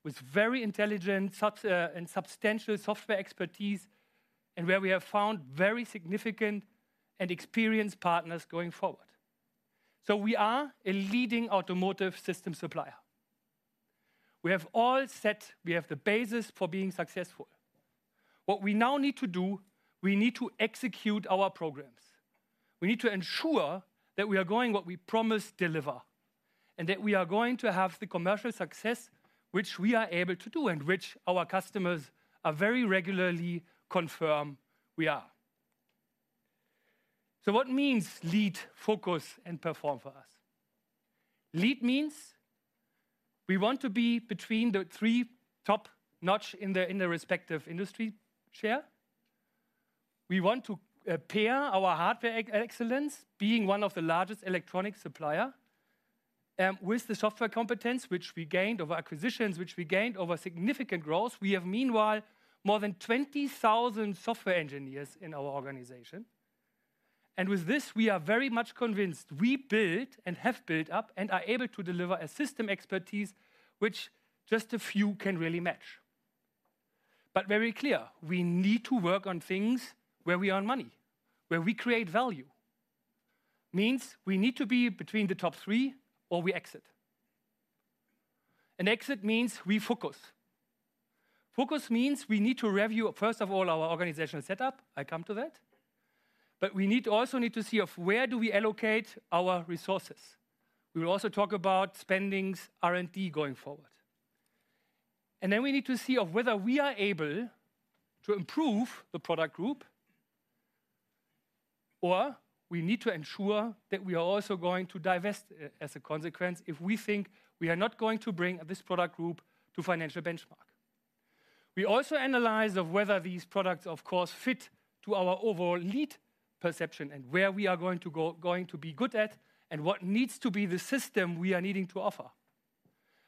with very intelligent software and substantial software expertise, and where we have found very significant and experienced partners going forward. So we are a leading automotive system supplier. We have all set, we have the basis for being successful. What we now need to do, we need to execute our programs. We need to ensure that we are going what we promise, deliver, and that we are going to have the commercial success which we are able to do and which our customers are very regularly confirm we are. So what means lead, focus, and perform for us? Lead means we want to be between the three top-notch in the respective industry share. We want to pair our hardware excellence, being one of the largest electronic supplier, with the software competence, which we gained over acquisitions, which we gained over significant growth. We have meanwhile more than 20,000 software engineers in our organization, and with this, we are very much convinced we build and have built up and are able to deliver a system expertise which just a few can really match. Very clear, we need to work on things where we earn money, where we create value. Means we need to be between the top three or we exit. Exit means we focus. Focus means we need to review, first of all, our organizational setup, I come to that, but we also need to see where we allocate our resources. We will also talk about spending, R&D going forward. Then we need to see whether we are able to improve the product group, or we need to ensure that we are also going to divest as a consequence, if we think we are not going to bring this product group to financial benchmark. We also analyze of whether these products, of course, fit to our overall lead perception and where we are going to be good at, and what needs to be the system we are needing to offer.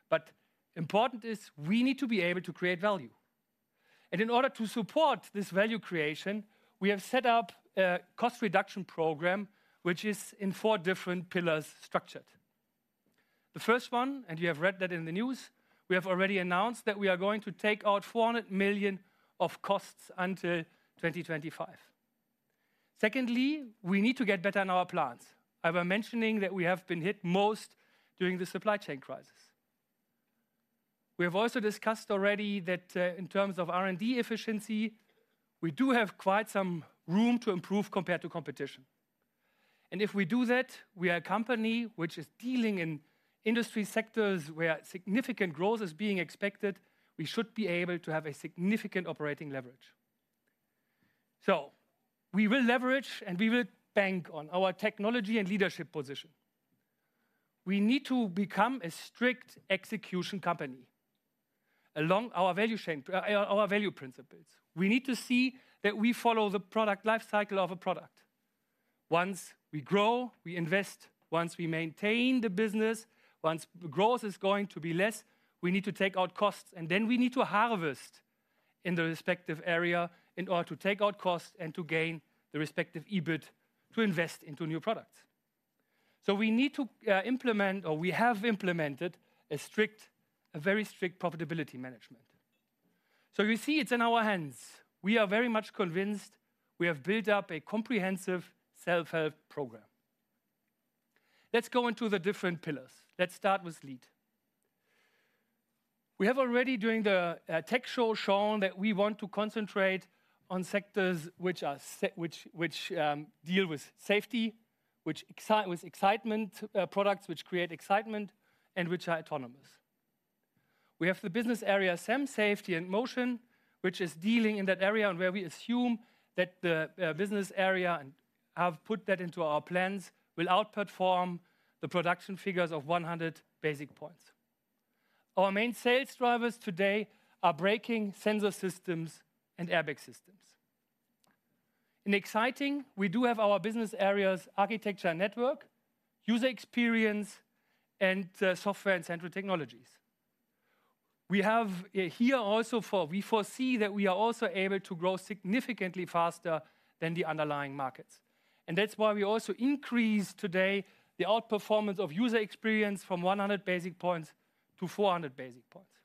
But important is, we need to be able to create value. And in order to support this value creation, we have set up a cost reduction program, which is in four different pillars structured. The first one, and you have read that in the news, we have already announced that we are going to take out 400 million of costs until 2025. Secondly, we need to get better in our plants. I were mentioning that we have been hit most during the supply chain crisis. We have also discussed already that, in terms of R&D efficiency, we do have quite some room to improve compared to competition. If we do that, we are a company which is dealing in industry sectors where significant growth is being expected, we should be able to have a significant operating leverage. So we will leverage, and we will bank on our technology and leadership position. We need to become a strict execution company along our value chain, our value principles. We need to see that we follow the product life cycle of a product. Once we grow, we invest. Once we maintain the business, once growth is going to be less, we need to take out costs, and then we need to harvest in the respective area in order to take out costs and to gain the respective EBIT to invest into new products. So we need to implement, or we have implemented a strict, a very strict profitability management. So you see, it's in our hands. We are very much convinced we have built up a comprehensive self-help program. Let's go into the different pillars. Let's start with lead. We have already, during the tech show, shown that we want to concentrate on sectors which deal with safety, which with excitement, products which create excitement and which are autonomous. We have the business area, SEM, Safety and Motion, which is dealing in that area and where we assume that the business area, and have put that into our plans, will outperform the production figures of 100 basis points. Our main sales drivers today are braking sensor systems and airbag systems. In exciting, we do have our business areas, architecture and network, User Experience, and Software and Central Technologies. We have here also we foresee that we are also able to grow significantly faster than the underlying markets. That's why we also increase today the outperformance of User Experience from 100 basis points to 400 basis points.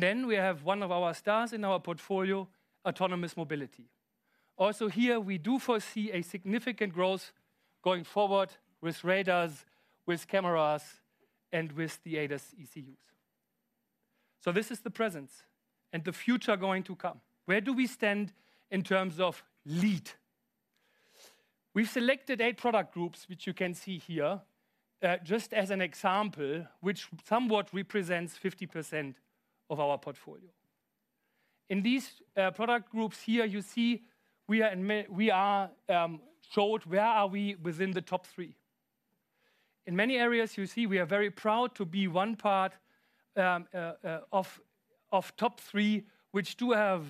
Then we have one of our stars in our portfolio, autonomous mobility. Also here, we do foresee a significant growth going forward with radars, with cameras, and with the ADAS ECUs. So this is the present and the future going to come. Where do we stand in terms of lead? We've selected eight product groups, which you can see here, just as an example, which somewhat represents 50% of our portfolio. In these product groups here, you see, we are shown where we are within the top three. In many areas, you see, we are very proud to be one part of top three, which do have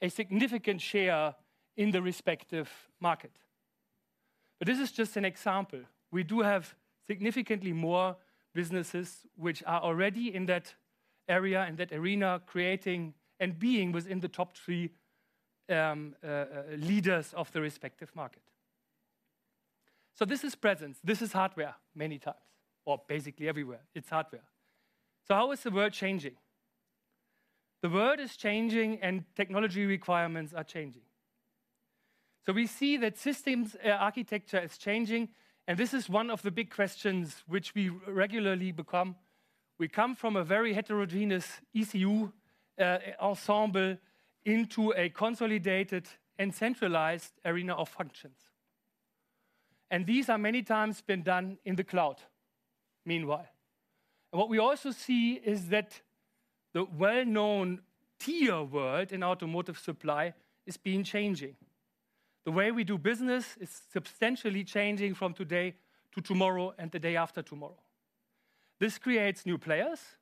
a significant share in the respective market. But this is just an example. We do have significantly more businesses which are already in that area, in that arena, creating and being within the top three leaders of the respective market. So this is presence. This is hardware, many times, or basically everywhere. It's hardware. So how is the world changing? The world is changing, and technology requirements are changing. So we see that systems architecture is changing, and this is one of the big questions which we regularly become. We come from a very heterogeneous ECU ensemble into a consolidated and centralized arena of functions. And these are many times been done in the cloud, meanwhile. And what we also see is that the well-known tier world in automotive supply is been changing. The way we do business is substantially changing from today to tomorrow and the day after tomorrow. This creates new players.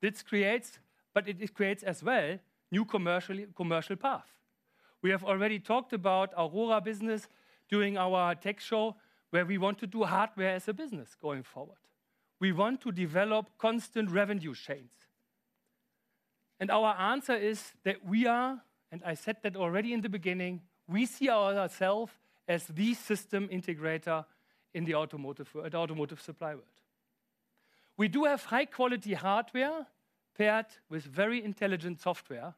This creates, but it, it creates as well, new commercial, commercial path. We have already talked about Aurora business during our tech show, where we want to do hardware as a business going forward. We want to develop constant revenue chains. And our answer is that we are, and I said that already in the beginning, we see ourself as the system integrator in the automotive world, automotive supply world. We do have high quality hardware paired with very intelligent software,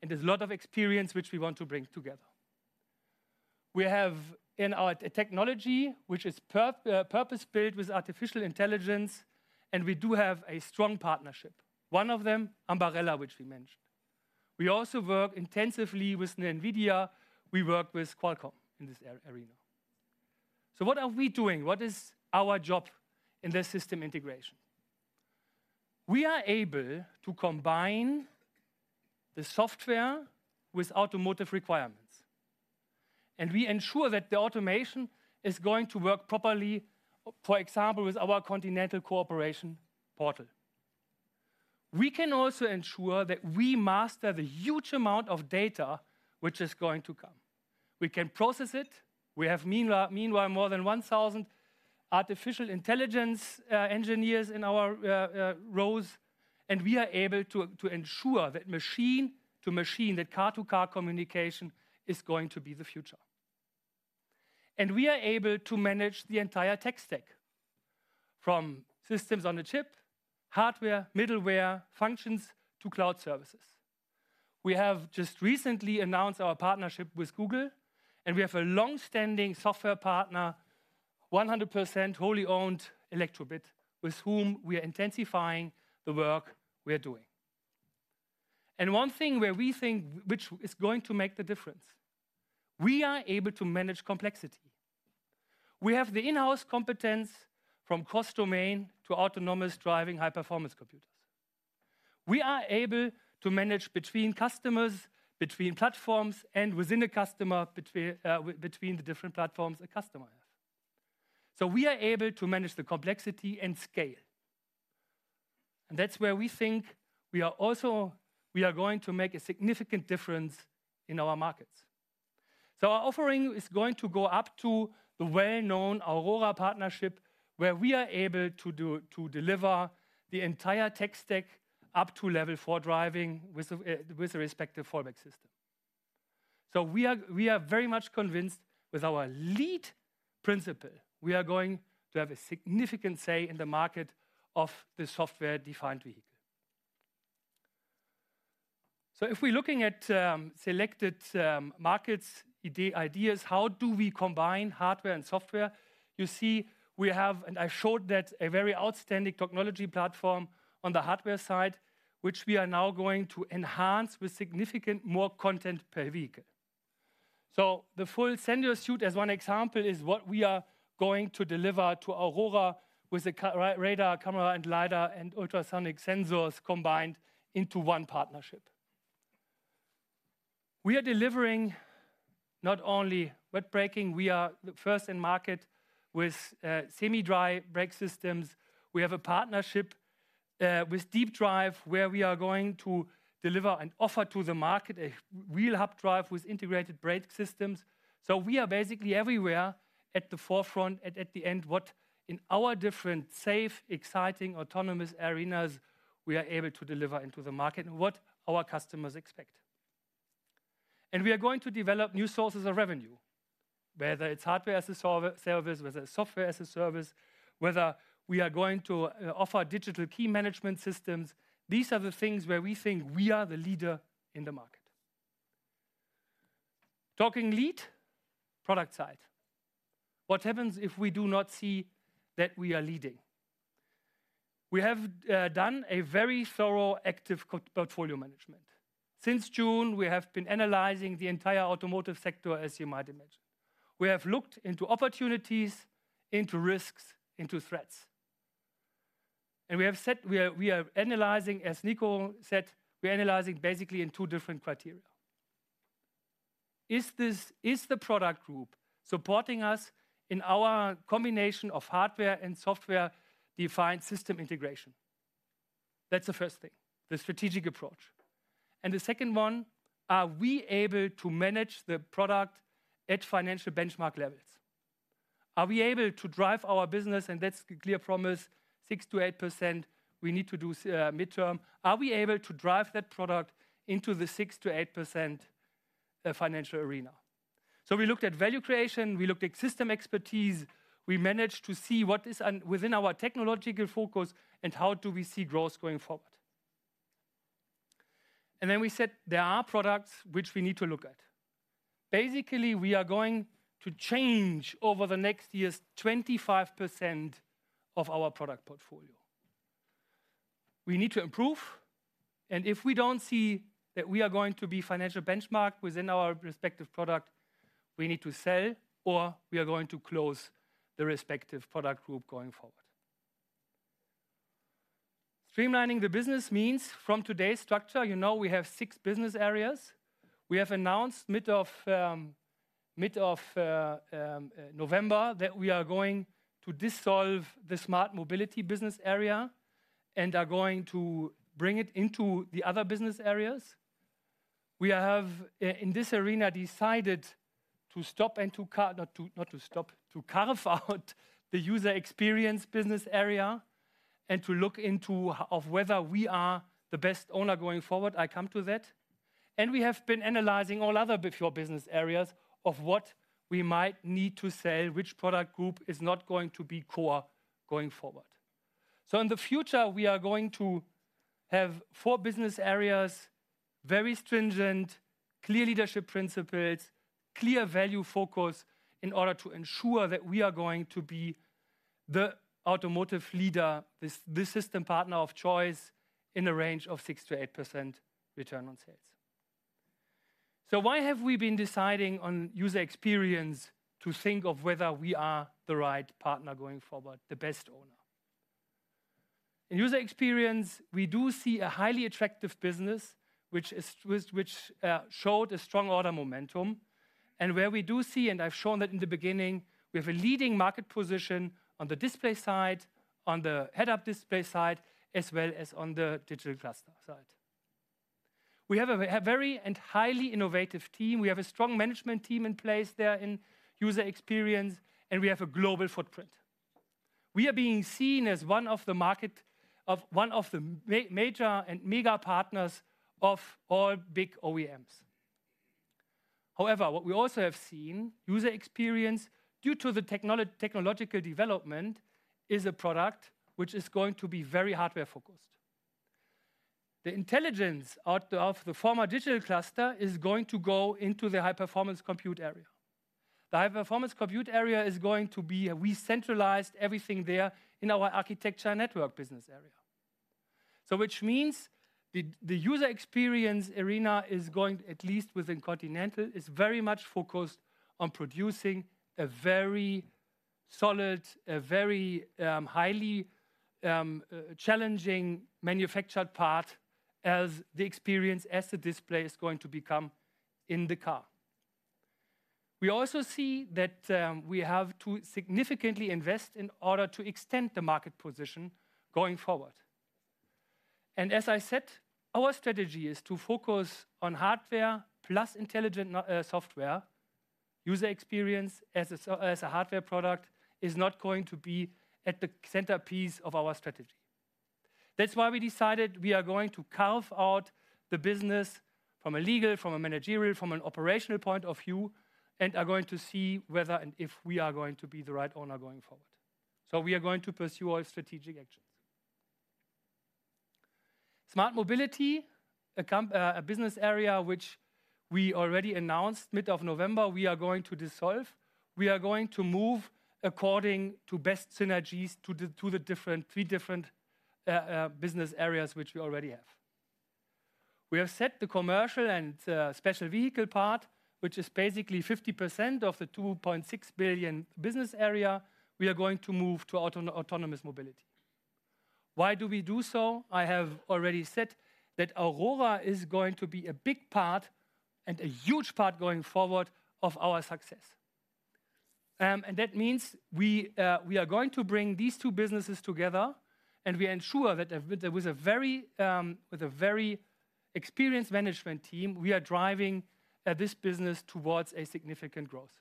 and there's a lot of experience which we want to bring together. We have in our technology, which is purpose-built with artificial intelligence, and we do have a strong partnership. One of them, Ambarella, which we mentioned. We also work intensively with NVIDIA. We work with Qualcomm in this arena. So what are we doing? What is our job in this system integration? We are able to combine the software with automotive requirements, and we ensure that the automation is going to work properly, for example, with our Continental Cooperation Portal. We can also ensure that we master the huge amount of data which is going to come. We can process it. We have meanwhile, more than 1,000 artificial intelligence engineers in our rows, and we are able to ensure that machine to machine, that car-to-car communication is going to be the future. We are able to manage the entire tech stack, from systems on a chip, hardware, middleware, functions, to cloud services. We have just recently announced our partnership with Google, and we have a long-standing software partner, 100% wholly owned Elektrobit, with whom we are intensifying the work we are doing. And one thing where we think which is going to make the difference, we are able to manage complexity. We have the in-house competence from cross-domain to autonomous driving, high-performance computers. We are able to manage between customers, between platforms, and within the customer, between the different platforms a customer have. So we are able to manage the complexity and scale, and that's where we think we are also going to make a significant difference in our markets. So our offering is going to go up to the well-known Aurora partnership, where we are able to do, to deliver the entire tech stack up to Level 4 driving with the, with the respective fallback system. So we are, we are very much convinced with our lead principle, we are going to have a significant say in the market of the software-defined vehicle. So if we're looking at selected markets, ideas, how do we combine hardware and software? You see, we have, and I showed that a very outstanding technology platform on the hardware side, which we are now going to enhance with significant more content per vehicle. So the full sensor suite, as one example, is what we are going to deliver to Aurora with the radar, camera, and Lidar, and ultrasonic sensors combined into one partnership. We are delivering not only wet braking, we are the first in market with semi-dry brake systems. We have a partnership with DeepDrive, where we are going to deliver and offer to the market a wheel hub drive with integrated brake systems. So we are basically everywhere at the forefront and at the end, what in our different safe, exciting, autonomous arenas, we are able to deliver into the market and what our customers expect. And we are going to develop new sources of revenue, whether it's hardware as a service, whether it's software as a service, whether we are going to offer digital key management systems. These are the things where we think we are the leader in the market. Taking the lead, product side. What happens if we do not see that we are leading? We have done a very thorough, active portfolio management. Since June, we have been analyzing the entire automotive sector, as you might imagine. We have looked into opportunities, into risks, into threats. And we have said we are analyzing, as Niko said, we are analyzing basically in two different criteria. Is the product group supporting us in our combination of hardware and software-defined system integration? That's the first thing, the strategic approach. And the second one: Are we able to manage the product at financial benchmark levels? Are we able to drive our business, and that's a clear promise, 6%-8%, we need to do midterm. Are we able to drive that product into the 6%-8% financial arena? So we looked at value creation, we looked at system expertise. We managed to see what is un- within our technological focus and how do we see growth going forward. And then we said, there are products which we need to look at. Basically, we are going to change over the next years, 25% of our product portfolio. We need to improve, and if we don't see that we are going to be financial benchmark within our respective product, we need to sell, or we are going to close the respective product group going forward. Streamlining the business means from today's structure, you know we have six business areas. We have announced mid of November, that we are going to dissolve the Smart Mobility business area and are going to bring it into the other business areas. We have, in this arena, decided to carve out the User Experience business area and to look into whether we are the best owner going forward. I come to that. And we have been analyzing all other core business areas of what we might need to sell, which product group is not going to be core going forward. So in the future, we are going to have four business areas, very stringent, clear leadership principles, clear value focus, in order to ensure that we are going to be the automotive leader, this, this system partner of choice in the range of 6%-8% return on sales. So why have we been deciding on User Experience to think of whether we are the right partner going forward, the best owner? In User Experience, we do see a highly attractive business, which showed a strong order momentum, and where we do see, and I've shown that in the beginning, we have a leading market position on the display side, on the head-up display side, as well as on the digital cluster side. We have a very highly innovative team. We have a strong management team in place there in User Experience, and we have a global footprint. We are being seen as one of the major and mega partners of all big OEMs. However, what we also have seen, User Experience, due to the technological development, is a product which is going to be very hardware-focused. The intelligence out of the former digital cluster is going to go into the high-performance compute area. The high-performance compute area is going to be... we centralized everything there in our architecture network business area. So which means the User Experience arena is going, at least within Continental, is very much focused on producing a very solid, a very highly challenging manufactured part as the experience, as the display is going to become in the car. We also see that we have to significantly invest in order to extend the market position going forward. And as I said, our strategy is to focus on hardware plus intelligent software. User Experience as a hardware product is not going to be at the centerpiece of our strategy. That's why we decided we are going to carve out the business from a legal, from a managerial, from an operational point of view, and are going to see whether and if we are going to be the right owner going forward. So we are going to pursue our strategic actions. Smart mobility, a business area, which we already announced mid of November, we are going to dissolve. We are going to move according to best synergies, to the three different business areas, which we already have. We have set the commercial and special vehicle part, which is basically 50% of the 2.6 billion business area, we are going to move to autonomous mobility. Why do we do so? I have already said that Aurora is going to be a big part, and a huge part, going forward, of our success. That means we are going to bring these two businesses together, and we ensure that with a very experienced management team, we are driving this business towards a significant growth.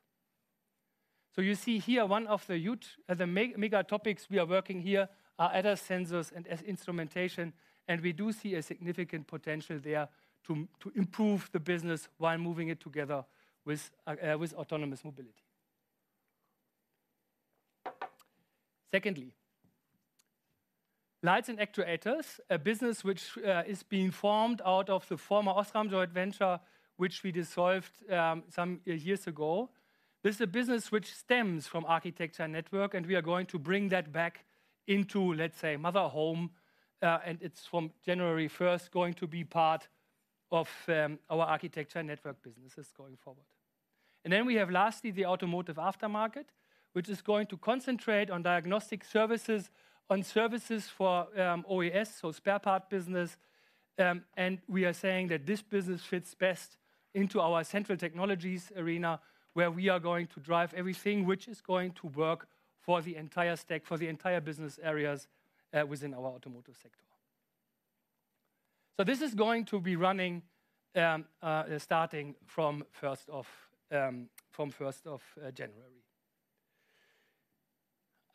So you see here, one of the huge mega topics we are working here are ADAS sensors and S instrumentation, and we do see a significant potential there to improve the business while moving it together with autonomous mobility. Secondly, lights and actuators, a business which is being formed out of the former Osram joint venture, which we dissolved some years ago. This is a business which stems from Architecture Network, and we are going to bring that back into, let's say, mother home, and it's from January 1, going to be part of our Architecture Network businesses going forward. And then we have lastly the Automotive Aftermarket, which is going to concentrate on diagnostic services, on services for OES, so spare part business. And we are saying that this business fits best into our central technologies arena, where we are going to drive everything which is going to work for the entire stack- for the entire business areas within our automotive sector. So this is going to be running starting from January 1.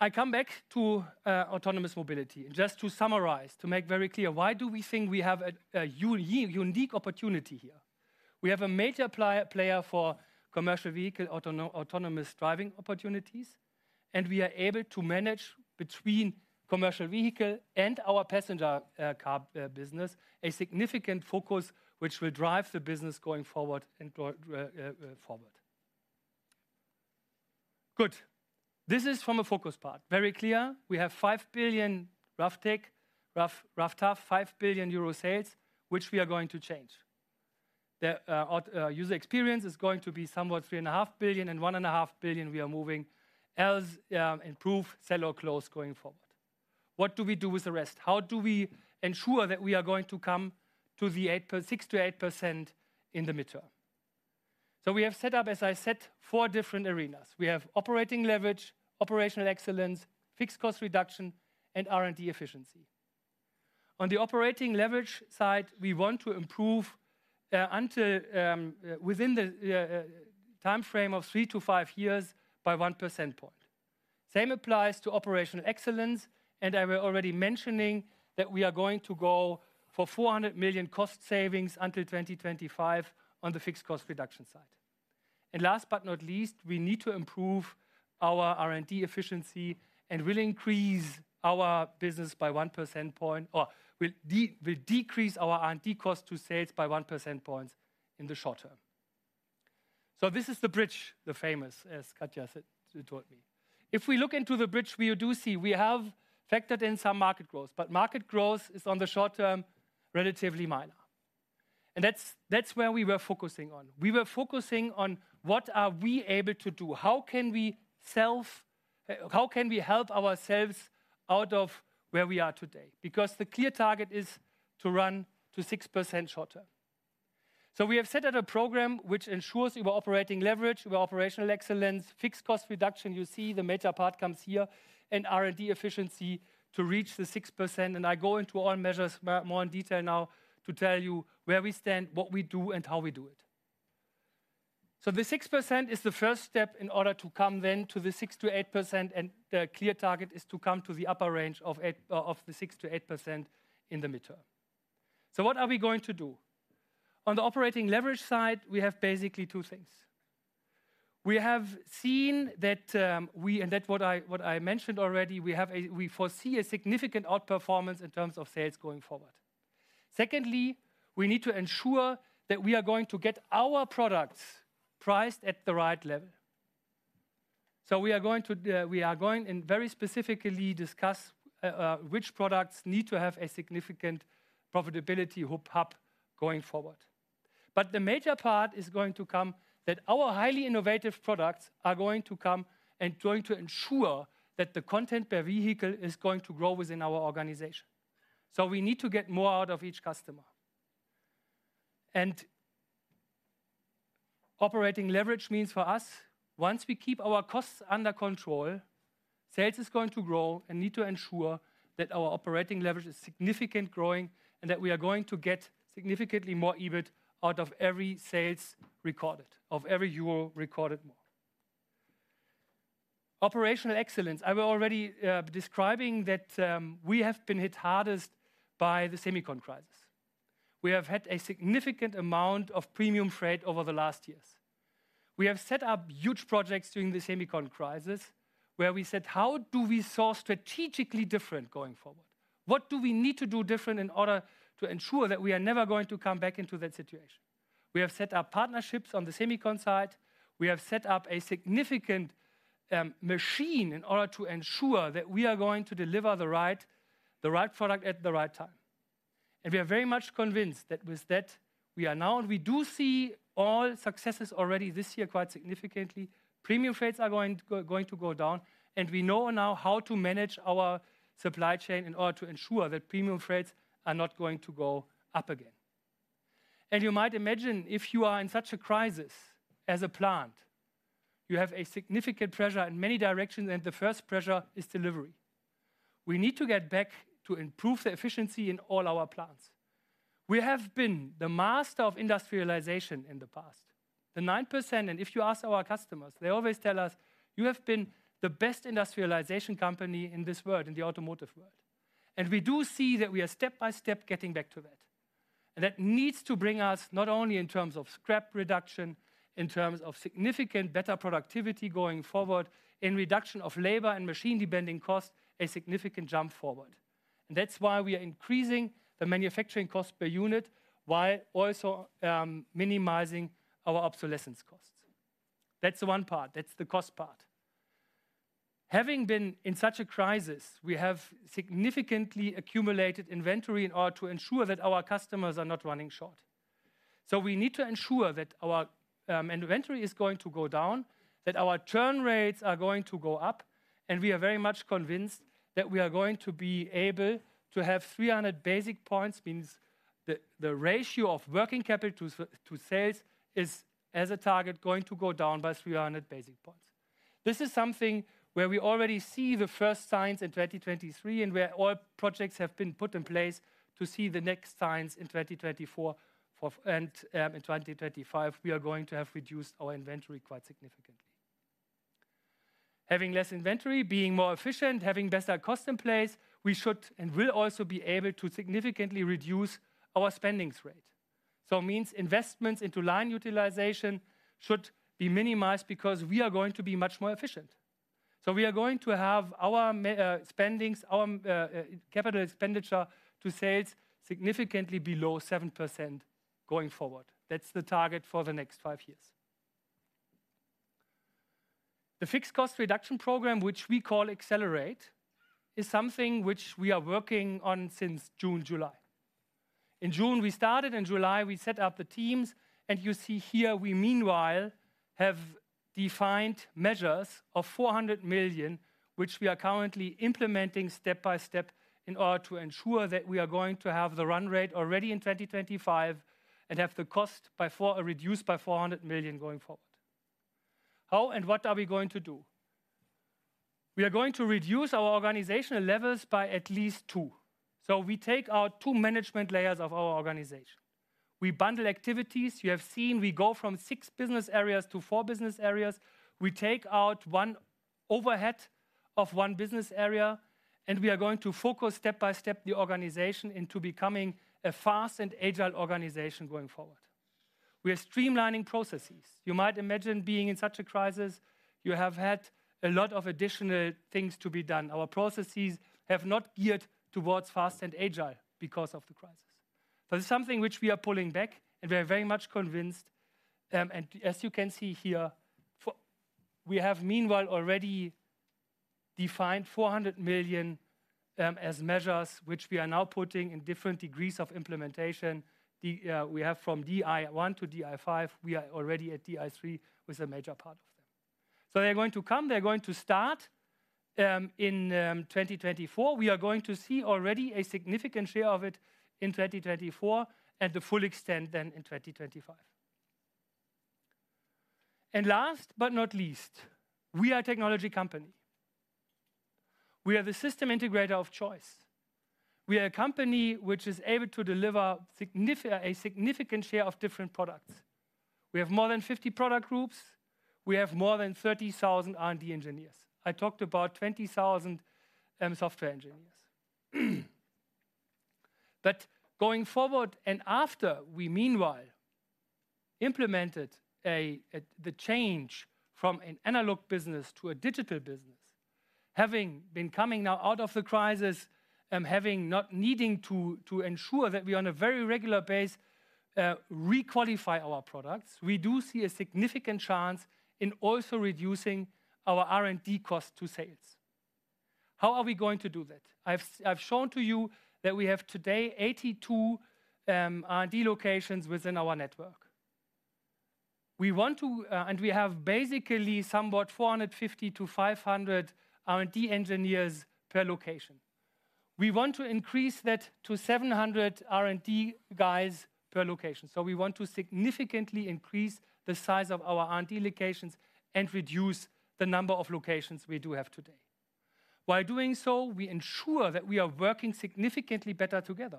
I come back to autonomous mobility. Just to summarize, to make very clear, why do we think we have a unique opportunity here? We have a major player for commercial vehicle autonomous driving opportunities, and we are able to manage between commercial vehicle and our passenger car business a significant focus which will drive the business going forward. Good. This is from a focus part. Very clear, we have 5 billion ContiTech sales, which we are going to change. Our User Experience is going to be somewhat 3.5 billion, and 1.5 billion we are moving elsewhere, improve, sell or close going forward. What do we do with the rest? How do we ensure that we are going to come to the 6%-8% in the midterm? So we have set up, as I said, four different arenas. We have operating leverage, operational excellence, fixed cost reduction, and R&D efficiency. On the operating leverage side, we want to improve until within the timeframe of 3-5 years by 1 percentage point. Same applies to operational excellence, and I were already mentioning that we are going to go for 400 million cost savings until 2025 on the fixed cost reduction side. And last but not least, we need to improve our R&D efficiency and will increase our business by 1 percentage point or we'll decrease our R&D cost to sales by 1 percentage point in the short term. So this is the bridge, the famous, as Katja said, told me. If we look into the bridge, we do see we have factored in some market growth, but market growth is, on the short term, relatively minor. And that's where we were focusing on. We were focusing on what are we able to do? How can we help ourselves out of where we are today? Because the clear target is to run to 6% short term. So we have set out a program which ensures over operating leverage, over operational excellence, fixed cost reduction, you see the major part comes here, and R&D efficiency to reach the 6%, and I go into all measures more, more in detail now to tell you where we stand, what we do, and how we do it. So the 6% is the first step in order to come then to the 6%-8%, and the clear target is to come to the upper range of 8% of the 6%-8% in the midterm. So what are we going to do? On the operating leverage side, we have basically two things. We have seen that, and that what I, what I mentioned already, we foresee a significant outperformance in terms of sales going forward. Secondly, we need to ensure that we are going to get our products priced at the right level. So we are going to very specifically discuss which products need to have a significant profitability hop up going forward. The major part is going to come that our highly innovative products are going to come and going to ensure that the content per vehicle is going to grow within our organization. So we need to get more out of each customer. Operating leverage means for us, once we keep our costs under control, sales is going to grow and need to ensure that our operating leverage is significant growing, and that we are going to get significantly more EBIT out of every sales recorded, of every euro recorded more. Operational excellence. I were already describing that we have been hit hardest by the semicon crisis. We have had a significant amount of Premium Freight over the last years. We have set up huge projects during the semicon crisis, where we said: How do we source strategically different going forward? What do we need to do different in order to ensure that we are never going to come back into that situation? We have set up partnerships on the semicon side. We have set up a significant machine in order to ensure that we are going to deliver the right, the right product at the right time. And we are very much convinced that with that, we are now and we do see all successes already this year, quite significantly. Premium freights are going to go down, and we know now how to manage our supply chain in order to ensure that premium freights are not going to go up again. And you might imagine, if you are in such a crisis as a plant, you have a significant pressure in many directions, and the first pressure is delivery. We need to get back to improve the efficiency in all our plants. We have been the master of industrialization in the past, the 9%, and if you ask our customers, they always tell us, "You have been the best industrialization company in this world, in the automotive world." We do see that we are step by step getting back to that. That needs to bring us, not only in terms of scrap reduction, in terms of significant better productivity going forward, in reduction of labor and machine-depending costs, a significant jump forward. That's why we are increasing the manufacturing cost per unit, while also minimizing our obsolescence costs. That's the one part. That's the cost part. Having been in such a crisis, we have significantly accumulated inventory in order to ensure that our customers are not running short. So we need to ensure that our inventory is going to go down, that our turn rates are going to go up, and we are very much convinced that we are going to be able to have 300 basis points, means the ratio of working capital to sales is, as a target, going to go down by 300 basis points. This is something where we already see the first signs in 2023, and where all projects have been put in place to see the next signs in 2024, and in 2025, we are going to have reduced our inventory quite significantly. Having less inventory, being more efficient, having better cost in place, we should and will also be able to significantly reduce our spendings rate. So it means investments into line utilization should be minimized because we are going to be much more efficient. So we are going to have our spendings, our capital expenditure to sales significantly below 7% going forward. That's the target for the next five years. The fixed cost reduction program, which we call Accelerate, is something which we are working on since June, July. In June, we started, in July, we set up the teams, and you see here, we meanwhile have defined measures of 400 million, which we are currently implementing step by step in order to ensure that we are going to have the run rate already in 2025 and have the costs reduced by 400 million going forward. How and what are we going to do? We are going to reduce our organizational levels by at least two. So we take out two management layers of our organization. We bundle activities. You have seen we go from six business areas to four business areas. We take out one overhead of one business area, and we are going to focus step by step, the organization into becoming a fast and agile organization going forward. We are streamlining processes. You might imagine being in such a crisis, you have had a lot of additional things to be done. Our processes have not geared towards fast and agile because of the crisis. But it's something which we are pulling back, and we are very much convinced, and as you can see here, we have meanwhile already defined 400 million as measures which we are now putting in different degrees of implementation. We have from DI 1 to DI 5, we are already at DI 3 with a major part of them. So they're going to come, they're going to start in 2024. We are going to see already a significant share of it in 2024 and the full extent then in 2025. And last but not least, we are a technology company. We are the system integrator of choice. We are a company which is able to deliver a significant share of different products. We have more than 50 product groups. We have more than 30,000 R&D engineers. I talked about 20,000 software engineers. But going forward, and after we meanwhile implemented the change from an analog business to a digital business, having been coming now out of the crisis, needing to ensure that we on a very regular basis re-qualify our products, we do see a significant chance in also reducing our R&D cost to sales. How are we going to do that? I've shown to you that we have today 82 R&D locations within our network. We want to, and we have basically somewhat 450-500 R&D engineers per location. We want to increase that to 700 R&D guys per location. So we want to significantly increase the size of our R&D locations and reduce the number of locations we do have today. By doing so, we ensure that we are working significantly better together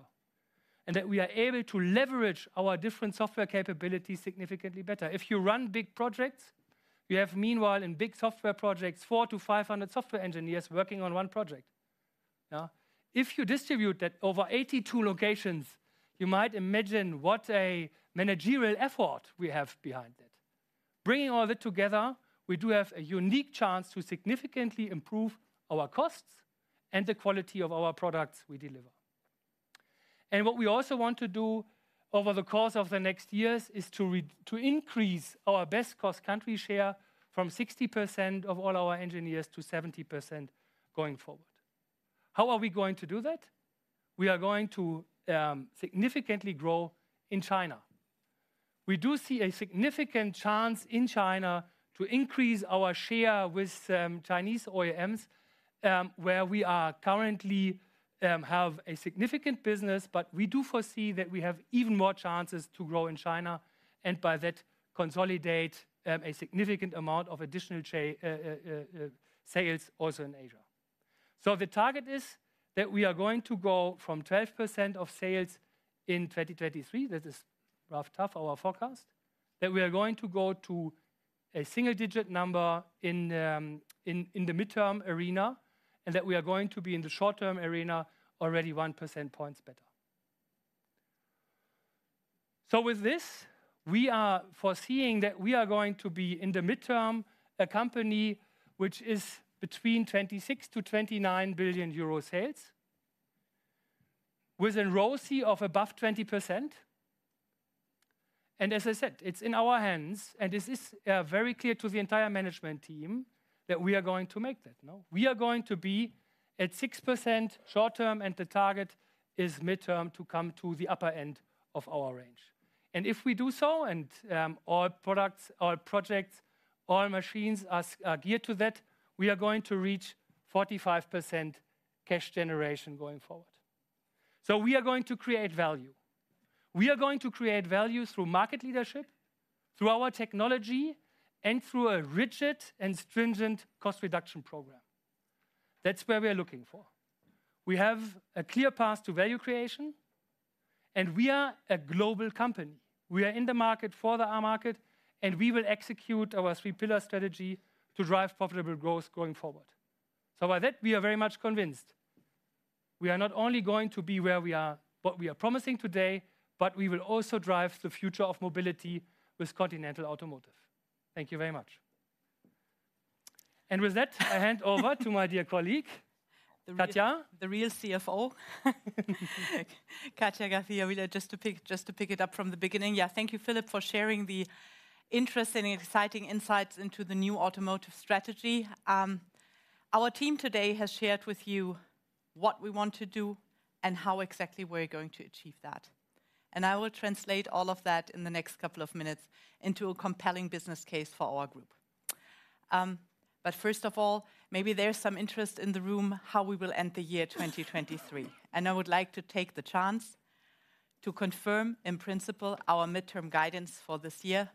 and that we are able to leverage our different software capabilities significantly better. If you run big projects, you have meanwhile, in big software projects, 400-500 software engineers working on one project. Now, if you distribute that over 82 locations, you might imagine what a managerial effort we have behind it. Bringing all of it together, we do have a unique chance to significantly improve our costs and the quality of our products we deliver. And what we also want to do over the course of the next years is to increase our best-cost country share from 60% of all our engineers to 70% going forward. How are we going to do that? We are going to significantly grow in China.... We do see a significant chance in China to increase our share with Chinese OEMs, where we are currently have a significant business, but we do foresee that we have even more chances to grow in China, and by that, consolidate a significant amount of additional sales also in Asia. So the target is that we are going to go from 12% of sales in 2023, that is roughly our forecast, that we are going to go to a single-digit number in the midterm arena, and that we are going to be in the short-term arena already one percentage points better. So with this, we are foreseeing that we are going to be, in the midterm, a company which is between 26 billion-29 billion euro sales, with a ROCE of above 20%. As I said, it's in our hands, and this is very clear to the entire management team that we are going to make that, no? We are going to be at 6% short term, and the target is midterm to come to the upper end of our range. And if we do so, and all products, all projects, all machines are geared to that, we are going to reach 45% cash generation going forward. So we are going to create value. We are going to create value through market leadership, through our technology, and through a rigid and stringent cost reduction program. That's where we are looking for. We have a clear path to value creation, and we are a global company. We are in the market for the R market, and we will execute our three-pillar strategy to drive profitable growth going forward. By that, we are very much convinced. We are not only going to be where we are, what we are promising today, but we will also drive the future of mobility with Continental Automotive. Thank you very much. With that, I hand over to my dear colleague, Katja. The real CFO. Katja Dürrfeld, just to pick, just to pick it up from the beginning. Yeah, thank you, Philipp, for sharing the interesting and exciting insights into the new automotive strategy. Our team today has shared with you what we want to do and how exactly we're going to achieve that. And I will translate all of that in the next couple of minutes into a compelling business case for our group. But first of all, maybe there's some interest in the room, how we will end the year 2023. And I would like to take the chance to confirm, in principle, our midterm guidance for this year,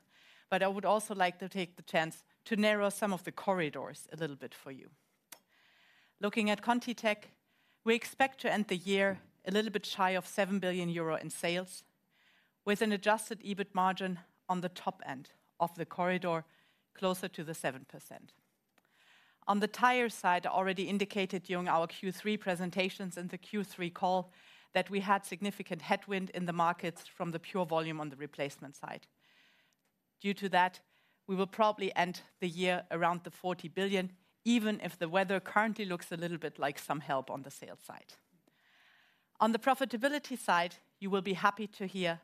but I would also like to take the chance to narrow some of the corridors a little bit for you. Looking at ContiTech, we expect to end the year a little bit shy of 7 billion euro in sales, with an adjusted EBIT margin on the top end of the corridor, closer to the 7%. On the tire side, already indicated during our Q3 presentations and the Q3 call, that we had significant headwind in the markets from the pure volume on the replacement side. Due to that, we will probably end the year around 40 billion, even if the weather currently looks a little bit like some help on the sales side. On the profitability side, you will be happy to hear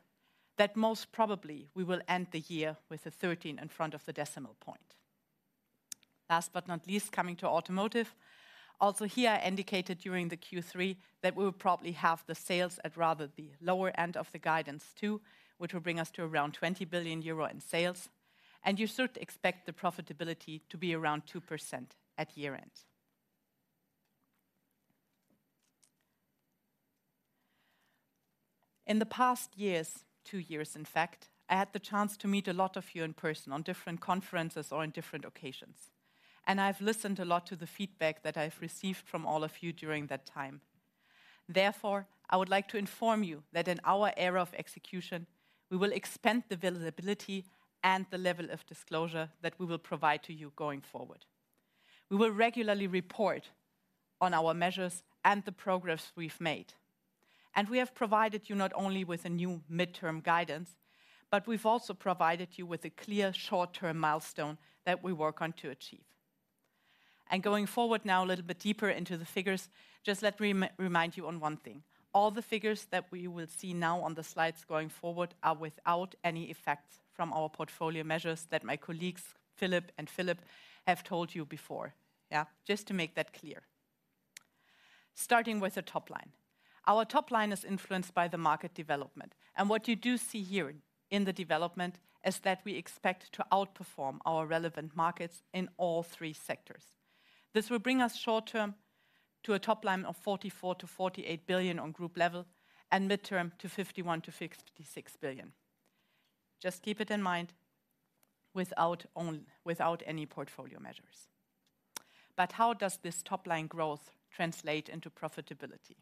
that most probably we will end the year with a 13%. Last but not least, coming to Automotive. Also here, I indicated during the Q3 that we will probably have the sales at rather the lower end of the guidance, too, which will bring us to around 20 billion euro in sales, and you should expect the profitability to be around 2% at year-end. In the past years, two years, in fact, I had the chance to meet a lot of you in person on different conferences or in different occasions, and I've listened a lot to the feedback that I've received from all of you during that time. Therefore, I would like to inform you that in our era of execution, we will expand the visibility and the level of disclosure that we will provide to you going forward. We will regularly report on our measures and the progress we've made. We have provided you not only with a new midterm guidance, but we've also provided you with a clear short-term milestone that we work on to achieve. Going forward now a little bit deeper into the figures, just let me remind you on one thing: all the figures that we will see now on the slides going forward are without any effects from our portfolio measures that my colleagues, Philipp and Philip, have told you before. Yeah, just to make that clear. Starting with the top line. Our top line is influenced by the market development, and what you do see here in the development is that we expect to outperform our relevant markets in all three sectors. This will bring us short term to a top line of 44 billion-48 billion on group level, and midterm to 51 billion-56 billion. Just keep it in mind, without any portfolio measures. But how does this top-line growth translate into profitability?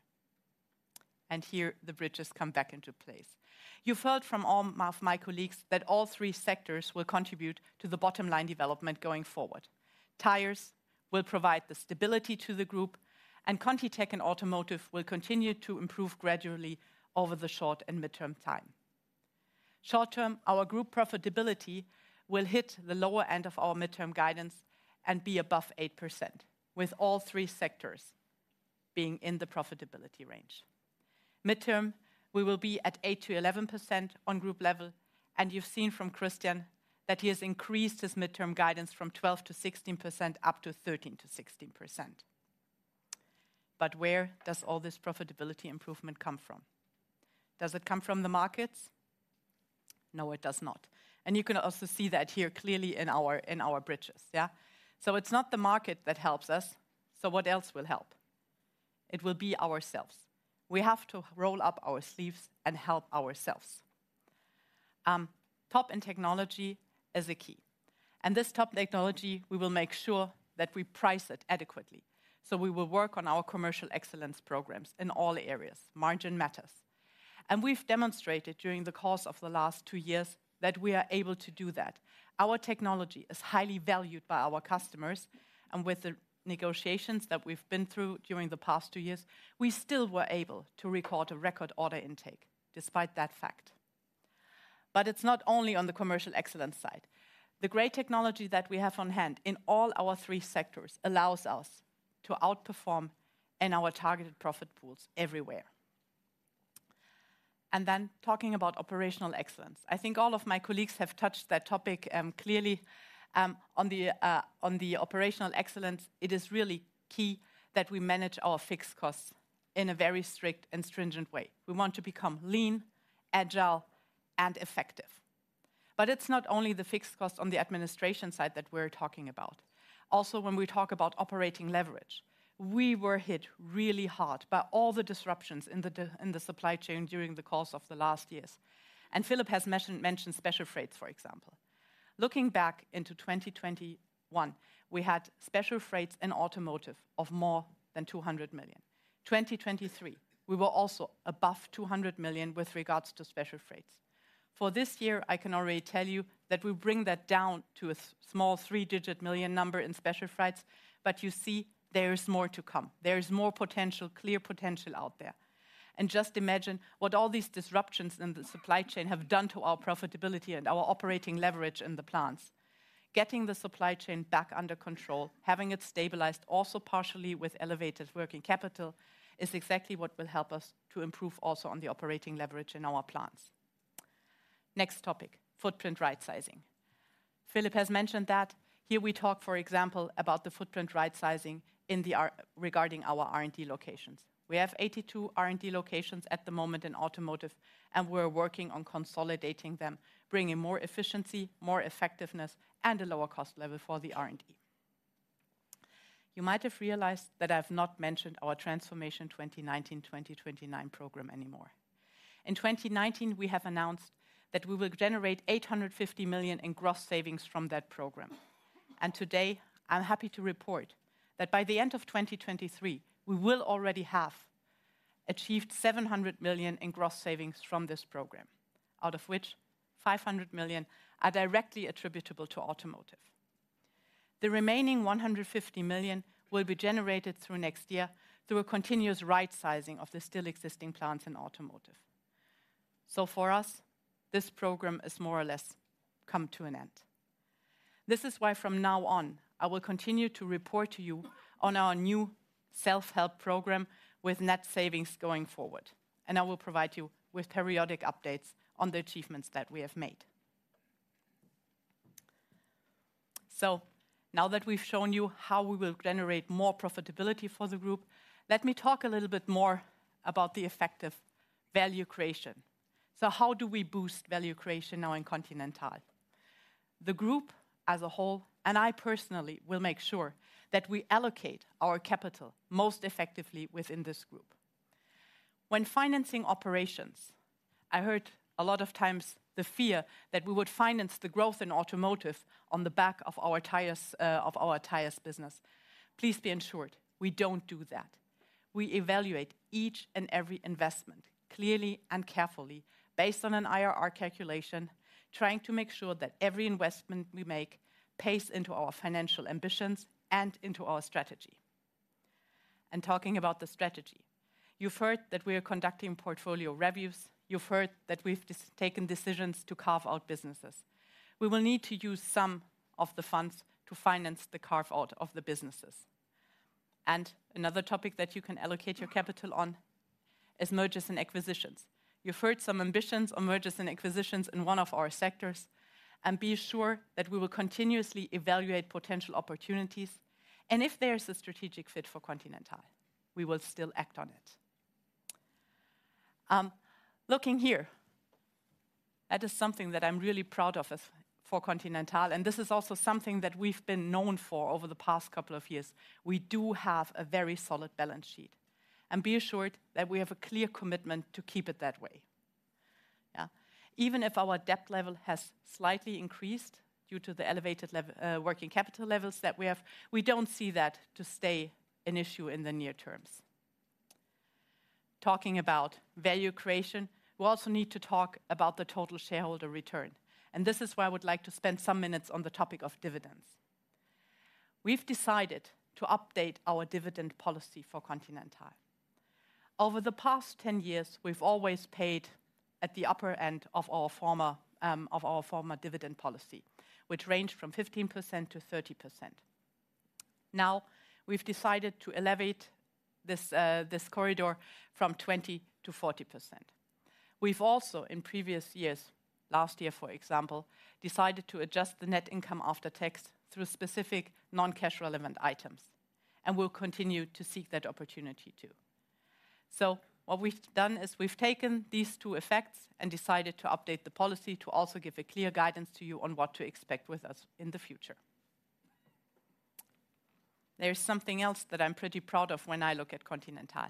And here, the bridges come back into place. You've heard from all my, my colleagues that all three sectors will contribute to the bottom-line development going forward. Tires will provide the stability to the group, and ContiTech and Automotive will continue to improve gradually over the short and midterm time. Short term, our group profitability will hit the lower end of our midterm guidance and be above 8%, with all three sectors being in the profitability range. Midterm, we will be at 8%-11% on group level, and you've seen from Christian that he has increased his midterm guidance from 12%-16% up to 13%-16%. But where does all this profitability improvement come from? Does it come from the markets? No, it does not. And you can also see that here clearly in our, in our bridges, yeah? So it's not the market that helps us, so what else will help? It will be ourselves. We have to roll up our sleeves and help ourselves. Top-end technology is a key, and this top technology, we will make sure that we price it adequately. So we will work on our commercial excellence programs in all areas. Margin matters. And we've demonstrated during the course of the last two years that we are able to do that. Our technology is highly valued by our customers, and with the negotiations that we've been through during the past two years, we still were able to record a record order intake, despite that fact. But it's not only on the commercial excellence side. The great technology that we have on hand in all our three sectors allows us to outperform in our targeted profit pools everywhere. Then talking about operational excellence, I think all of my colleagues have touched that topic clearly. On the operational excellence, it is really key that we manage our fixed costs in a very strict and stringent way. We want to become lean, agile, and effective. But it's not only the fixed cost on the administration side that we're talking about. Also, when we talk about operating leverage, we were hit really hard by all the disruptions in the supply chain during the course of the last years. And Philip has mentioned special freights, for example. Looking back into 2021, we had special freights in automotive of more than 200 million. 2023, we were also above 200 million with regards to special freights. For this year, I can already tell you that we bring that down to a small three-digit million number in special freights, but you see, there is more to come. There is more potential, clear potential out there. And just imagine what all these disruptions in the supply chain have done to our profitability and our operating leverage in the plants. Getting the supply chain back under control, having it stabilized, also partially with elevated working capital, is exactly what will help us to improve also on the operating leverage in our plants. Next topic, footprint rightsizing. Philip has mentioned that. Here we talk, for example, about the footprint rightsizing in our regarding our R&D locations. We have 82 R&D locations at the moment in automotive, and we're working on consolidating them, bringing more efficiency, more effectiveness, and a lower cost level for the R&D. You might have realized that I've not mentioned our Transformation 2019-2029 program anymore. In 2019, we have announced that we will generate 850 million in gross savings from that program. Today, I'm happy to report that by the end of 2023, we will already have achieved 700 million in gross savings from this program, out of which 500 million are directly attributable to automotive. The remaining 150 million will be generated through next year through a continuous rightsizing of the still existing plants in automotive. For us, this program is more or less come to an end. This is why from now on, I will continue to report to you on our new self-help program with net savings going forward, and I will provide you with periodic updates on the achievements that we have made. So now that we've shown you how we will generate more profitability for the group, let me talk a little bit more about the effective value creation. So how do we boost value creation now in Continental? The group, as a whole, and I personally will make sure that we allocate our capital most effectively within this group. When financing operations, I heard a lot of times the fear that we would finance the growth in automotive on the back of our tires, of our tires business. Please be ensured, we don't do that. We evaluate each and every investment clearly and carefully based on an IRR calculation, trying to make sure that every investment we make pays into our financial ambitions and into our strategy. Talking about the strategy, you've heard that we are conducting portfolio reviews, you've heard that we've just taken decisions to carve out businesses. We will need to use some of the funds to finance the carve-out of the businesses. Another topic that you can allocate your capital on is mergers and acquisitions. You've heard some ambitions on mergers and acquisitions in one of our sectors, and be sure that we will continuously evaluate potential opportunities, and if there's a strategic fit for Continental, we will still act on it. Looking here, that is something that I'm really proud of as, for Continental, and this is also something that we've been known for over the past couple of years. We do have a very solid balance sheet, and be assured that we have a clear commitment to keep it that way. Yeah. Even if our debt level has slightly increased due to the elevated level, working capital levels that we have, we don't see that to stay an issue in the near terms. Talking about value creation, we also need to talk about the total shareholder return, and this is where I would like to spend some minutes on the topic of dividends. We've decided to update our dividend policy for Continental. Over the past 10 years, we've always paid at the upper end of our former, of our former dividend policy, which ranged from 15%-30%. Now, we've decided to elevate this, this corridor from 20%-40%. We've also, in previous years, last year, for example, decided to adjust the net income after tax through specific non-cash relevant items, and we'll continue to seek that opportunity, too. So what we've done is we've taken these two effects and decided to update the policy to also give a clear guidance to you on what to expect with us in the future. There's something else that I'm pretty proud of when I look at Continental,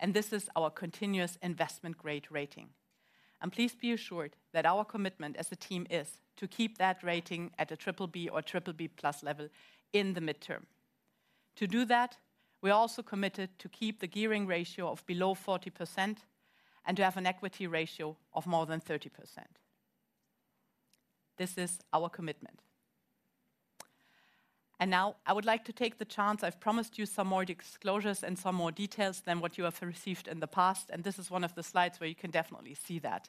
and this is our continuous investment-grade rating. And please be assured that our commitment as a team is to keep that rating at a BBB or BBB+ level in the midterm. To do that, we are also committed to keep the gearing ratio of below 40% and to have an equity ratio of more than 30%. This is our commitment. Now I would like to take the chance. I've promised you some more disclosures and some more details than what you have received in the past, and this is one of the slides where you can definitely see that.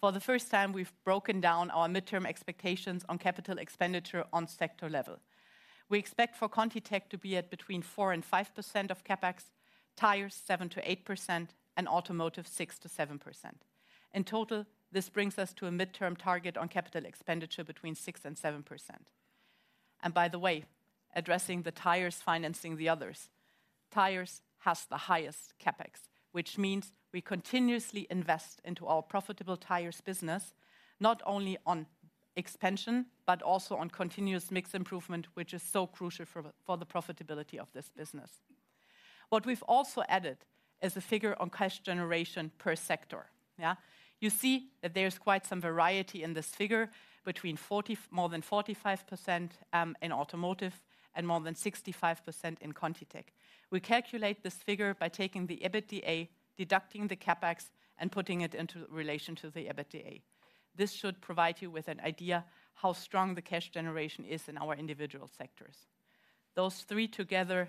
For the first time, we've broken down our midterm expectations on capital expenditure on sector level. We expect for ContiTech to be at between 4% and 5% of CapEx, Tires, 7%-8%, and Automotive, 6%-7%. In total, this brings us to a midterm target on capital expenditure between 6% and 7%. And by the way, addressing the Tires, financing the others, Tires has the highest CapEx, which means we continuously invest into our profitable Tires business, not only on expansion, but also on continuous mix improvement, which is so crucial for the profitability of this business. What we've also added is a figure on cash generation per sector. Yeah. You see that there's quite some variety in this figure between forty—more than 45% in Automotive and more than 65% in ContiTech. We calculate this figure by taking the EBITDA, deducting the CapEx, and putting it into relation to the EBITDA. This should provide you with an idea how strong the cash generation is in our individual sectors. Those three together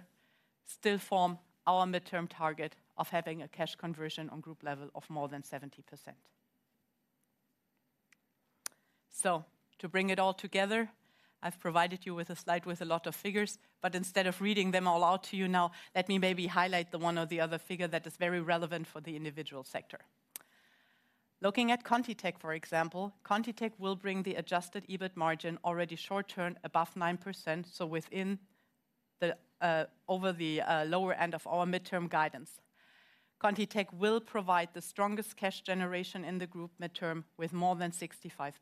still form our midterm target of having a cash conversion on group level of more than 70%. So to bring it all together, I've provided you with a slide with a lot of figures, but instead of reading them all out to you now, let me maybe highlight the one or the other figure that is very relevant for the individual sector. Looking at ContiTech, for example, ContiTech will bring the Adjusted EBIT Margin already short term above 9%, so within the, over the, lower end of our midterm guidance. ContiTech will provide the strongest cash generation in the group midterm, with more than 65%.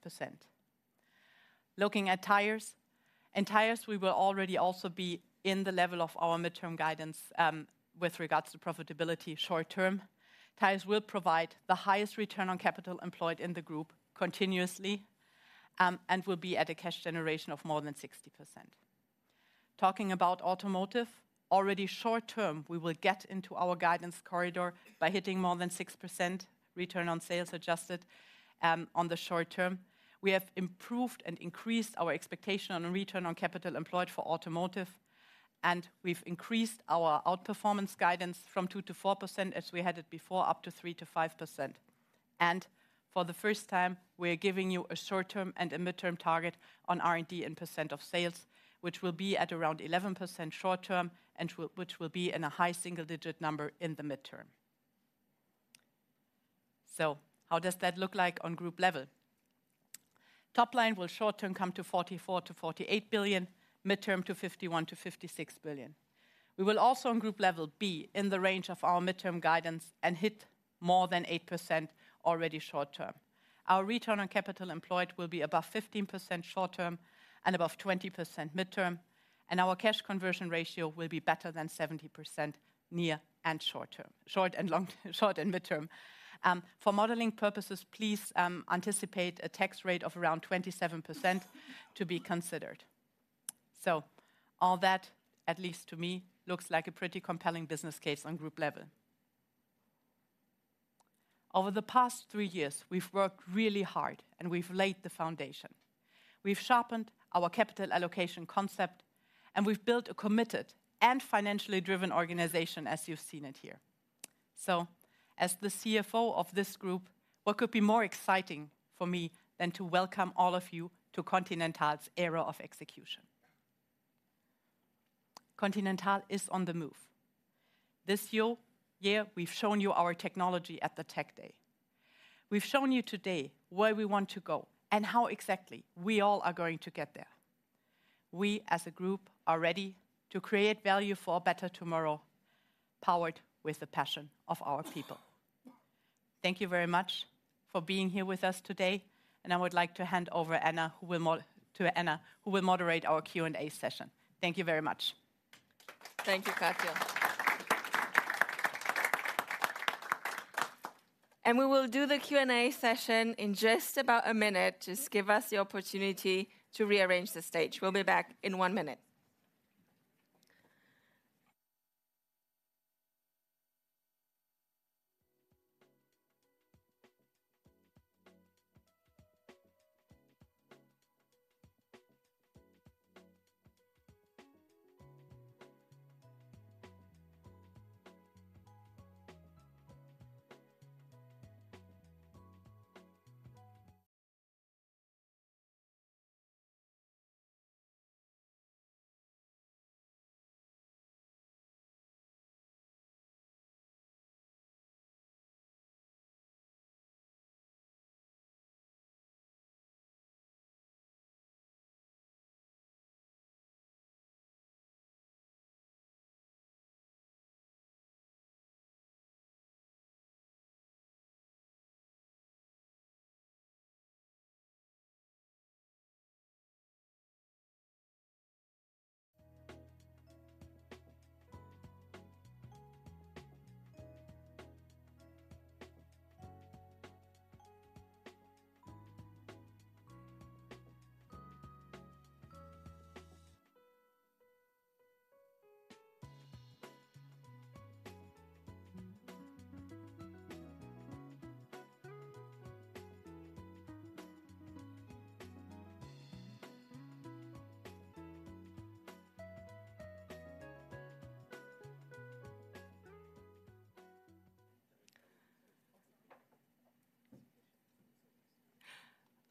Looking at Tires. In Tires, we will already also be in the level of our midterm guidance, with regards to profitability short term. Tires will provide the highest return on capital employed in the group continuously, and will be at a cash generation of more than 60%. Talking about Automotive, already short term, we will get into our guidance corridor by hitting more than 6% return on sales adjusted on the short term. We have improved and increased our expectation on return on capital employed for Automotive, and we've increased our outperformance guidance from 2%-4%, as we had it before, up to 3%-5%. For the first time, we are giving you a short-term and a midterm target on R&D and percent of sales, which will be at around 11% short term and which will be in a high single-digit number in the midterm. So how does that look like on group level? Top line will short term come to 44 billion-48 billion, midterm to 51 billion-56 billion. We will also, on group level, be in the range of our midterm guidance and hit more than 8% already short term. Our return on capital employed will be above 15% short term and above 20% midterm, and our cash conversion ratio will be better than 70% near and short term- short and long short and midterm. For modeling purposes, please, anticipate a tax rate of around 27% to be considered. So all that, at least to me, looks like a pretty compelling business case on group level. Over the past 3 years, we've worked really hard, and we've laid the foundation. We've sharpened our capital allocation concept, and we've built a committed and financially driven organization, as you've seen it here. So, as the CFO of this group, what could be more exciting for me than to welcome all of you to Continental's era of execution? Continental is on the move. This year, we've shown you our technology at the Tech Day. We've shown you today where we want to go and how exactly we all are going to get there. We, as a group, are ready to create value for a better tomorrow, powered with the passion of our people. Thank you very much for being here with us today, and I would like to hand over to Anna, who will moderate our Q&A session. Thank you very much. Thank you, Katja. We will do the Q&A session in just about a minute. Just give us the opportunity to rearrange the stage. We'll be back in one minute. ...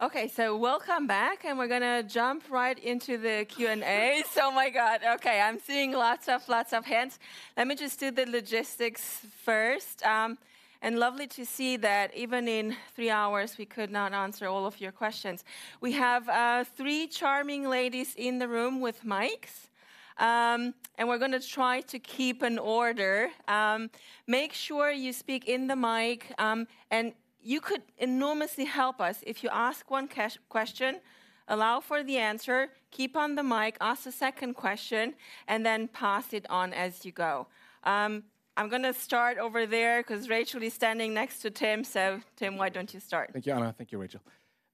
Okay, so welcome back, and we're gonna jump right into the Q&A. Oh, my God! Okay, I'm seeing lots of, lots of hands. Let me just do the logistics first. And lovely to see that even in three hours, we could not answer all of your questions. We have three charming ladies in the room with mics. And we're gonna try to keep an order. Make sure you speak in the mic, and you could enormously help us if you ask one question, allow for the answer, keep on the mic, ask a second question, and then pass it on as you go. I'm gonna start over there 'cause Rachel is standing next to Tim. So Tim, why don't you start? Thank you, Anna. Thank you, Rachel.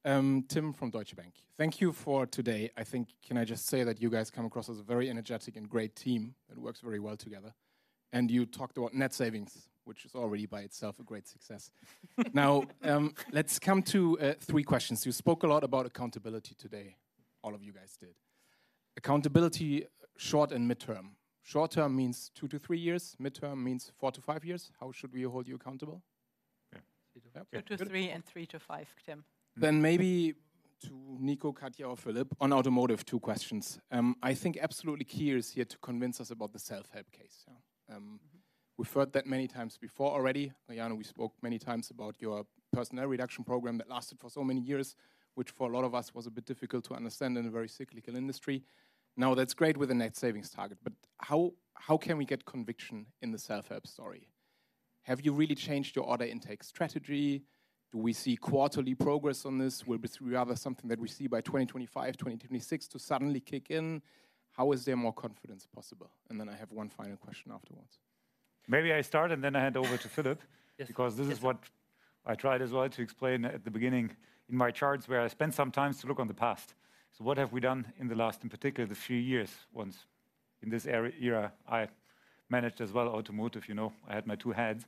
Tim from Deutsche Bank. Thank you for today. I think. Can I just say that you guys come across as a very energetic and great team that works very well together, and you talked about net savings, which is already by itself a great success. Now, let's come to three questions. You spoke a lot about accountability today, all of you guys did. Accountability, short and midterm. Short term means two to three years, midterm means four to five years. How should we hold you accountable? Yeah. two to three and 3-5, Tim. Then maybe to Niko, Katja, or Philipp on automotive, two questions. I think absolutely key is here to convince us about the self-help case. We've heard that many times before already. Diana, we spoke many times about your personnel reduction program that lasted for so many years, which for a lot of us was a bit difficult to understand in a very cyclical industry. Now, that's great with a net savings target, but how can we get conviction in the self-help story? Have you really changed your order intake strategy? Do we see quarterly progress on this? Will it be rather something that we see by 2025, 2026, to suddenly kick in? How is there more confidence possible? And then I have one final question afterwards. Maybe I start and then I hand over to Philipp- Yes. because this is what I tried as well to explain at the beginning in my charts, where I spent some time to look on the past. So what have we done in the last, in particular, the few years, once in this area, I managed as well automotive, you know, I had my two heads.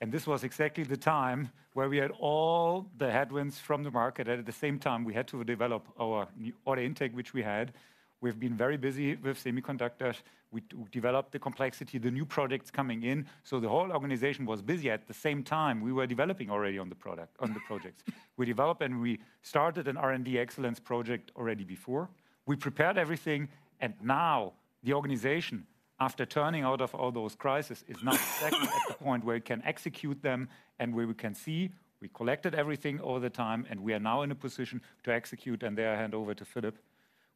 This was exactly the time where we had all the headwinds from the market, and at the same time, we had to develop our new order intake, which we had. We've been very busy with semiconductors. We developed the complexity, the new products coming in, so the whole organization was busy. At the same time, we were developing already on the product, on the projects. We developed, and we started an R&D excellence project already before. We prepared everything, and now the organization, after turning out of all those crises, is now exactly at the point where it can execute them and where we can see. We collected everything all the time, and we are now in a position to execute. There, I hand over to Philipp,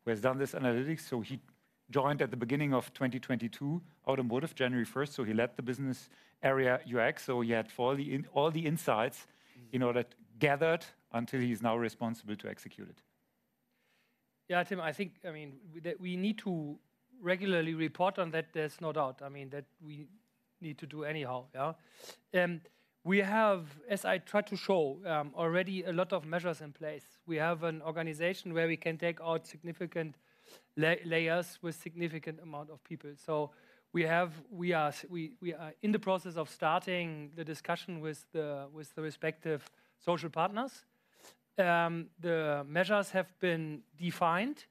who has done this analytics. He joined at the beginning of 2022, automotive, January first, so he led the business area UX, so he had all the insights, you know, that gathered until he's now responsible to execute it. Yeah, Tim, I think, I mean, we need to regularly report on that, there's no doubt. I mean, that we need to do anyhow, yeah? We have, as I tried to show, already a lot of measures in place. We have an organization where we can take out significant layers with significant amount of people. So we are in the process of starting the discussion with the respective social partners. The measures have been defined.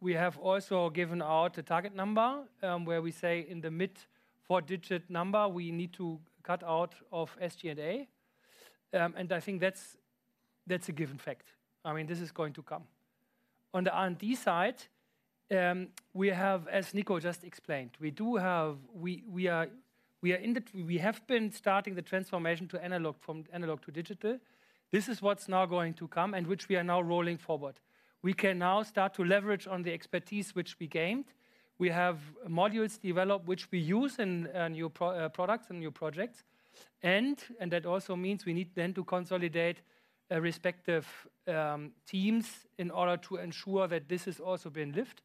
We have also given out a target number, where we say in the mid-four-digit number, we need to cut out of SG&A. And I think that's a given fact. I mean, this is going to come. On the R&D side, we have, as Niko just explained, we do have—we, we are, we are in the—we have been starting the transformation to analog, from analog to digital. This is what's now going to come and which we are now rolling forward. We can now start to leverage on the expertise which we gained. We have modules developed, which we use in new products and new projects. And that also means we need then to consolidate respective teams in order to ensure that this has also been lived.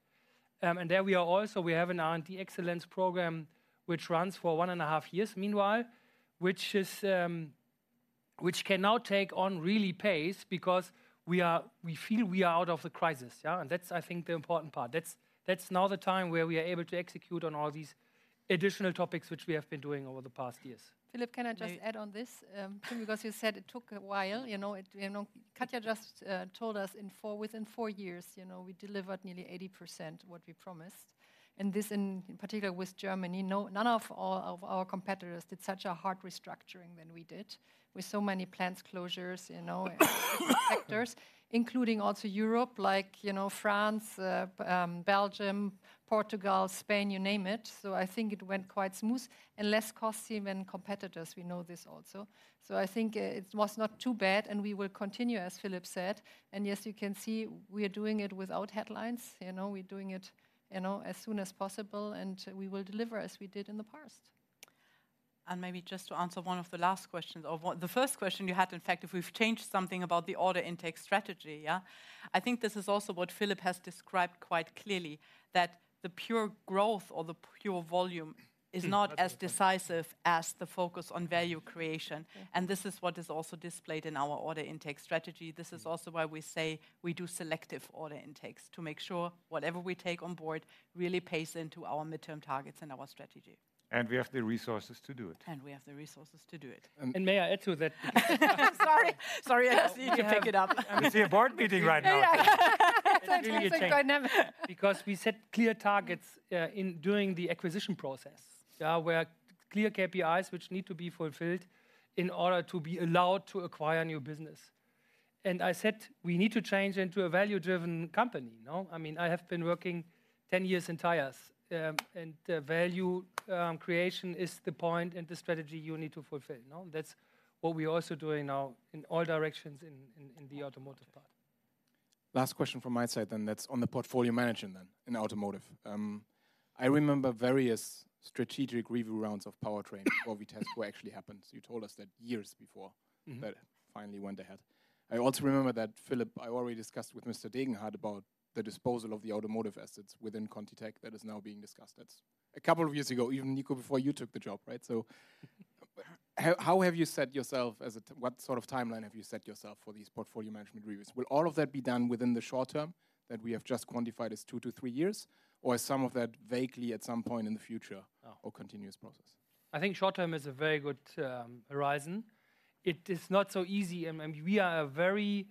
And there we are also, we have an R&D excellence program, which runs for one and a half years meanwhile, which is, which can now take on really pace because we are—we feel we are out of the crisis, yeah? And that's, I think, the important part. That's now the time where we are able to execute on all these additional topics, which we have been doing over the past years. Philipp, can I just add on this? Because you said it took a while, you know, it, you know... Katja just told us within four years, you know, we delivered nearly 80% what we promised, and this in particular with Germany. None of all of our competitors did such a hard restructuring than we did, with so many plant closures, you know, factories, including also Europe, like, you know, France, Belgium, Portugal, Spain, you name it. So I think it went quite smooth and less costly than competitors. We know this also. So I think it was not too bad, and we will continue, as Philipp said. Yes, you can see we are doing it without headlines. You know, we're doing it, you know, as soon as possible, and we will deliver as we did in the past. ... and maybe just to answer one of the last questions the first question you had, in fact, if we've changed something about the order intake strategy, yeah? I think this is also what Philipp has described quite clearly, that the pure growth or the pure volume is not as decisive as the focus on value creation. And this is what is also displayed in our order intake strategy. This is also why we say we do selective order intakes, to make sure whatever we take on board really pays into our midterm targets and our strategy. We have the resources to do it. We have the resources to do it. May I add to that? Sorry. Sorry, I see you pick it up. We see a board meeting right now. Yeah. It's like- Because we set clear targets in doing the acquisition process. Where clear KPIs, which need to be fulfilled in order to be allowed to acquire new business. And I said, we need to change into a value-driven company, no? I mean, I have been working 10 years in tires, and value creation is the point and the strategy you need to fulfill, no? That's what we're also doing now in all directions in the automotive part. Last question from my side, then. That's on the portfolio management then, in automotive. I remember various strategic review rounds of powertrain before Vitesco actually happened. You told us that years before- Mm-hmm. that it finally went ahead. I also remember that, Philipp, I already discussed with Mr. Degenhart about the disposal of the automotive assets within ContiTech that is now being discussed. That's a couple of years ago, even, Niko, before you took the job, right? So, what sort of timeline have you set yourself for these portfolio management reviews? Will all of that be done within the short term, that we have just quantified as two to three years, or is some of that vaguely at some point in the future- Oh. or continuous process? I think short term is a very good horizon. It is not so easy, and we are a very...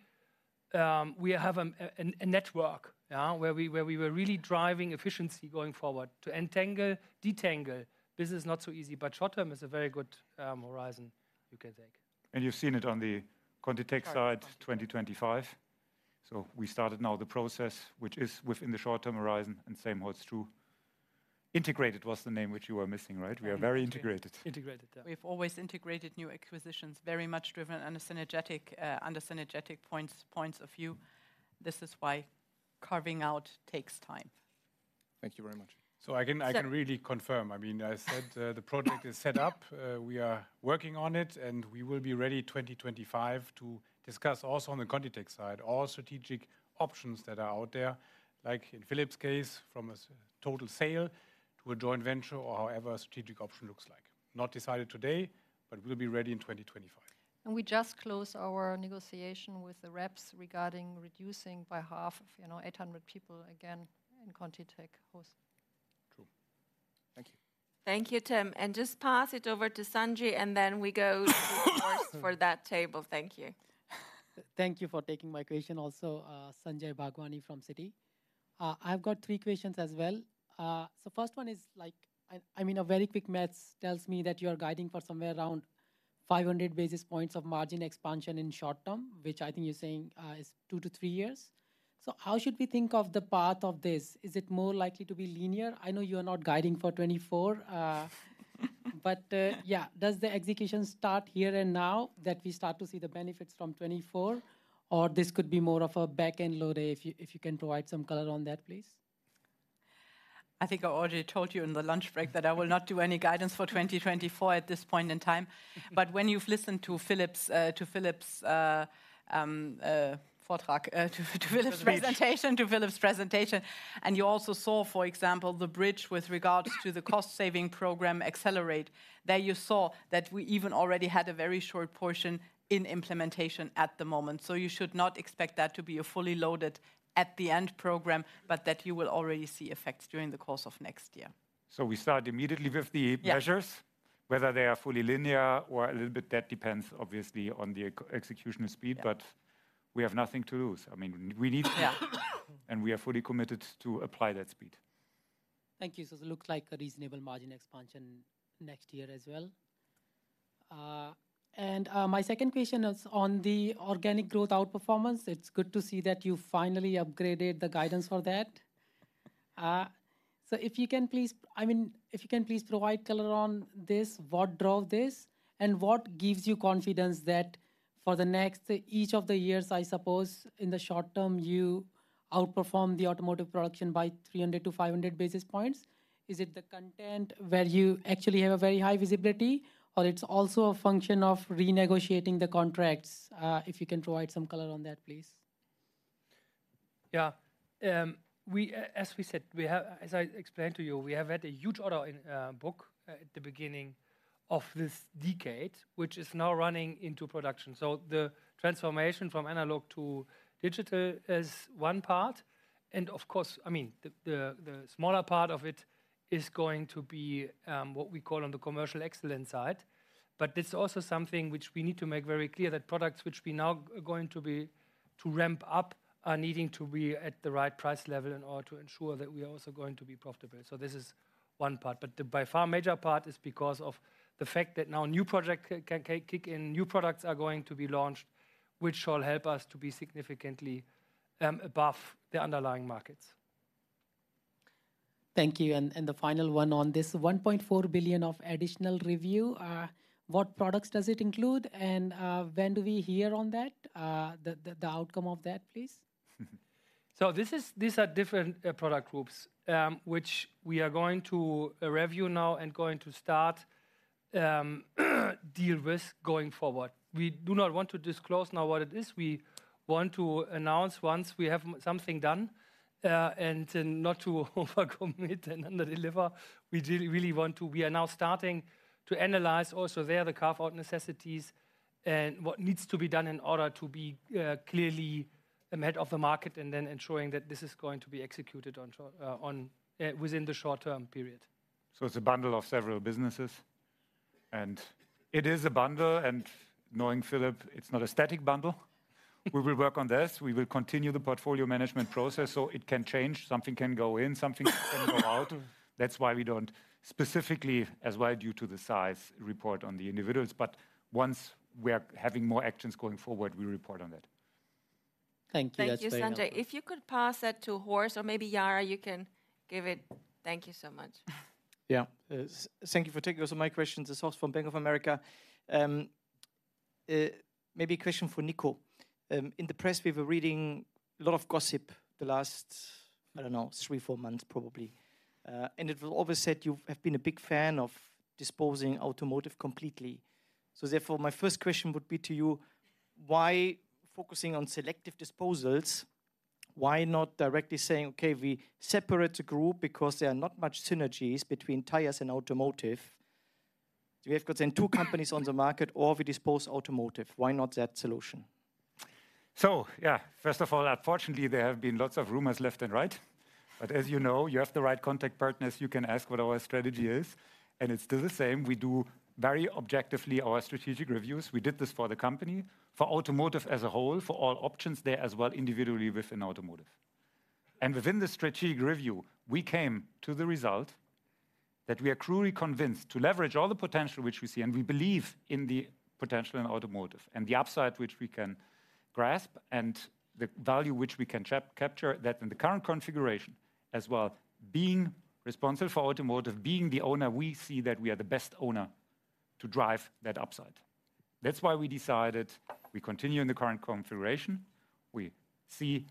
We have a network, yeah, where we were really driving efficiency going forward. To entangle, detangle, this is not so easy, but short term is a very good horizon you can take. You've seen it on the ContiTech side, 2025. So we started now the process, which is within the short-term horizon, and same holds true. Integrated was the name which you were missing, right? We are very integrated. Integrated, yeah. We've always integrated new acquisitions, very much driven under synergetic points of view. This is why carving out takes time. Thank you very much. I can really confirm. I mean, I said, the project is set up. Yeah. We are working on it, and we will be ready in 2025 to discuss also on the ContiTech side, all strategic options that are out there, like in Philipp's case, from a total sale to a joint venture or however a strategic option looks like. Not decided today, but we'll be ready in 2025. We just closed our negotiation with the reps regarding reducing by half, you know, 800 people again in ContiTech hose. True. Thank you. Thank you, Tim, and just pass it over to Sanjay, and then we go to course for that table. Thank you. Thank you for taking my question also. Sanjay Bhagwani from Citi. I've got three questions as well. So first one is like... I mean, a very quick math tells me that you are guiding for somewhere around 500 basis points of margin expansion in short term, which I think you're saying is two to three years. So how should we think of the path of this? Is it more likely to be linear? I know you are not guiding for 2024, but yeah. Does the execution start here and now, that we start to see the benefits from 2024? Or this could be more of a back-end loaded, if you can provide some color on that, please. I think I already told you in the lunch break that I will not do any guidance for 2024 at this point in time. Mm-hmm. But when you've listened to Philipp's Vortrag, to Philipp's presentation- Speech... to Philipp's presentation, and you also saw, for example, the bridge with regards to the cost-saving program Accelerate. There you saw that we even already had a very short portion in implementation at the moment. So you should not expect that to be a fully loaded at the end program, but that you will already see effects during the course of next year. We start immediately with the- Yeah... measures. Whether they are fully linear or a little bit, that depends, obviously, on the execution speed. Yeah. But we have nothing to lose. I mean, we need to. Yeah. We are fully committed to apply that speed. Thank you. So it looks like a reasonable margin expansion next year as well. And my second question is on the organic growth outperformance. It's good to see that you finally upgraded the guidance for that. So if you can please, I mean, if you can please provide color on this, what drove this? And what gives you confidence that for the next, each of the years, I suppose, in the short term, you outperform the automotive production by 300-500 basis points? Is it the content where you actually have a very high visibility, or it's also a function of renegotiating the contracts? If you can provide some color on that, please. Yeah. We, as we said, we have—as I explained to you, we have had a huge order in book at the beginning of this decade, which is now running into production. So the transformation from analog to digital is one part, and of course, I mean, the smaller part of it is going to be what we call on the commercial excellence side. But this is also something which we need to make very clear, that products which we now going to be, to ramp up, are needing to be at the right price level in order to ensure that we are also going to be profitable. So this is one part, but the by far major part is because of the fact that now new project can kick in, new products are going to be launched, which shall help us to be significantly above the underlying markets. Thank you, and the final one on this, 1.4 billion of additional revenue, what products does it include? And, when do we hear on that, the outcome of that, please?... So this is, these are different product groups, which we are going to review now and going to start deal with going forward. We do not want to disclose now what it is. We want to announce once we have something done, and then not to overcommit and under-deliver, we really, really want to. We are now starting to analyze also there, the carve-out necessities and what needs to be done in order to be clearly ahead of the market, and then ensuring that this is going to be executed on short, on, within the short-term period. So it's a bundle of several businesses, and it is a bundle, and knowing Philipp, it's not a static bundle. We will work on this. We will continue the portfolio management process so it can change: something can go in, something can go out. That's why we don't specifically, as well due to the size, report on the individuals, but once we are having more actions going forward, we report on that. Thank you. That's very- Thank you, Sanjay. If you could pass that to Horst, or maybe Yara, you can give it... Thank you so much. Yeah. Thank you for taking also my questions. It's Horst from Bank of America. Maybe a question for Niko. In the press, we were reading a lot of gossip the last, I don't know, three, four months probably. And it was always said you've have been a big fan of disposing automotive completely. So therefore, my first question would be to you: why focusing on selective disposals? Why not directly saying, "Okay, we separate the group because there are not much synergies between tires and automotive. We have got then two companies on the market, or we dispose automotive." Why not that solution? So yeah, first of all, unfortunately, there have been lots of rumors left and right. But as you know, you have the right contact partners, you can ask what our strategy is, and it's still the same. We do very objectively our strategic reviews. We did this for the company, for automotive as a whole, for all options there as well, individually within automotive. And within the strategic review, we came to the result that we are truly convinced to leverage all the potential which we see, and we believe in the potential in automotive, and the upside which we can grasp, and the value which we can capture, that in the current configuration, as well, being responsible for automotive, being the owner, we see that we are the best owner to drive that upside. That's why we decided we continue in the current configuration. We see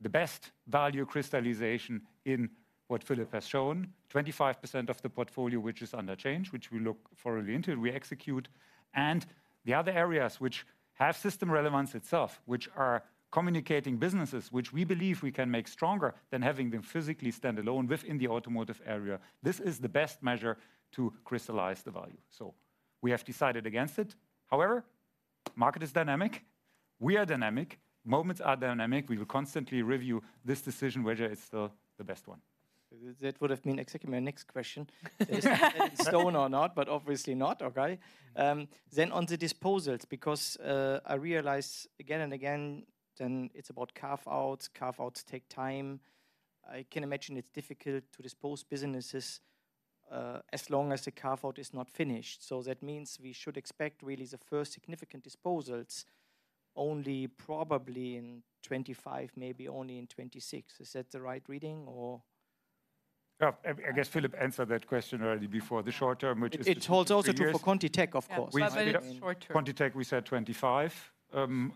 the best value crystallization in what Philipp has shown, 25% of the portfolio, which is under change, which we look thoroughly into, we execute. The other areas which have system relevance itself, which are communicating businesses, which we believe we can make stronger than having them physically stand alone within the automotive area. This is the best measure to crystallize the value, so we have decided against it. However, market is dynamic. We are dynamic. Moments are dynamic. We will constantly review this decision, whether it's still the best one. That would have been exactly my next question. Is it stone or not? But obviously not. Okay. Then on the disposals, because I realize again and again, then it's about carve-outs. Carve-outs take time. I can imagine it's difficult to dispose businesses as long as the carve-out is not finished. So that means we should expect really the first significant disposals only probably in 2025, maybe only in 2026. Is that the right reading or? Yeah, I guess Philipp answered that question already before the short term, which is- It holds also true for ContiTech, of course. Yeah, short term. ContiTech, we said 2025.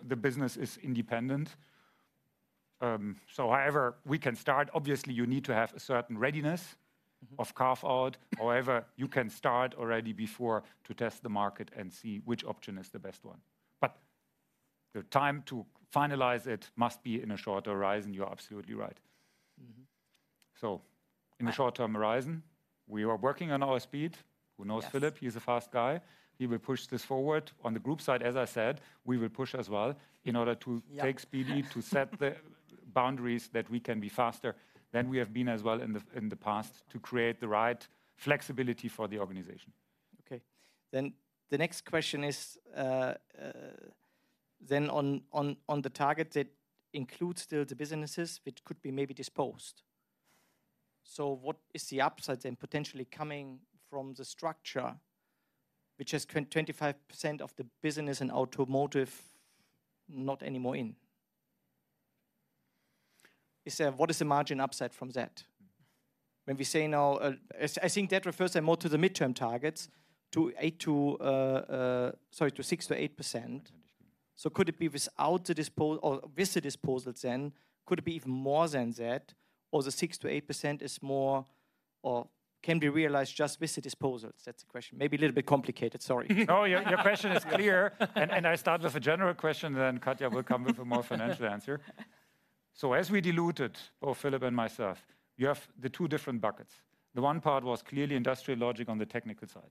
The business is independent. So however we can start, obviously, you need to have a certain readiness- Mm-hmm... of carve-out. However, you can start already before to test the market and see which option is the best one. But the time to finalize it must be in a shorter horizon. You're absolutely right. Mm-hmm. In the short-term horizon, we are working on our speed. Yes. Who knows Philipp? He's a fast guy. He will push this forward. On the group side, as I said, we will push as well in order to- Yeah.... take speedy, to set the boundaries, that we can be faster than we have been as well in the past, to create the right flexibility for the organization. Okay. Then the next question is, then on the target that includes still the businesses, which could be maybe disposed. So what is the upside then, potentially coming from the structure, which is 25% of the business and automotive not anymore in? Is, what is the margin upside from that? When we say now, I think that refers then more to the midterm targets, sorry, to 6%-8%. So could it be without the disposals or with the disposals then, could it be even more than that? Or the 6%-8% is more, or can be realized just with the disposals? That's the question. Maybe a little bit complicated. Sorry. No, your, your question is clear. And, and I start with a general question, then Katja will come with a more financial answer. So as we diluted, both Philipp and myself, you have the two different buckets. The one part was clearly industrial logic on the technical side.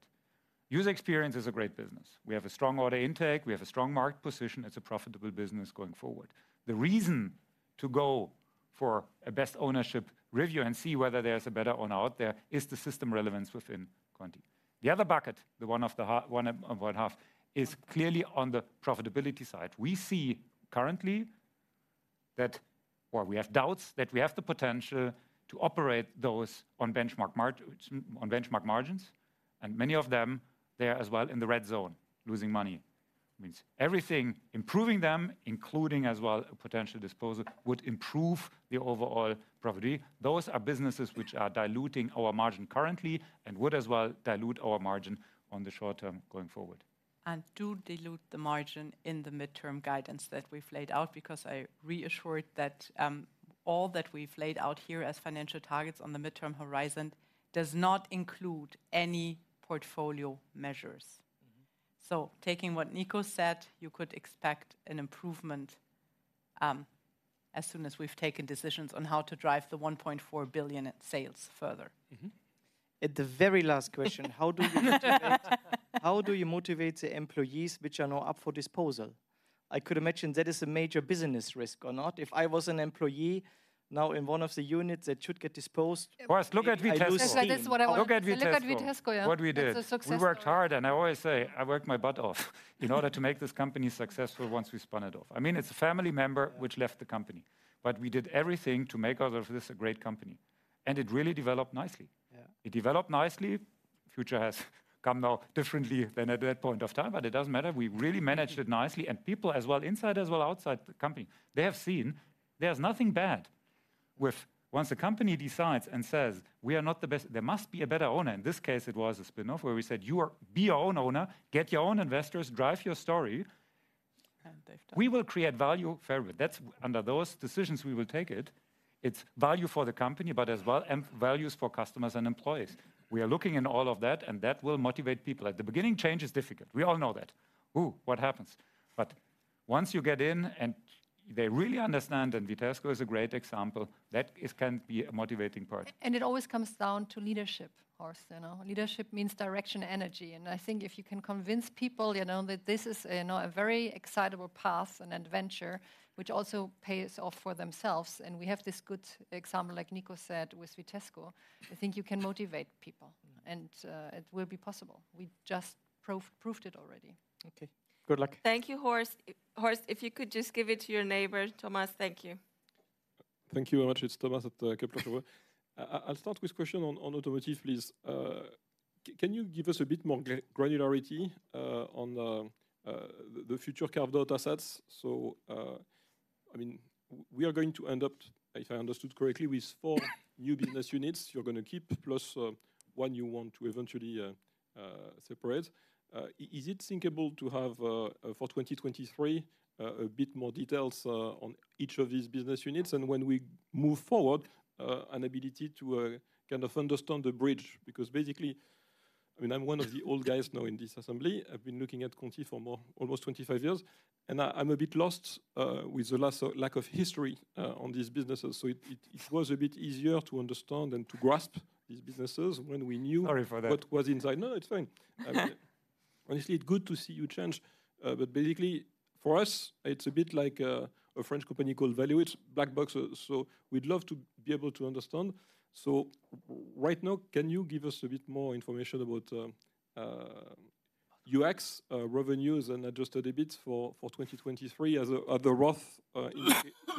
User Experience is a great business. We have a strong order intake, we have a strong market position, it's a profitable business going forward. The reason to go for a best ownership review and see whether there's a better owner out there, is the system relevance within Conti. The other bucket, the one of the half-- one of, of half, is clearly on the profitability side. We see currently that... Or we have doubts, that we have the potential to operate those on benchmark marg- on benchmark margins, and many of them, they are as well in the red zone, losing money. It means everything, improving them, including as well a potential disposal, would improve the overall profitability. Those are businesses which are diluting our margin currently, and would as well dilute our margin on the short term going forward.... and do dilute the margin in the midterm guidance that we've laid out, because I reassured that, all that we've laid out here as financial targets on the midterm horizon does not include any portfolio measures. Mm-hmm. Taking what Niko said, you could expect an improvement as soon as we've taken decisions on how to drive the 1.4 billion in sales further. Mm-hmm. At the very last question... how do you motivate, how do you motivate the employees which are now up for disposal? I could imagine that is a major business risk or not. If I was an employee now in one of the units that should get disposed- Horst, look at Vitesco. That's what I want- Look at Vitesco. Look at Vitesco, yeah. What we did. It's a success story. We worked hard, and I always say, I worked my butt off in order to make this company successful once we spun it off. I mean, it's a family member- Yeah which left the company, but we did everything to make out of this a great company. It really developed nicely. Yeah. It developed nicely. The future has come now differently than at that point of time, but it doesn't matter. We really managed it nicely, and people as well, inside as well as outside the company, they have seen there's nothing bad with it. Once a company decides and says: We are not the best, there must be a better owner. In this case, it was a spin-off where we said, "You are. Be your own owner, get your own investors, drive your story. They've done it. We will create value. Fair bit. That's under those decisions, we will take it. It's value for the company, but as well, and values for customers and employees. We are looking in all of that, and that will motivate people. At the beginning, change is difficult. We all know that. Ooh, what happens? But once you get in and they really understand, and Vitesco is a great example, that it can be a motivating part. It always comes down to leadership, Horst, you know. Leadership means direction, energy, and I think if you can convince people, you know, that this is, you know, a very exciting path and adventure, which also pays off for themselves, and we have this good example, like Niko said, with Vitesco, I think you can motivate people. Mm-hmm. And, it will be possible. We just proved, proved it already. Okay, good luck. Thank you, Horst. Horst, if you could just give it to your neighbor, Thomas. Thank you. Thank you very much. It's Thomas at Kepler Cheuvreux. I'll start with question on automotive, please. Can you give us a bit more granularity on the future car data assets? So, I mean, we are going to end up, if I understood correctly, with four new business units you're going to keep, plus one you want to eventually separate. Is it thinkable to have, for 2023, a bit more details on each of these business units? And when we move forward, an ability to kind of understand the bridge, because basically, I mean, I'm one of the old guys now in this assembly. I've been looking at Conti for more, almost 25 years, and I'm a bit lost with the last lack of history on these businesses. So it was a bit easier to understand and to grasp these businesses when we knew- Sorry for that. What was inside. No, it's fine. Obviously, it's good to see you change, but basically, for us, it's a bit like a French company called Valeo, black box. So we'd love to be able to understand. So right now, can you give us a bit more information about UX revenues and adjusted EBIT for 2023 as the rough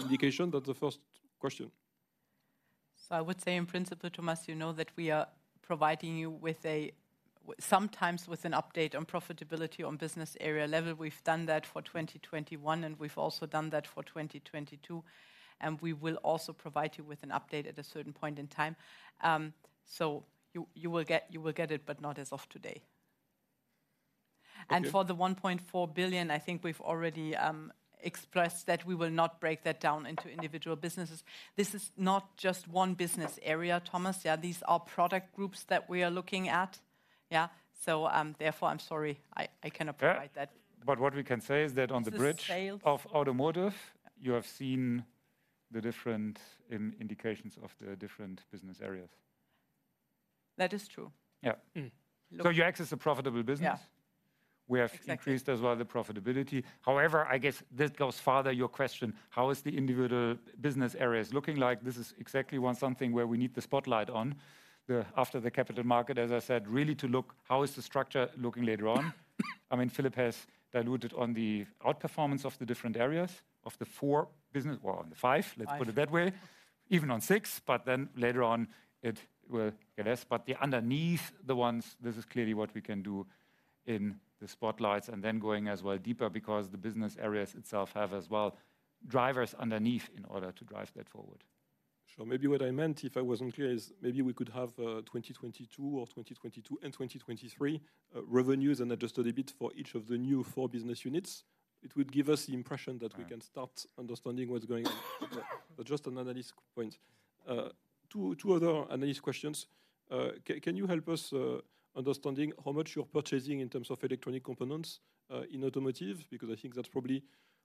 indication? That's the first question. I would say in principle, Thomas, you know that we are providing you with a, sometimes with an update on profitability on business area level. We've done that for 2021, and we've also done that for 2022, and we will also provide you with an update at a certain point in time. So you will get it, but not as of today. Okay. For the 1.4 billion, I think we've already expressed that we will not break that down into individual businesses. This is not just one business area, Thomas. Yeah, these are product groups that we are looking at. Yeah. So, therefore, I'm sorry, I cannot provide that. Yeah, but what we can say is that on the bridge- Sales Of automotive, you have seen the different indications of the different business areas. That is true. Yeah. Mm. UX is a profitable business? Yeah. We have- Exactly... increased as well, the profitability. However, I guess that goes farther, your question, how is the individual business areas looking like? This is exactly one something where we need the spotlight on. After the capital market, as I said, really to look, how is the structure looking later on? I mean, Philip has diluted on the outperformance of the different areas, of the four business—well, the five- Five... let's put it that way, even on six, but then later on it will get less. But yeah, underneath the 1s, this is clearly what we can do in the spotlights, and then going as well deeper because the business areas itself have as well, drivers underneath in order to drive that forward. So maybe what I meant, if I wasn't clear, is maybe we could have 2022 or 2022 and 2023 revenues and adjusted EBIT for each of the new four business units. It would give us the impression that we can- Ah... start understanding what's going on. But just an analyst point. Two other analyst questions. Can you help us understanding how much you're purchasing in terms of electronic components in automotive? Because I think that's probably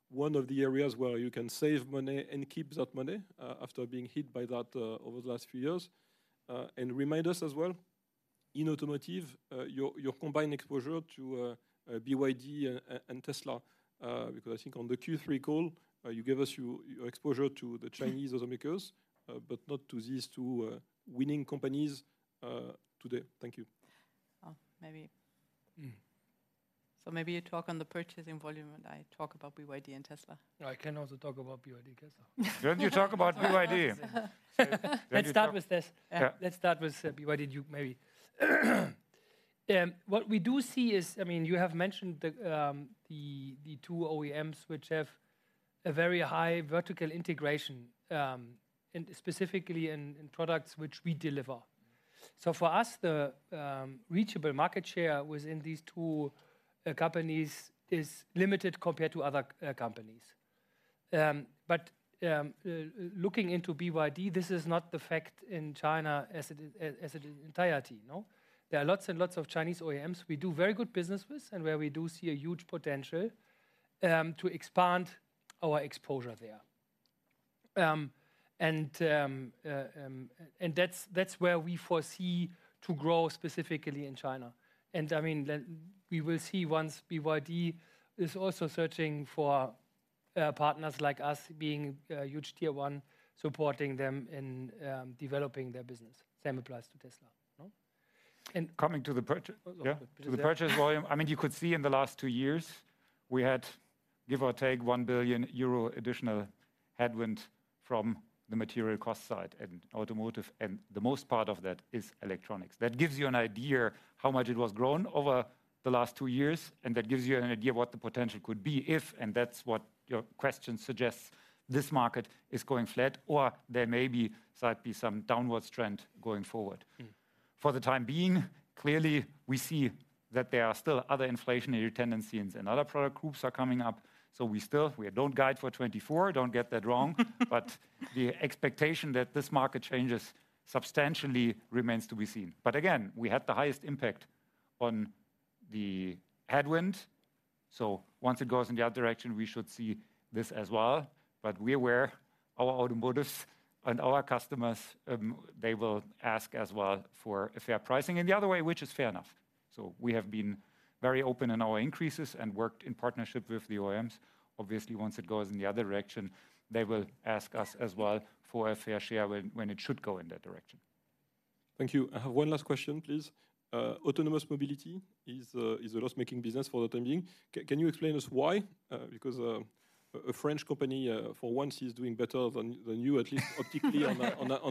one of the areas where you can save money and keep that money after being hit by that over the last few years. And remind us as well, in automotive, your combined exposure to BYD and Tesla, because I think on the Q3 call, you gave us your exposure to the Chinese automakers, but not to these two winning companies today. Thank you. Oh, maybe. Mm. Maybe you talk on the purchasing volume, and I talk about BYD and Tesla. I can also talk about BYD and Tesla. Don't you talk about BYD? Let's start with this. Yeah. Let's start with BYD, look, maybe. What we do see is... I mean, you have mentioned the two OEMs, which have a very high vertical integration, and specifically in products which we deliver.... So for us, the reachable market share within these two companies is limited compared to other companies. But looking into BYD, this is not the fact in China as it is, as it is entirety, no? There are lots and lots of Chinese OEMs we do very good business with, and where we do see a huge potential to expand our exposure there. And that's where we foresee to grow, specifically in China. And I mean, we will see once BYD is also searching for partners like us, being a huge tier one, supporting them in developing their business. Same applies to Tesla, no? And- Coming to the purch- Oh, sorry. Yeah, to the purchase volume. I mean, you could see in the last two years, we had, give or take, 1 billion euro additional headwind from the material cost side and automotive, and the most part of that is electronics. That gives you an idea how much it was grown over the last two years, and that gives you an idea what the potential could be if, and that's what your question suggests, this market is going flat, or there may be slightly some downwards trend going forward. Mm. For the time being, clearly, we see that there are still other inflationary tendencies and other product groups are coming up, so we still don't guide for 2024. Don't get that wrong. But the expectation that this market changes substantially remains to be seen. But again, we had the highest impact on the headwind, so once it goes in the other direction, we should see this as well. But we're aware our automotive and our customers, they will ask as well for a fair pricing in the other way, which is fair enough. So we have been very open in our increases and worked in partnership with the OEMs. Obviously, once it goes in the other direction, they will ask us as well for a fair share when it should go in that direction. Thank you. I have one last question, please. Autonomous mobility is a loss-making business for the time being. Can you explain us why? Because a French company, for once, is doing better than you, at least optically on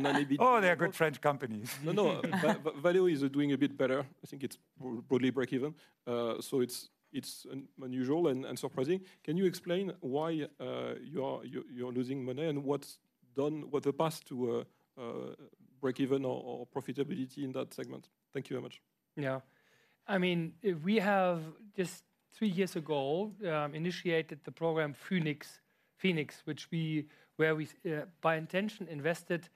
an EB- Oh, they are good French companies. No, no. Valeo is doing a bit better. I think it's broadly breakeven. So it's unusual and surprising. Can you explain why you are losing money, and what the path to a breakeven or profitability in that segment? Thank you very much. Yeah. I mean, we have, just three years ago, initiated the program, Phoenix, which we-- where we, by intention, invested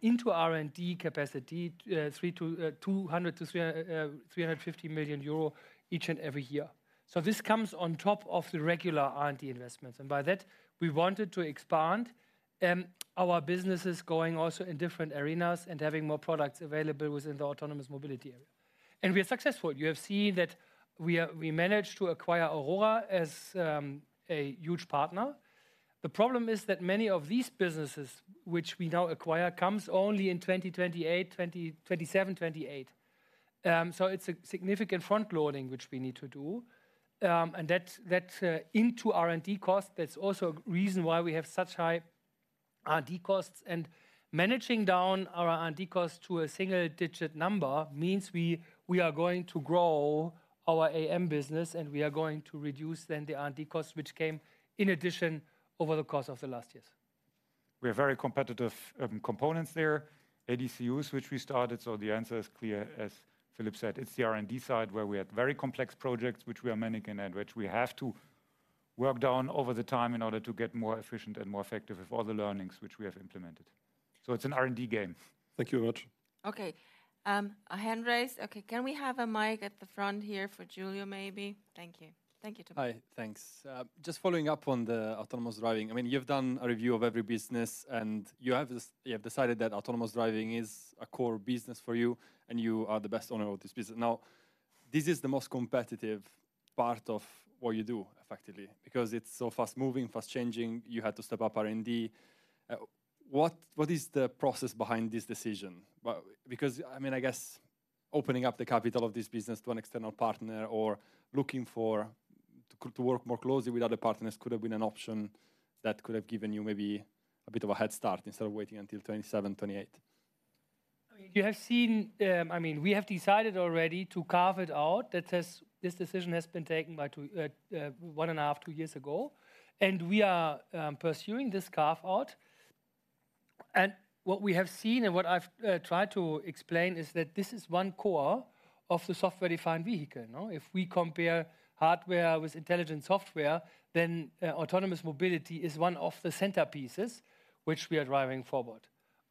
into R&D capacity, three to two hundred to three hundred and fifty million euro each and every year. So this comes on top of the regular R&D investments, and by that, we wanted to expand our businesses going also in different arenas and having more products available within the autonomous mobility area. And we are successful. You have seen that we are-- we managed to acquire Aurora as a huge partner. The problem is that many of these businesses, which we now acquire, comes only in 2028, 2027-2028. So it's a significant front loading, which we need to do. That into R&D cost, that's also a reason why we have such high R&D costs. Managing down our R&D cost to a single-digit number means we are going to grow our AM business, and we are going to reduce then the R&D cost, which came in addition over the course of the last years. We are very competitive, components there, ADAS, which we started, so the answer is clear. As Philipp said, it's the R&D side, where we had very complex projects, which we are managing and which we have to work down over the time in order to get more efficient and more effective with all the learnings which we have implemented. So it's an R&D game. Thank you very much. Okay, a hand raised. Okay, can we have a mic at the front here for Giulio, maybe? Thank you. Thank you, Giulio. Hi, thanks. Just following up on the autonomous driving. I mean, you've done a review of every business, and you have decided that autonomous driving is a core business for you, and you are the best owner of this business. Now, this is the most competitive part of what you do, effectively, because it's so fast-moving, fast-changing. You had to step up R&D. What, what is the process behind this decision? Well, because, I mean, I guess opening up the capital of this business to an external partner or looking for- to, to work more closely with other partners could have been an option that could have given you maybe a bit of a head start instead of waiting until 2027, 2028. I mean, you have seen. I mean, we have decided already to carve it out. That has—this decision has been taken one and a half to two years ago, and we are pursuing this carve-out. And what we have seen, and what I've tried to explain, is that this is one core of the software-defined vehicle, no? If we compare hardware with intelligent software, then autonomous mobility is one of the centerpieces which we are driving forward.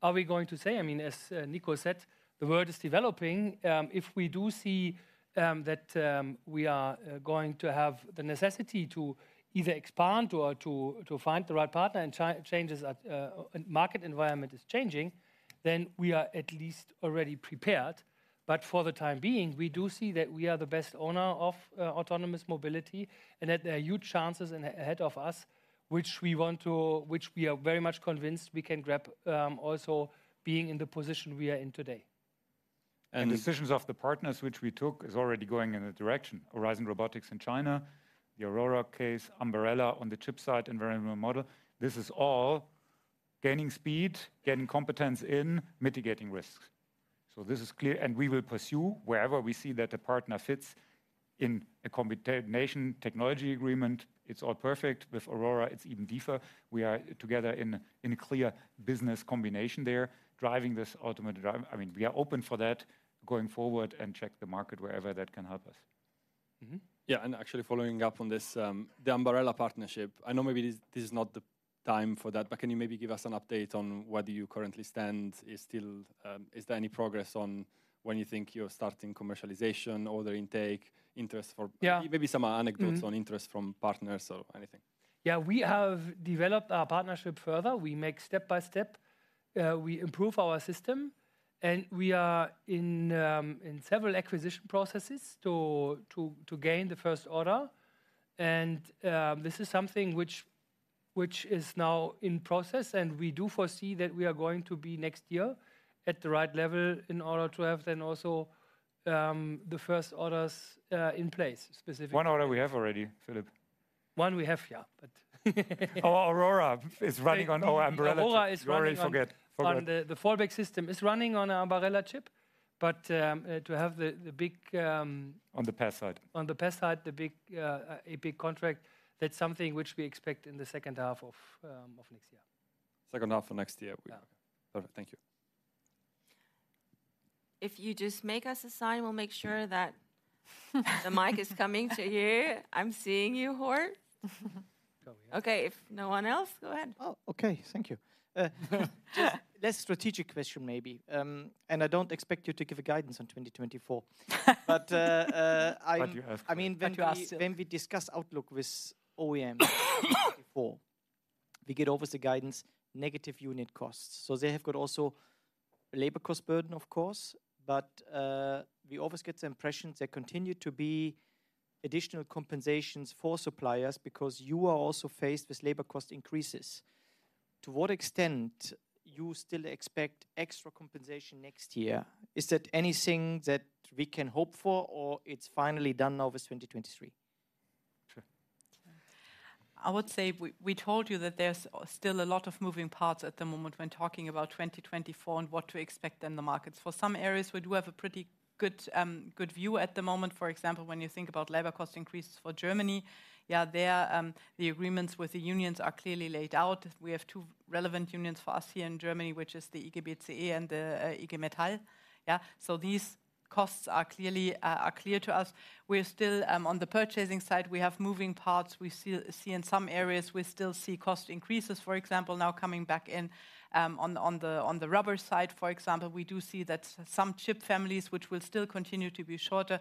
Are we going to say—I mean, as Niko said, the world is developing. If we do see that we are going to have the necessity to either expand or to find the right partner, and changes and market environment is changing, then we are at least already prepared. But for the time being, we do see that we are the best owner of autonomous mobility, and that there are huge chances ahead of us, which we are very much convinced we can grab, also being in the position we are in today. Decisions of the partners which we took is already going in a direction. Horizon Robotics in China, the Aurora case, Ambarella on the chip side, and Verima model, this is all gaining speed, gaining competence in mitigating risks. So this is clear, and we will pursue wherever we see that the partner fits in a combination technology agreement, it's all perfect. With Aurora, it's even deeper. We are together in a clear business combination there, driving this automated driving. I mean, we are open for that going forward and check the market wherever that can help us. Yeah, and actually following up on this, the Ambarella partnership, I know maybe this, this is not the time for that, but can you maybe give us an update on where do you currently stand? Is there any progress on when you think you're starting commercialization, order intake, interest for- Yeah. Maybe some anecdotes- Mm-hmm... on interest from partners or anything? Yeah, we have developed our partnership further. We make step by step, we improve our system, and we are in several acquisition processes to gain the first order. This is something which is now in process, and we do foresee that we are going to be next year at the right level in order to have then also the first orders in place, specifically. One order we have already, Philipp. One we have, yeah, but. Our Aurora is running on our Ambarella- Aurora is running on- You already forget. Forgot... On the fallback system. It's running on Ambarella chip, but to have the big On the PaaS side. On the PaaS side, a big contract, that's something which we expect in the second half of next year. Second half of next year. Yeah. Perfect. Thank you. If you just make us a sign, we'll make sure that the mic is coming to you. I'm seeing you, Horst. Go, yeah. Okay, if no one else, go ahead. Oh, okay. Thank you. Yeah. Less strategic question maybe, and I don't expect you to give a guidance on 2024. But, But you have to. But you ask still. I mean, when we discuss outlook with OEM before, we get always the guidance, negative unit costs. So they have got also labor cost burden, of course, but we always get the impression there continue to be additional compensations for suppliers because you are also faced with labor cost increases. To what extent you still expect extra compensation next year? Is that anything that we can hope for or it's finally done now with 2023? Sure. I would say we told you that there's still a lot of moving parts at the moment when talking about 2024 and what to expect in the markets. For some areas, we do have a pretty good good view at the moment. For example, when you think about labor cost increases for Germany, yeah, there the agreements with the unions are clearly laid out. We have two relevant unions for us here in Germany, which is the IG BCE and the IG Metall. Yeah. So these costs are clearly are clear to us. We're still on the purchasing side, we have moving parts. We see in some areas, we still see cost increases. For example, now coming back in, on the rubber side, for example, we do see that some chip families, which will still continue to be shorter,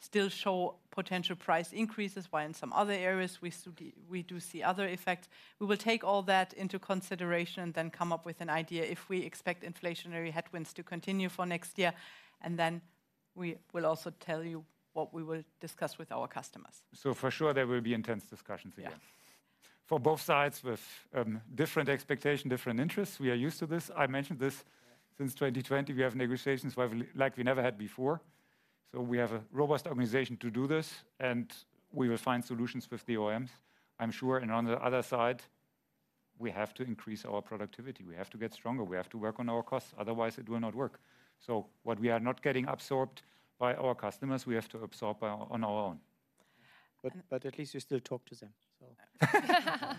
still show potential price increases, while in some other areas, we see—we do see other effects. We will take all that into consideration, then come up with an idea if we expect inflationary headwinds to continue for next year, and then we will also tell you what we will discuss with our customers. For sure, there will be intense discussions again. Yeah. For both sides, with different expectations, different interests, we are used to this. I mentioned this, since 2020, we have negotiations where, like we never had before. So we have a robust organization to do this, and we will find solutions with the OEMs, I'm sure. And on the other side, we have to increase our productivity. We have to get stronger. We have to work on our costs, otherwise it will not work. So what we are not getting absorbed by our customers, we have to absorb on our own. But at least you still talk to them, so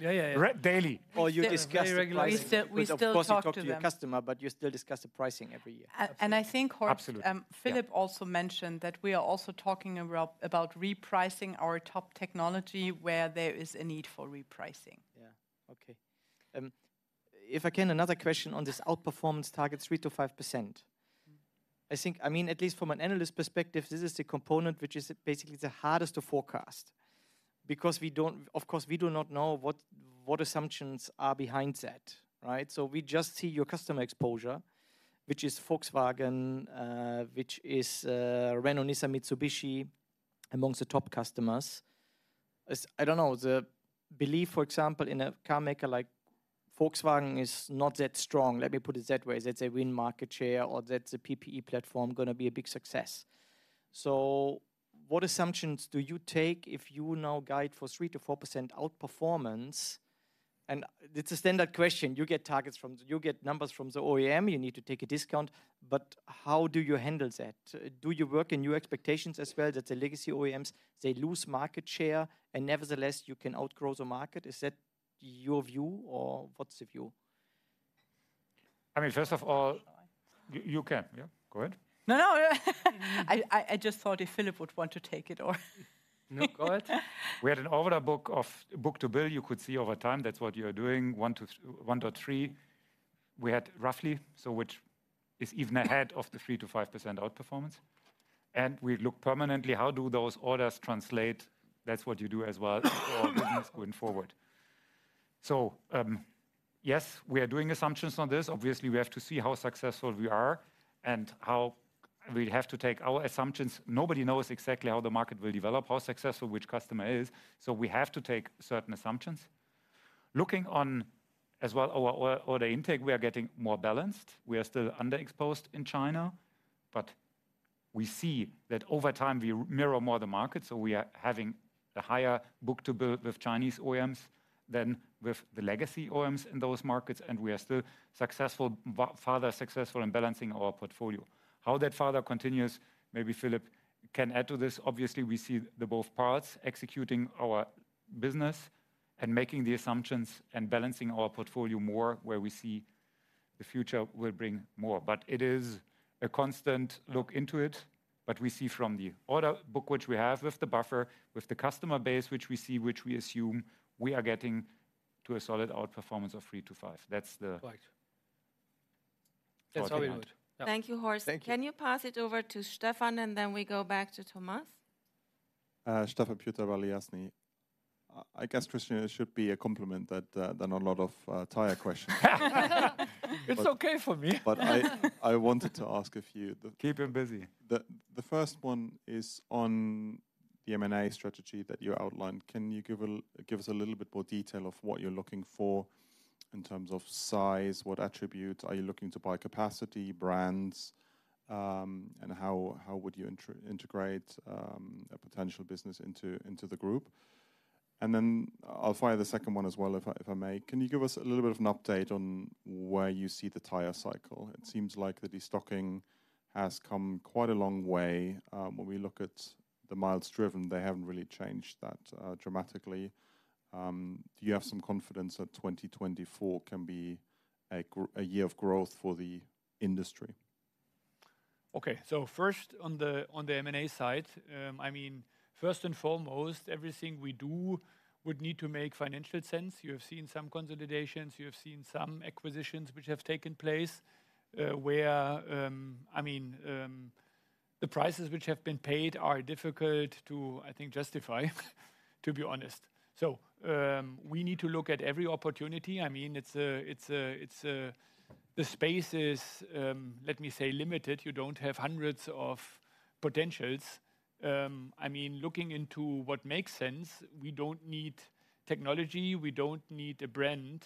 Yeah, yeah. Daily. Or you discuss the pricing- We still talk to them.... Of course, you talk to your customer, but you still discuss the pricing every year. I think, Horst- Absolutely. Philipp also mentioned that we are also talking about repricing our top technology, where there is a need for repricing. Yeah. Okay. If I can, another question on this outperformance target, 3%-5%. I think, I mean, at least from an analyst perspective, this is the component which is basically the hardest to forecast. Because we don't-- of course, we do not know what, what assumptions are behind that, right? So we just see your customer exposure, which is Volkswagen, which is, Renault, Nissan, Mitsubishi, amongst the top customers. As... I don't know, the belief, for example, in a carmaker like Volkswagen is not that strong. Let me put it that way. That they win market share or that the PPE Platform gonna be a big success. So what assumptions do you take if you now guide for 3%-4% outperformance? And it's a standard question. You get numbers from the OEM, you need to take a discount, but how do you handle that? Do you work in your expectations as well, that the legacy OEMs, they lose market share, and nevertheless, you can outgrow the market? Is that your view, or what's the view? I mean, first of all... You can, yeah, go ahead. No, no. I just thought if Philipp would want to take it or No, go ahead. We had an order book of book-to-bill. You could see over time, that's what you are doing, 1 to 1 to 3. We had roughly, so which is even ahead of the 3%-5% outperformance, and we look permanently, how do those orders translate? That's what you do as well for business going forward. So, yes, we are doing assumptions on this. Obviously, we have to see how successful we are and how we have to take our assumptions. Nobody knows exactly how the market will develop, how successful which customer is, so we have to take certain assumptions. Looking on as well, our order intake, we are getting more balanced. We are still underexposed in China, but we see that over time, we mirror more the market, so we are having a higher book-to-bill with Chinese OEMs than with the legacy OEMs in those markets, and we are still successful, but farther successful in balancing our portfolio. How that farther continues, maybe Philipp can add to this. Obviously, we see both parts, executing our business and making the assumptions and balancing our portfolio more, where we see the future will bring more. But it is a constant look into it, but we see from the order book, which we have, with the buffer, with the customer base, which we see, which we assume, we are getting to a solid outperformance of three to five. That's the- Right. That's how we would. Thank you, Horst. Thank you. Can you pass it over to Stefan, and then we go back to Thomas? Stefan Burgstaller asked me. I guess, Christian, it should be a compliment that there are not a lot of tire questions. It's okay for me. But I wanted to ask a few- Keep him busy. The first one is on the M&A strategy that you outlined. Can you give us a little bit more detail of what you're looking for in terms of size? What attributes? Are you looking to buy capacity, brands, and how would you integrate a potential business into the group? And then I'll fire the second one as well, if I may. Can you give us a little bit of an update on where you see the tire cycle? It seems like the destocking has come quite a long way. When we look at the miles driven, they haven't really changed that dramatically. Do you have some confidence that 2024 can be a year of growth for the industry? Okay. So first, on the M&A side, I mean, first and foremost, everything we do would need to make financial sense. You have seen some consolidations, you have seen some acquisitions which have taken place, where, I mean, the prices which have been paid are difficult to, I think, justify, to be honest. So, we need to look at every opportunity. I mean, the space is, let me say, limited. You don't have hundreds of potentials. I mean, looking into what makes sense, we don't need technology, we don't need a brand.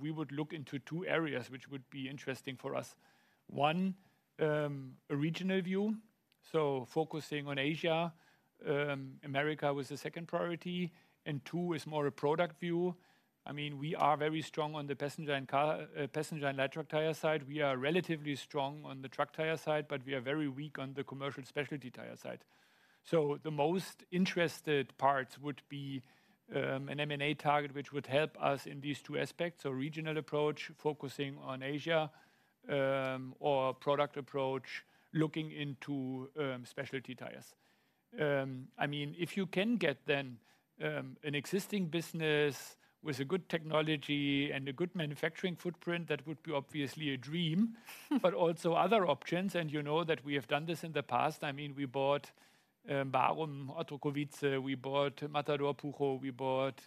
We would look into two areas, which would be interesting for us. One, a regional view, so focusing on Asia, America was the second priority, and two is more a product view. I mean, we are very strong on the passenger and car, passenger and light truck tire side. We are relatively strong on the truck tire side, but we are very weak on the commercial specialty tire side. So the most interested parts would be an M&A target, which would help us in these two aspects. So regional approach, focusing on Asia, or product approach, looking into specialty tires. I mean, if you can get then an existing business with a good technology and a good manufacturing footprint, that would be obviously a dream. But also other options, and you know that we have done this in the past. I mean, we bought Barum, Otrokovice. We bought Matador Púchov. We bought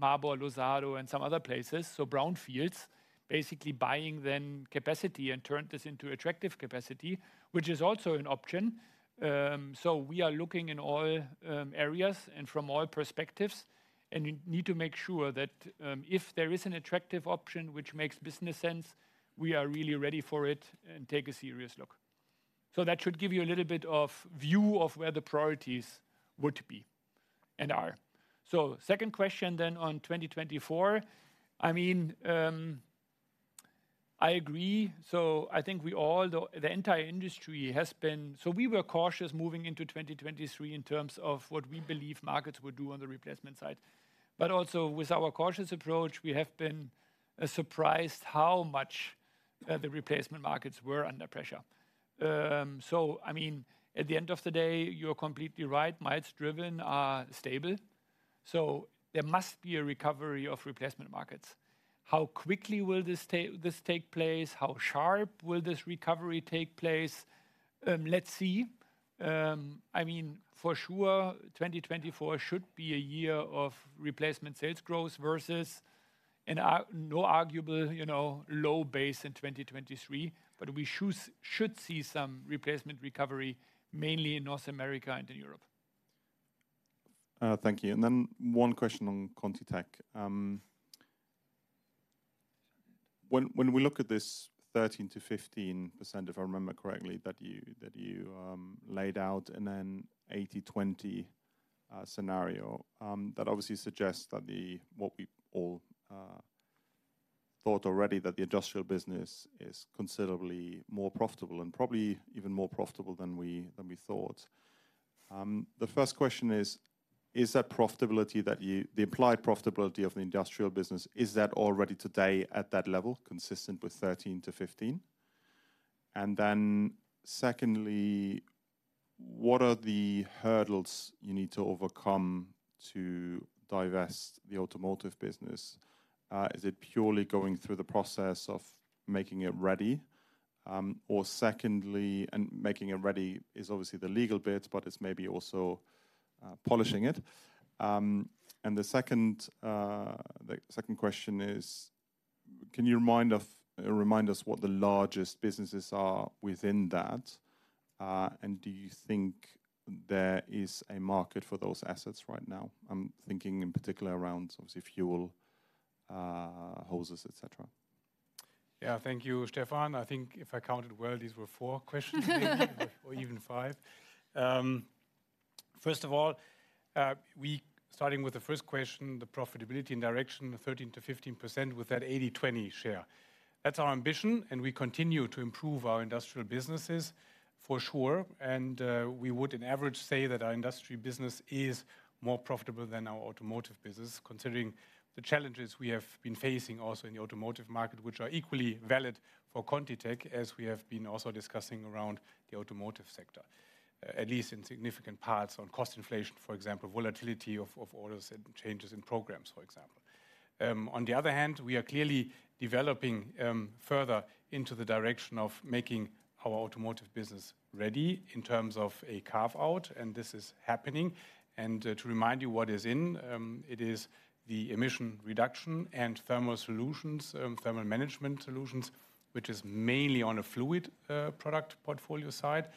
Mabor Lozano and some other places. Brownfields, basically buying, then capacity and turn this into attractive capacity, which is also an option. So we are looking in all areas and from all perspectives, and we need to make sure that if there is an attractive option which makes business sense, we are really ready for it and take a serious look. So that should give you a little bit of view of where the priorities would be and are. Second question then on 2024, I mean, I agree. So I think we all, the entire industry has been. So we were cautious moving into 2023 in terms of what we believe markets would do on the replacement side. But also with our cautious approach, we have been surprised how much the replacement markets were under pressure. So I mean, at the end of the day, you're completely right, miles driven are stable, so there must be a recovery of replacement markets. How quickly will this take place? How sharp will this recovery take place? Let's see. I mean, for sure, 2024 should be a year of replacement sales growth versus an arguable, you know, low base in 2023. But we should see some replacement recovery, mainly in North America and in Europe. Thank you. Then one question on ContiTech. When we look at this 13%-15%, if I remember correctly, that you laid out, and then 80/20 scenario, that obviously suggests that the... What we all thought already, that the industrial business is considerably more profitable and probably even more profitable than we thought. The first question is, is that profitability, that you, the implied profitability of the industrial business, is that already today at that level, consistent with 13%-15%? And then secondly, what are the hurdles you need to overcome to divest the automotive business? Is it purely going through the process of making it ready? Or secondly, and making it ready is obviously the legal bit, but it's maybe also polishing it. And the second question is: can you remind us what the largest businesses are within that? And do you think there is a market for those assets right now? I'm thinking in particular around obviously fuel, hoses, et cetera. Yeah. Thank you, Stefan. I think if I counted well, these were four questions or even five.... First of all, we, starting with the first question, the profitability and direction, 13%-15% with that 80/20 share. That's our ambition, and we continue to improve our industrial businesses for sure, and, we would, on average, say that our industry business is more profitable than our automotive business, considering the challenges we have been facing also in the automotive market, which are equally valid for ContiTech, as we have been also discussing around the automotive sector. At least in significant parts on cost inflation, for example, volatility of orders and changes in programs, for example. On the other hand, we are clearly developing, further into the direction of making our automotive business ready in terms of a carve-out, and this is happening. To remind you what is in it is the emission reduction and thermal solutions, thermal management solutions, which is mainly on a fluid product portfolio side.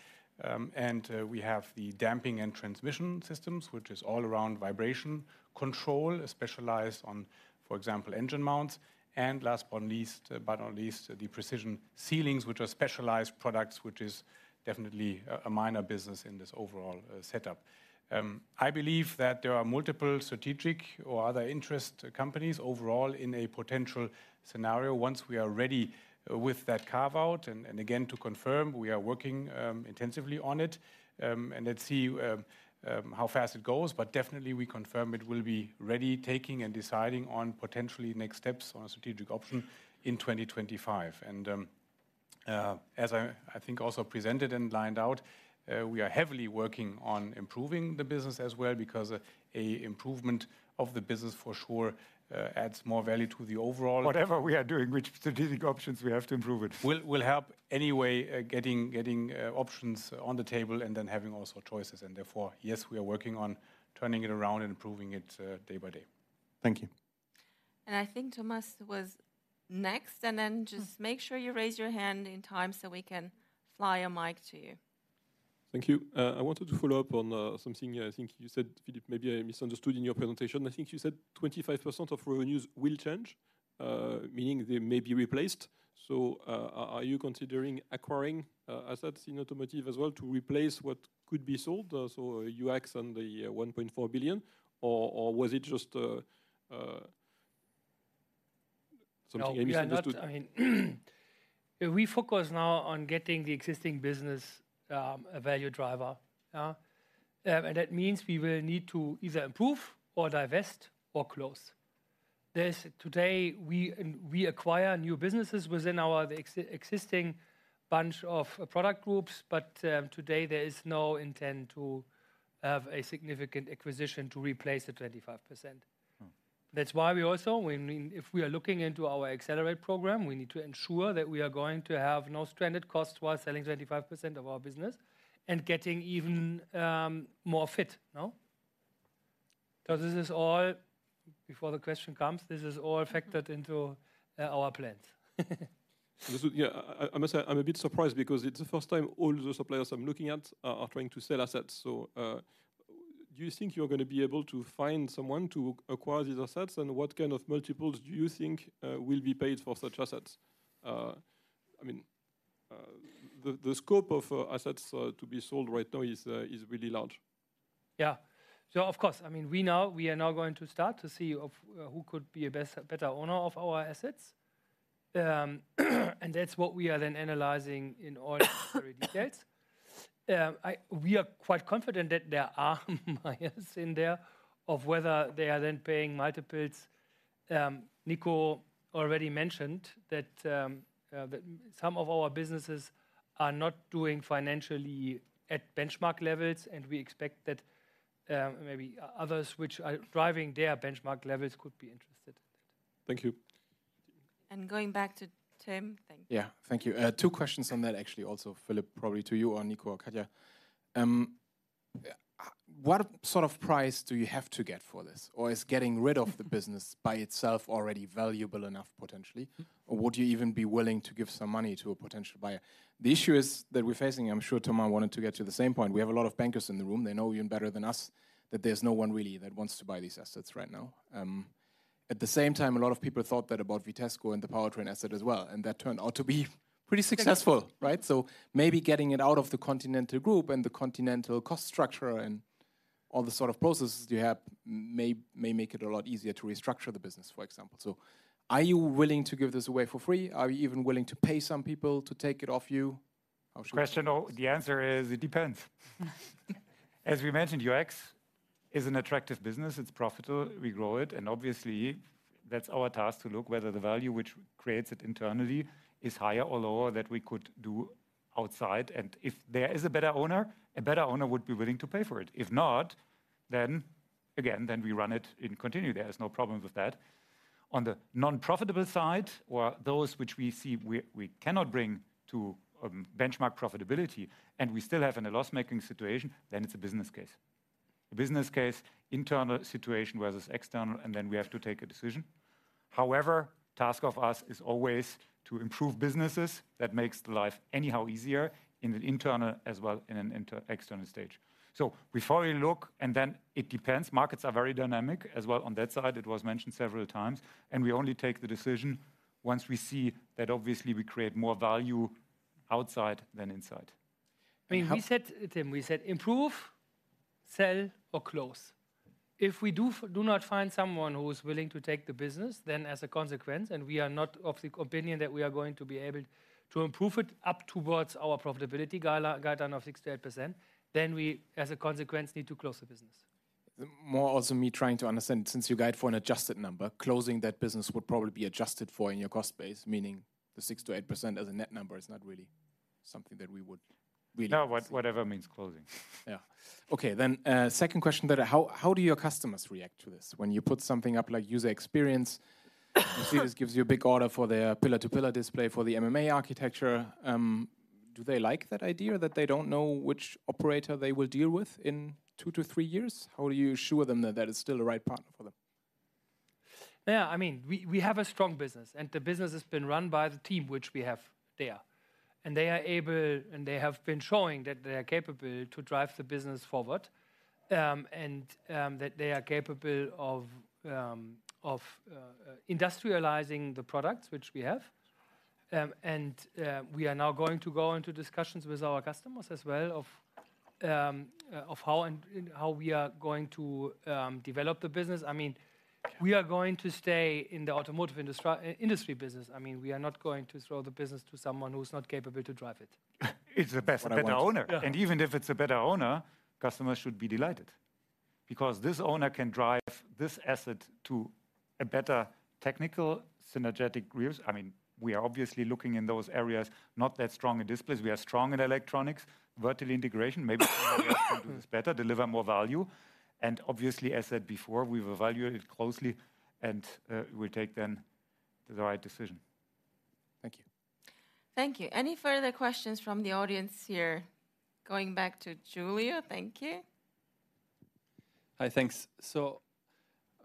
We have the damping and transmission systems, which is all around vibration control, specialized on, for example, engine mounts. And last but least, but not least, the precision sealings, which are specialized products, which is definitely a minor business in this overall setup. I believe that there are multiple strategic or other interest companies overall in a potential scenario, once we are ready with that carve-out. And again, to confirm, we are working intensively on it. And let's see how fast it goes, but definitely we confirm it will be ready, taking and deciding on potentially next steps on a strategic option in 2025. As I think also presented and laid out, we are heavily working on improving the business as well, because an improvement of the business for sure adds more value to the overall- Whatever we are doing, which strategic options, we have to improve it. Will help anyway, getting options on the table and then having also choices. And therefore, yes, we are working on turning it around and improving it, day by day. Thank you. I think Thomas was next, and then just make sure you raise your hand in time so we can fly a mic to you. Thank you. I wanted to follow up on something I think you said, Philip, maybe I misunderstood in your presentation. I think you said 25% of revenues will change, meaning they may be replaced. So, are you considering acquiring assets in automotive as well to replace what could be sold, so UX and the $1.4 billion? Or was it just something I misunderstood? No, we are not. I mean, we focus now on getting the existing business a value driver. That means we will need to either improve or divest or close. Today, we acquire new businesses within our existing bunch of product groups, but today there is no intent to have a significant acquisition to replace the 25%. Hmm. That's why we also, when, if we are looking into our accelerate program, we need to ensure that we are going to have no stranded costs while selling 25% of our business and getting even more fit, no? So this is all... Before the question comes, this is all factored into our plans. Yeah, I must say I'm a bit surprised because it's the first time all the suppliers I'm looking at are trying to sell assets. So, do you think you're gonna be able to find someone to acquire these assets? And what kind of multiples do you think will be paid for such assets? I mean, the scope of assets to be sold right now is really large. Yeah. So of course, I mean, we now, we are now going to start to see who could be a better owner of our assets. And that's what we are then analyzing in very details. We are quite confident that there are buyers in there, of whether they are then paying multiples. Niko already mentioned that, that some of our businesses are not doing financially at benchmark levels, and we expect that, maybe others which are driving their benchmark levels could be interested. Thank you. Going back to Tim. Thank you. Yeah. Thank you. Two questions on that, actually, Philip, probably to you or Niko or Katja. What sort of price do you have to get for this? Or is getting rid of the business by itself already valuable enough, potentially? Or would you even be willing to give some money to a potential buyer? The issue is that we're facing, I'm sure Thomas wanted to get to the same point. We have a lot of bankers in the room. They know even better than us that there's no one really that wants to buy these assets right now. At the same time, a lot of people thought that about Vitesco and the powertrain asset as well, and that turned out to be pretty successful, right? Maybe getting it out of the Continental Group and the Continental cost structure and all the sort of processes you have, may make it a lot easier to restructure the business, for example. Are you willing to give this away for free? Are you even willing to pay some people to take it off you? Or should- Question or-- the answer is, it depends. As we mentioned, UX is an attractive business, it's profitable, we grow it, and obviously, that's our task to look whether the value which creates it internally is higher or lower that we could do outside. And if there is a better owner, a better owner would be willing to pay for it. If not, then, again, then we run it and continue. There is no problem with that. On the non-profitable side, or those which we see we, we cannot bring to, benchmark profitability, and we still have in a loss-making situation, then it's a business case. A business case, internal situation versus external, and then we have to take a decision. However, task of us is always to improve businesses. That makes the life anyhow easier in an internal as well in an inter- external stage. So before we look, and then it depends. Markets are very dynamic as well on that side. It was mentioned several times. And we only take the decision once we see that obviously we create more value-... outside than inside. I mean, we said, Tim, we said, "Improve, sell, or close." If we do not find someone who is willing to take the business, then as a consequence, and we are not of the opinion that we are going to be able to improve it up towards our profitability guideline of 6%-8%, then we, as a consequence, need to close the business. Moreover, I'm trying to understand, since your guidance for an adjusted number, closing that business would probably be adjusted for in your cost base, meaning the 6%-8% as a net number is not really something that we would really. No, whatever means closing. Yeah. Okay, then, second question, how do your customers react to this? When you put something up like User Experience—you see this gives you a big order for their pillar-to-pillar display for the MMA architecture. Do they like that idea, that they don't know which operator they will deal with in two to three years? How do you assure them that that is still the right partner for them? Yeah, I mean, we have a strong business, and the business has been run by the team which we have there. And they are able, and they have been showing that they are capable to drive the business forward, and that they are capable of industrializing the products which we have. And we are now going to go into discussions with our customers as well, of how and how we are going to develop the business. I mean, we are going to stay in the automotive industry business. I mean, we are not going to throw the business to someone who is not capable to drive it. It's the best, better owner. Yeah. And even if it's a better owner, customers should be delighted, because this owner can drive this asset to a better technical, synergetic areas. I mean, we are obviously looking in those areas, not that strong in displays. We are strong in electronics, vertical integration, maybe somebody else can do this better, deliver more value. And obviously, as said before, we will evaluate it closely and we take then the right decision. Thank you. Thank you. Any further questions from the audience here? Going back to Giulio. Thank you. Hi, thanks. So,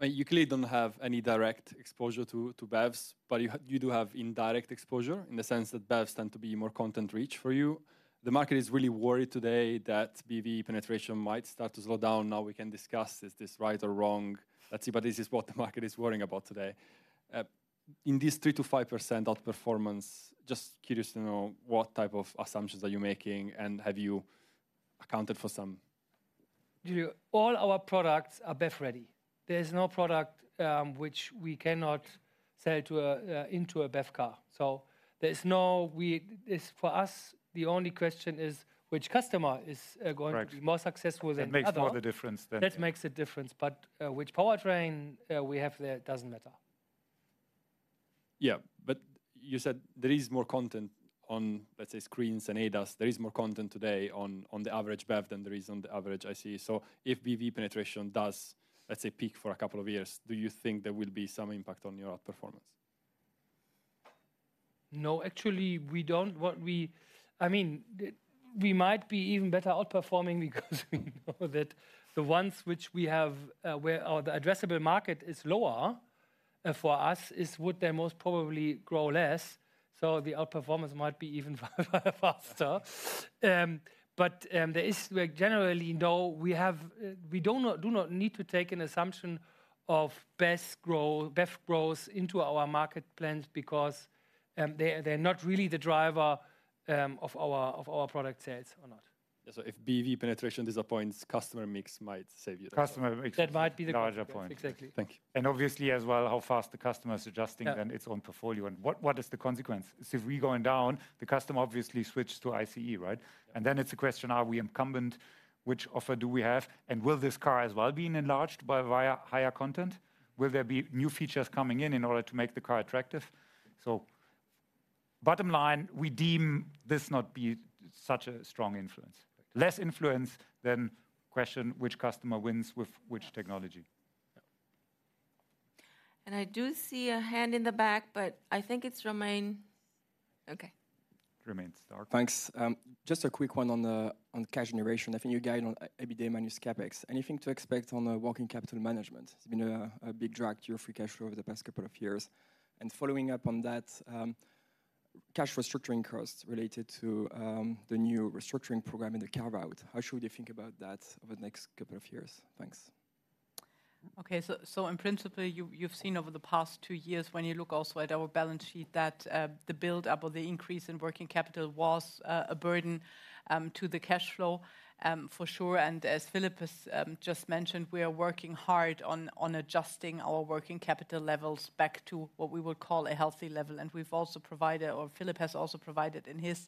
you clearly don't have any direct exposure to, to BEVs, but you do have indirect exposure in the sense that BEVs tend to be more content rich for you. The market is really worried today that BEV penetration might start to slow down. Now, we can discuss, is this right or wrong? Let's see. But this is what the market is worrying about today. In this 3%-5% outperformance, just curious to know, what type of assumptions are you making, and have you accounted for some- Giulio, all our products are BEV-ready. There is no product which we cannot sell to a into a BEV car. So there is no this, for us, the only question is which customer is Correct... going to be more successful than other? That makes more the difference than- That makes a difference. But, which powertrain we have there doesn't matter. Yeah, but you said there is more content on, let's say, screens and ADAS. There is more content today on the average BEV than there is on the average ICE. So if BEV penetration does, let's say, peak for a couple of years, do you think there will be some impact on your outperformance? No, actually, we don't. I mean, we might be even better outperforming because we know that the ones which we have, where our, the addressable market is lower, for us, is would then most probably grow less, so the outperformance might be even far, far faster. But, there is, like, generally, no, we have, we do not, do not need to take an assumption of BEV's growth, BEV growth into our market plans because, they are, they are not really the driver, of our, of our product sales or not. If BEV penetration disappoints, customer mix might save you? Customer mix- That might be the case.... larger point. Exactly. Thank you. Obviously, as well, how fast the customer is adjusting- Yeah... then its own portfolio. What, what is the consequence? So if we're going down, the customer obviously switches to ICE, right? Yeah. And then it's a question, are we incumbent? Which offer do we have? And will this car as well being enlarged by via higher content? Will there be new features coming in, in order to make the car attractive? So bottom line, we deem this not be such a strong influence. Less influence than question which customer wins with which technology. Yeah. I do see a hand in the back, but I think it's Romain. Okay. Romain, start. Thanks. Just a quick one on cash generation. I think you guide on EBITDA minus CapEx. Anything to expect on the working capital management? It's been a big drag to your free cash flow over the past couple of years. Following up on that, cash restructuring costs related to the new restructuring program in the carve-out, how should we think about that over the next couple of years? Thanks. Okay, so in principle, you've seen over the past two years, when you look also at our balance sheet, that the build-up or the increase in working capital was a burden to the cash flow, for sure. And as Philipp has just mentioned, we are working hard on adjusting our working capital levels back to what we would call a healthy level. And we've also provided, or Philipp has also provided in his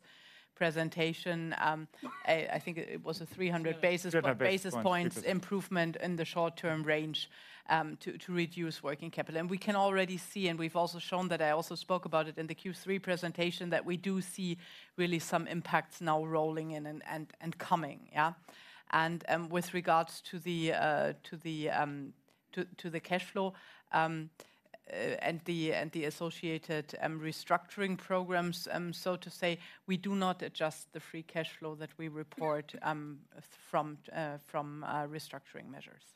presentation, I think it was a 300 basis- 300 basis points... basis points improvement in the short-term range, to reduce working capital. And we can already see, and we've also shown that I also spoke about it in the Q3 presentation, that we do see really some impacts now rolling in and coming, yeah? And, with regards to the cash flow, and the associated restructuring programs, so to say, we do not adjust the free cash flow that we report, from restructuring measures.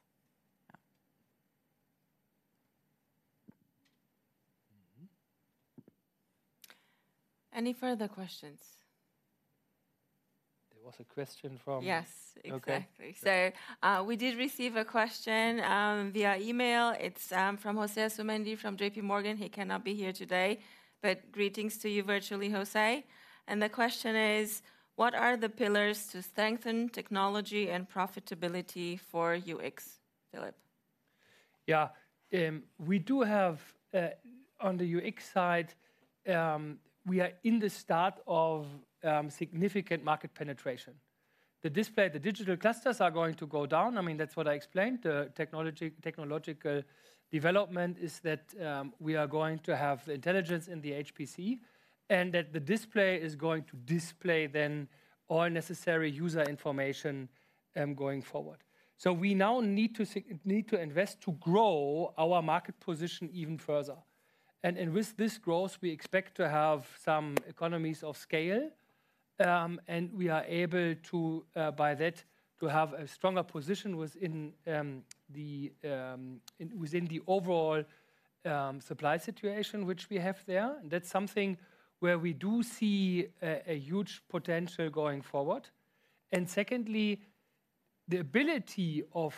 Yeah. Any further questions?... There was a question from- Yes, exactly. Okay. So, we did receive a question via email. It's from José Asumendi from JP Morgan. He cannot be here today, but greetings to you virtually, José. And the question is: What are the pillars to strengthen technology and profitability for UX, Philipp? Yeah. We do have, on the UX side, we are in the start of, significant market penetration. The display, the digital clusters are going to go down. I mean, that's what I explained. The technological development is that, we are going to have the intelligence in the HPC, and that the display is going to display then all necessary user information, going forward. So we now need to invest to grow our market position even further. And, and with this growth, we expect to have some economies of scale. And we are able to, by that, to have a stronger position within, the, in within the overall, supply situation which we have there. And that's something where we do see a, a huge potential going forward. And secondly, the ability of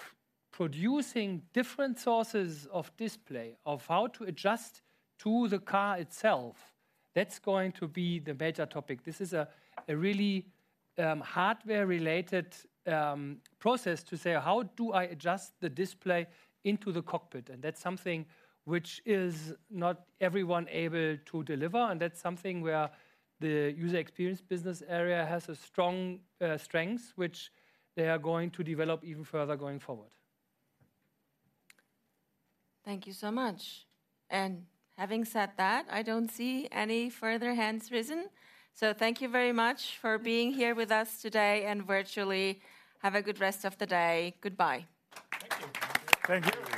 producing different sources of display, of how to adjust to the car itself, that's going to be the better topic. This is a really hardware-related process to say: How do I adjust the display into the cockpit? And that's something which is not everyone able to deliver, and that's something where the User Experience business area has a strong strengths, which they are going to develop even further going forward. Thank you so much. And having said that, I don't see any further hands risen. So thank you very much for being here with us today and virtually. Have a good rest of the day. Goodbye. Thank you. Thank you. And for everyone-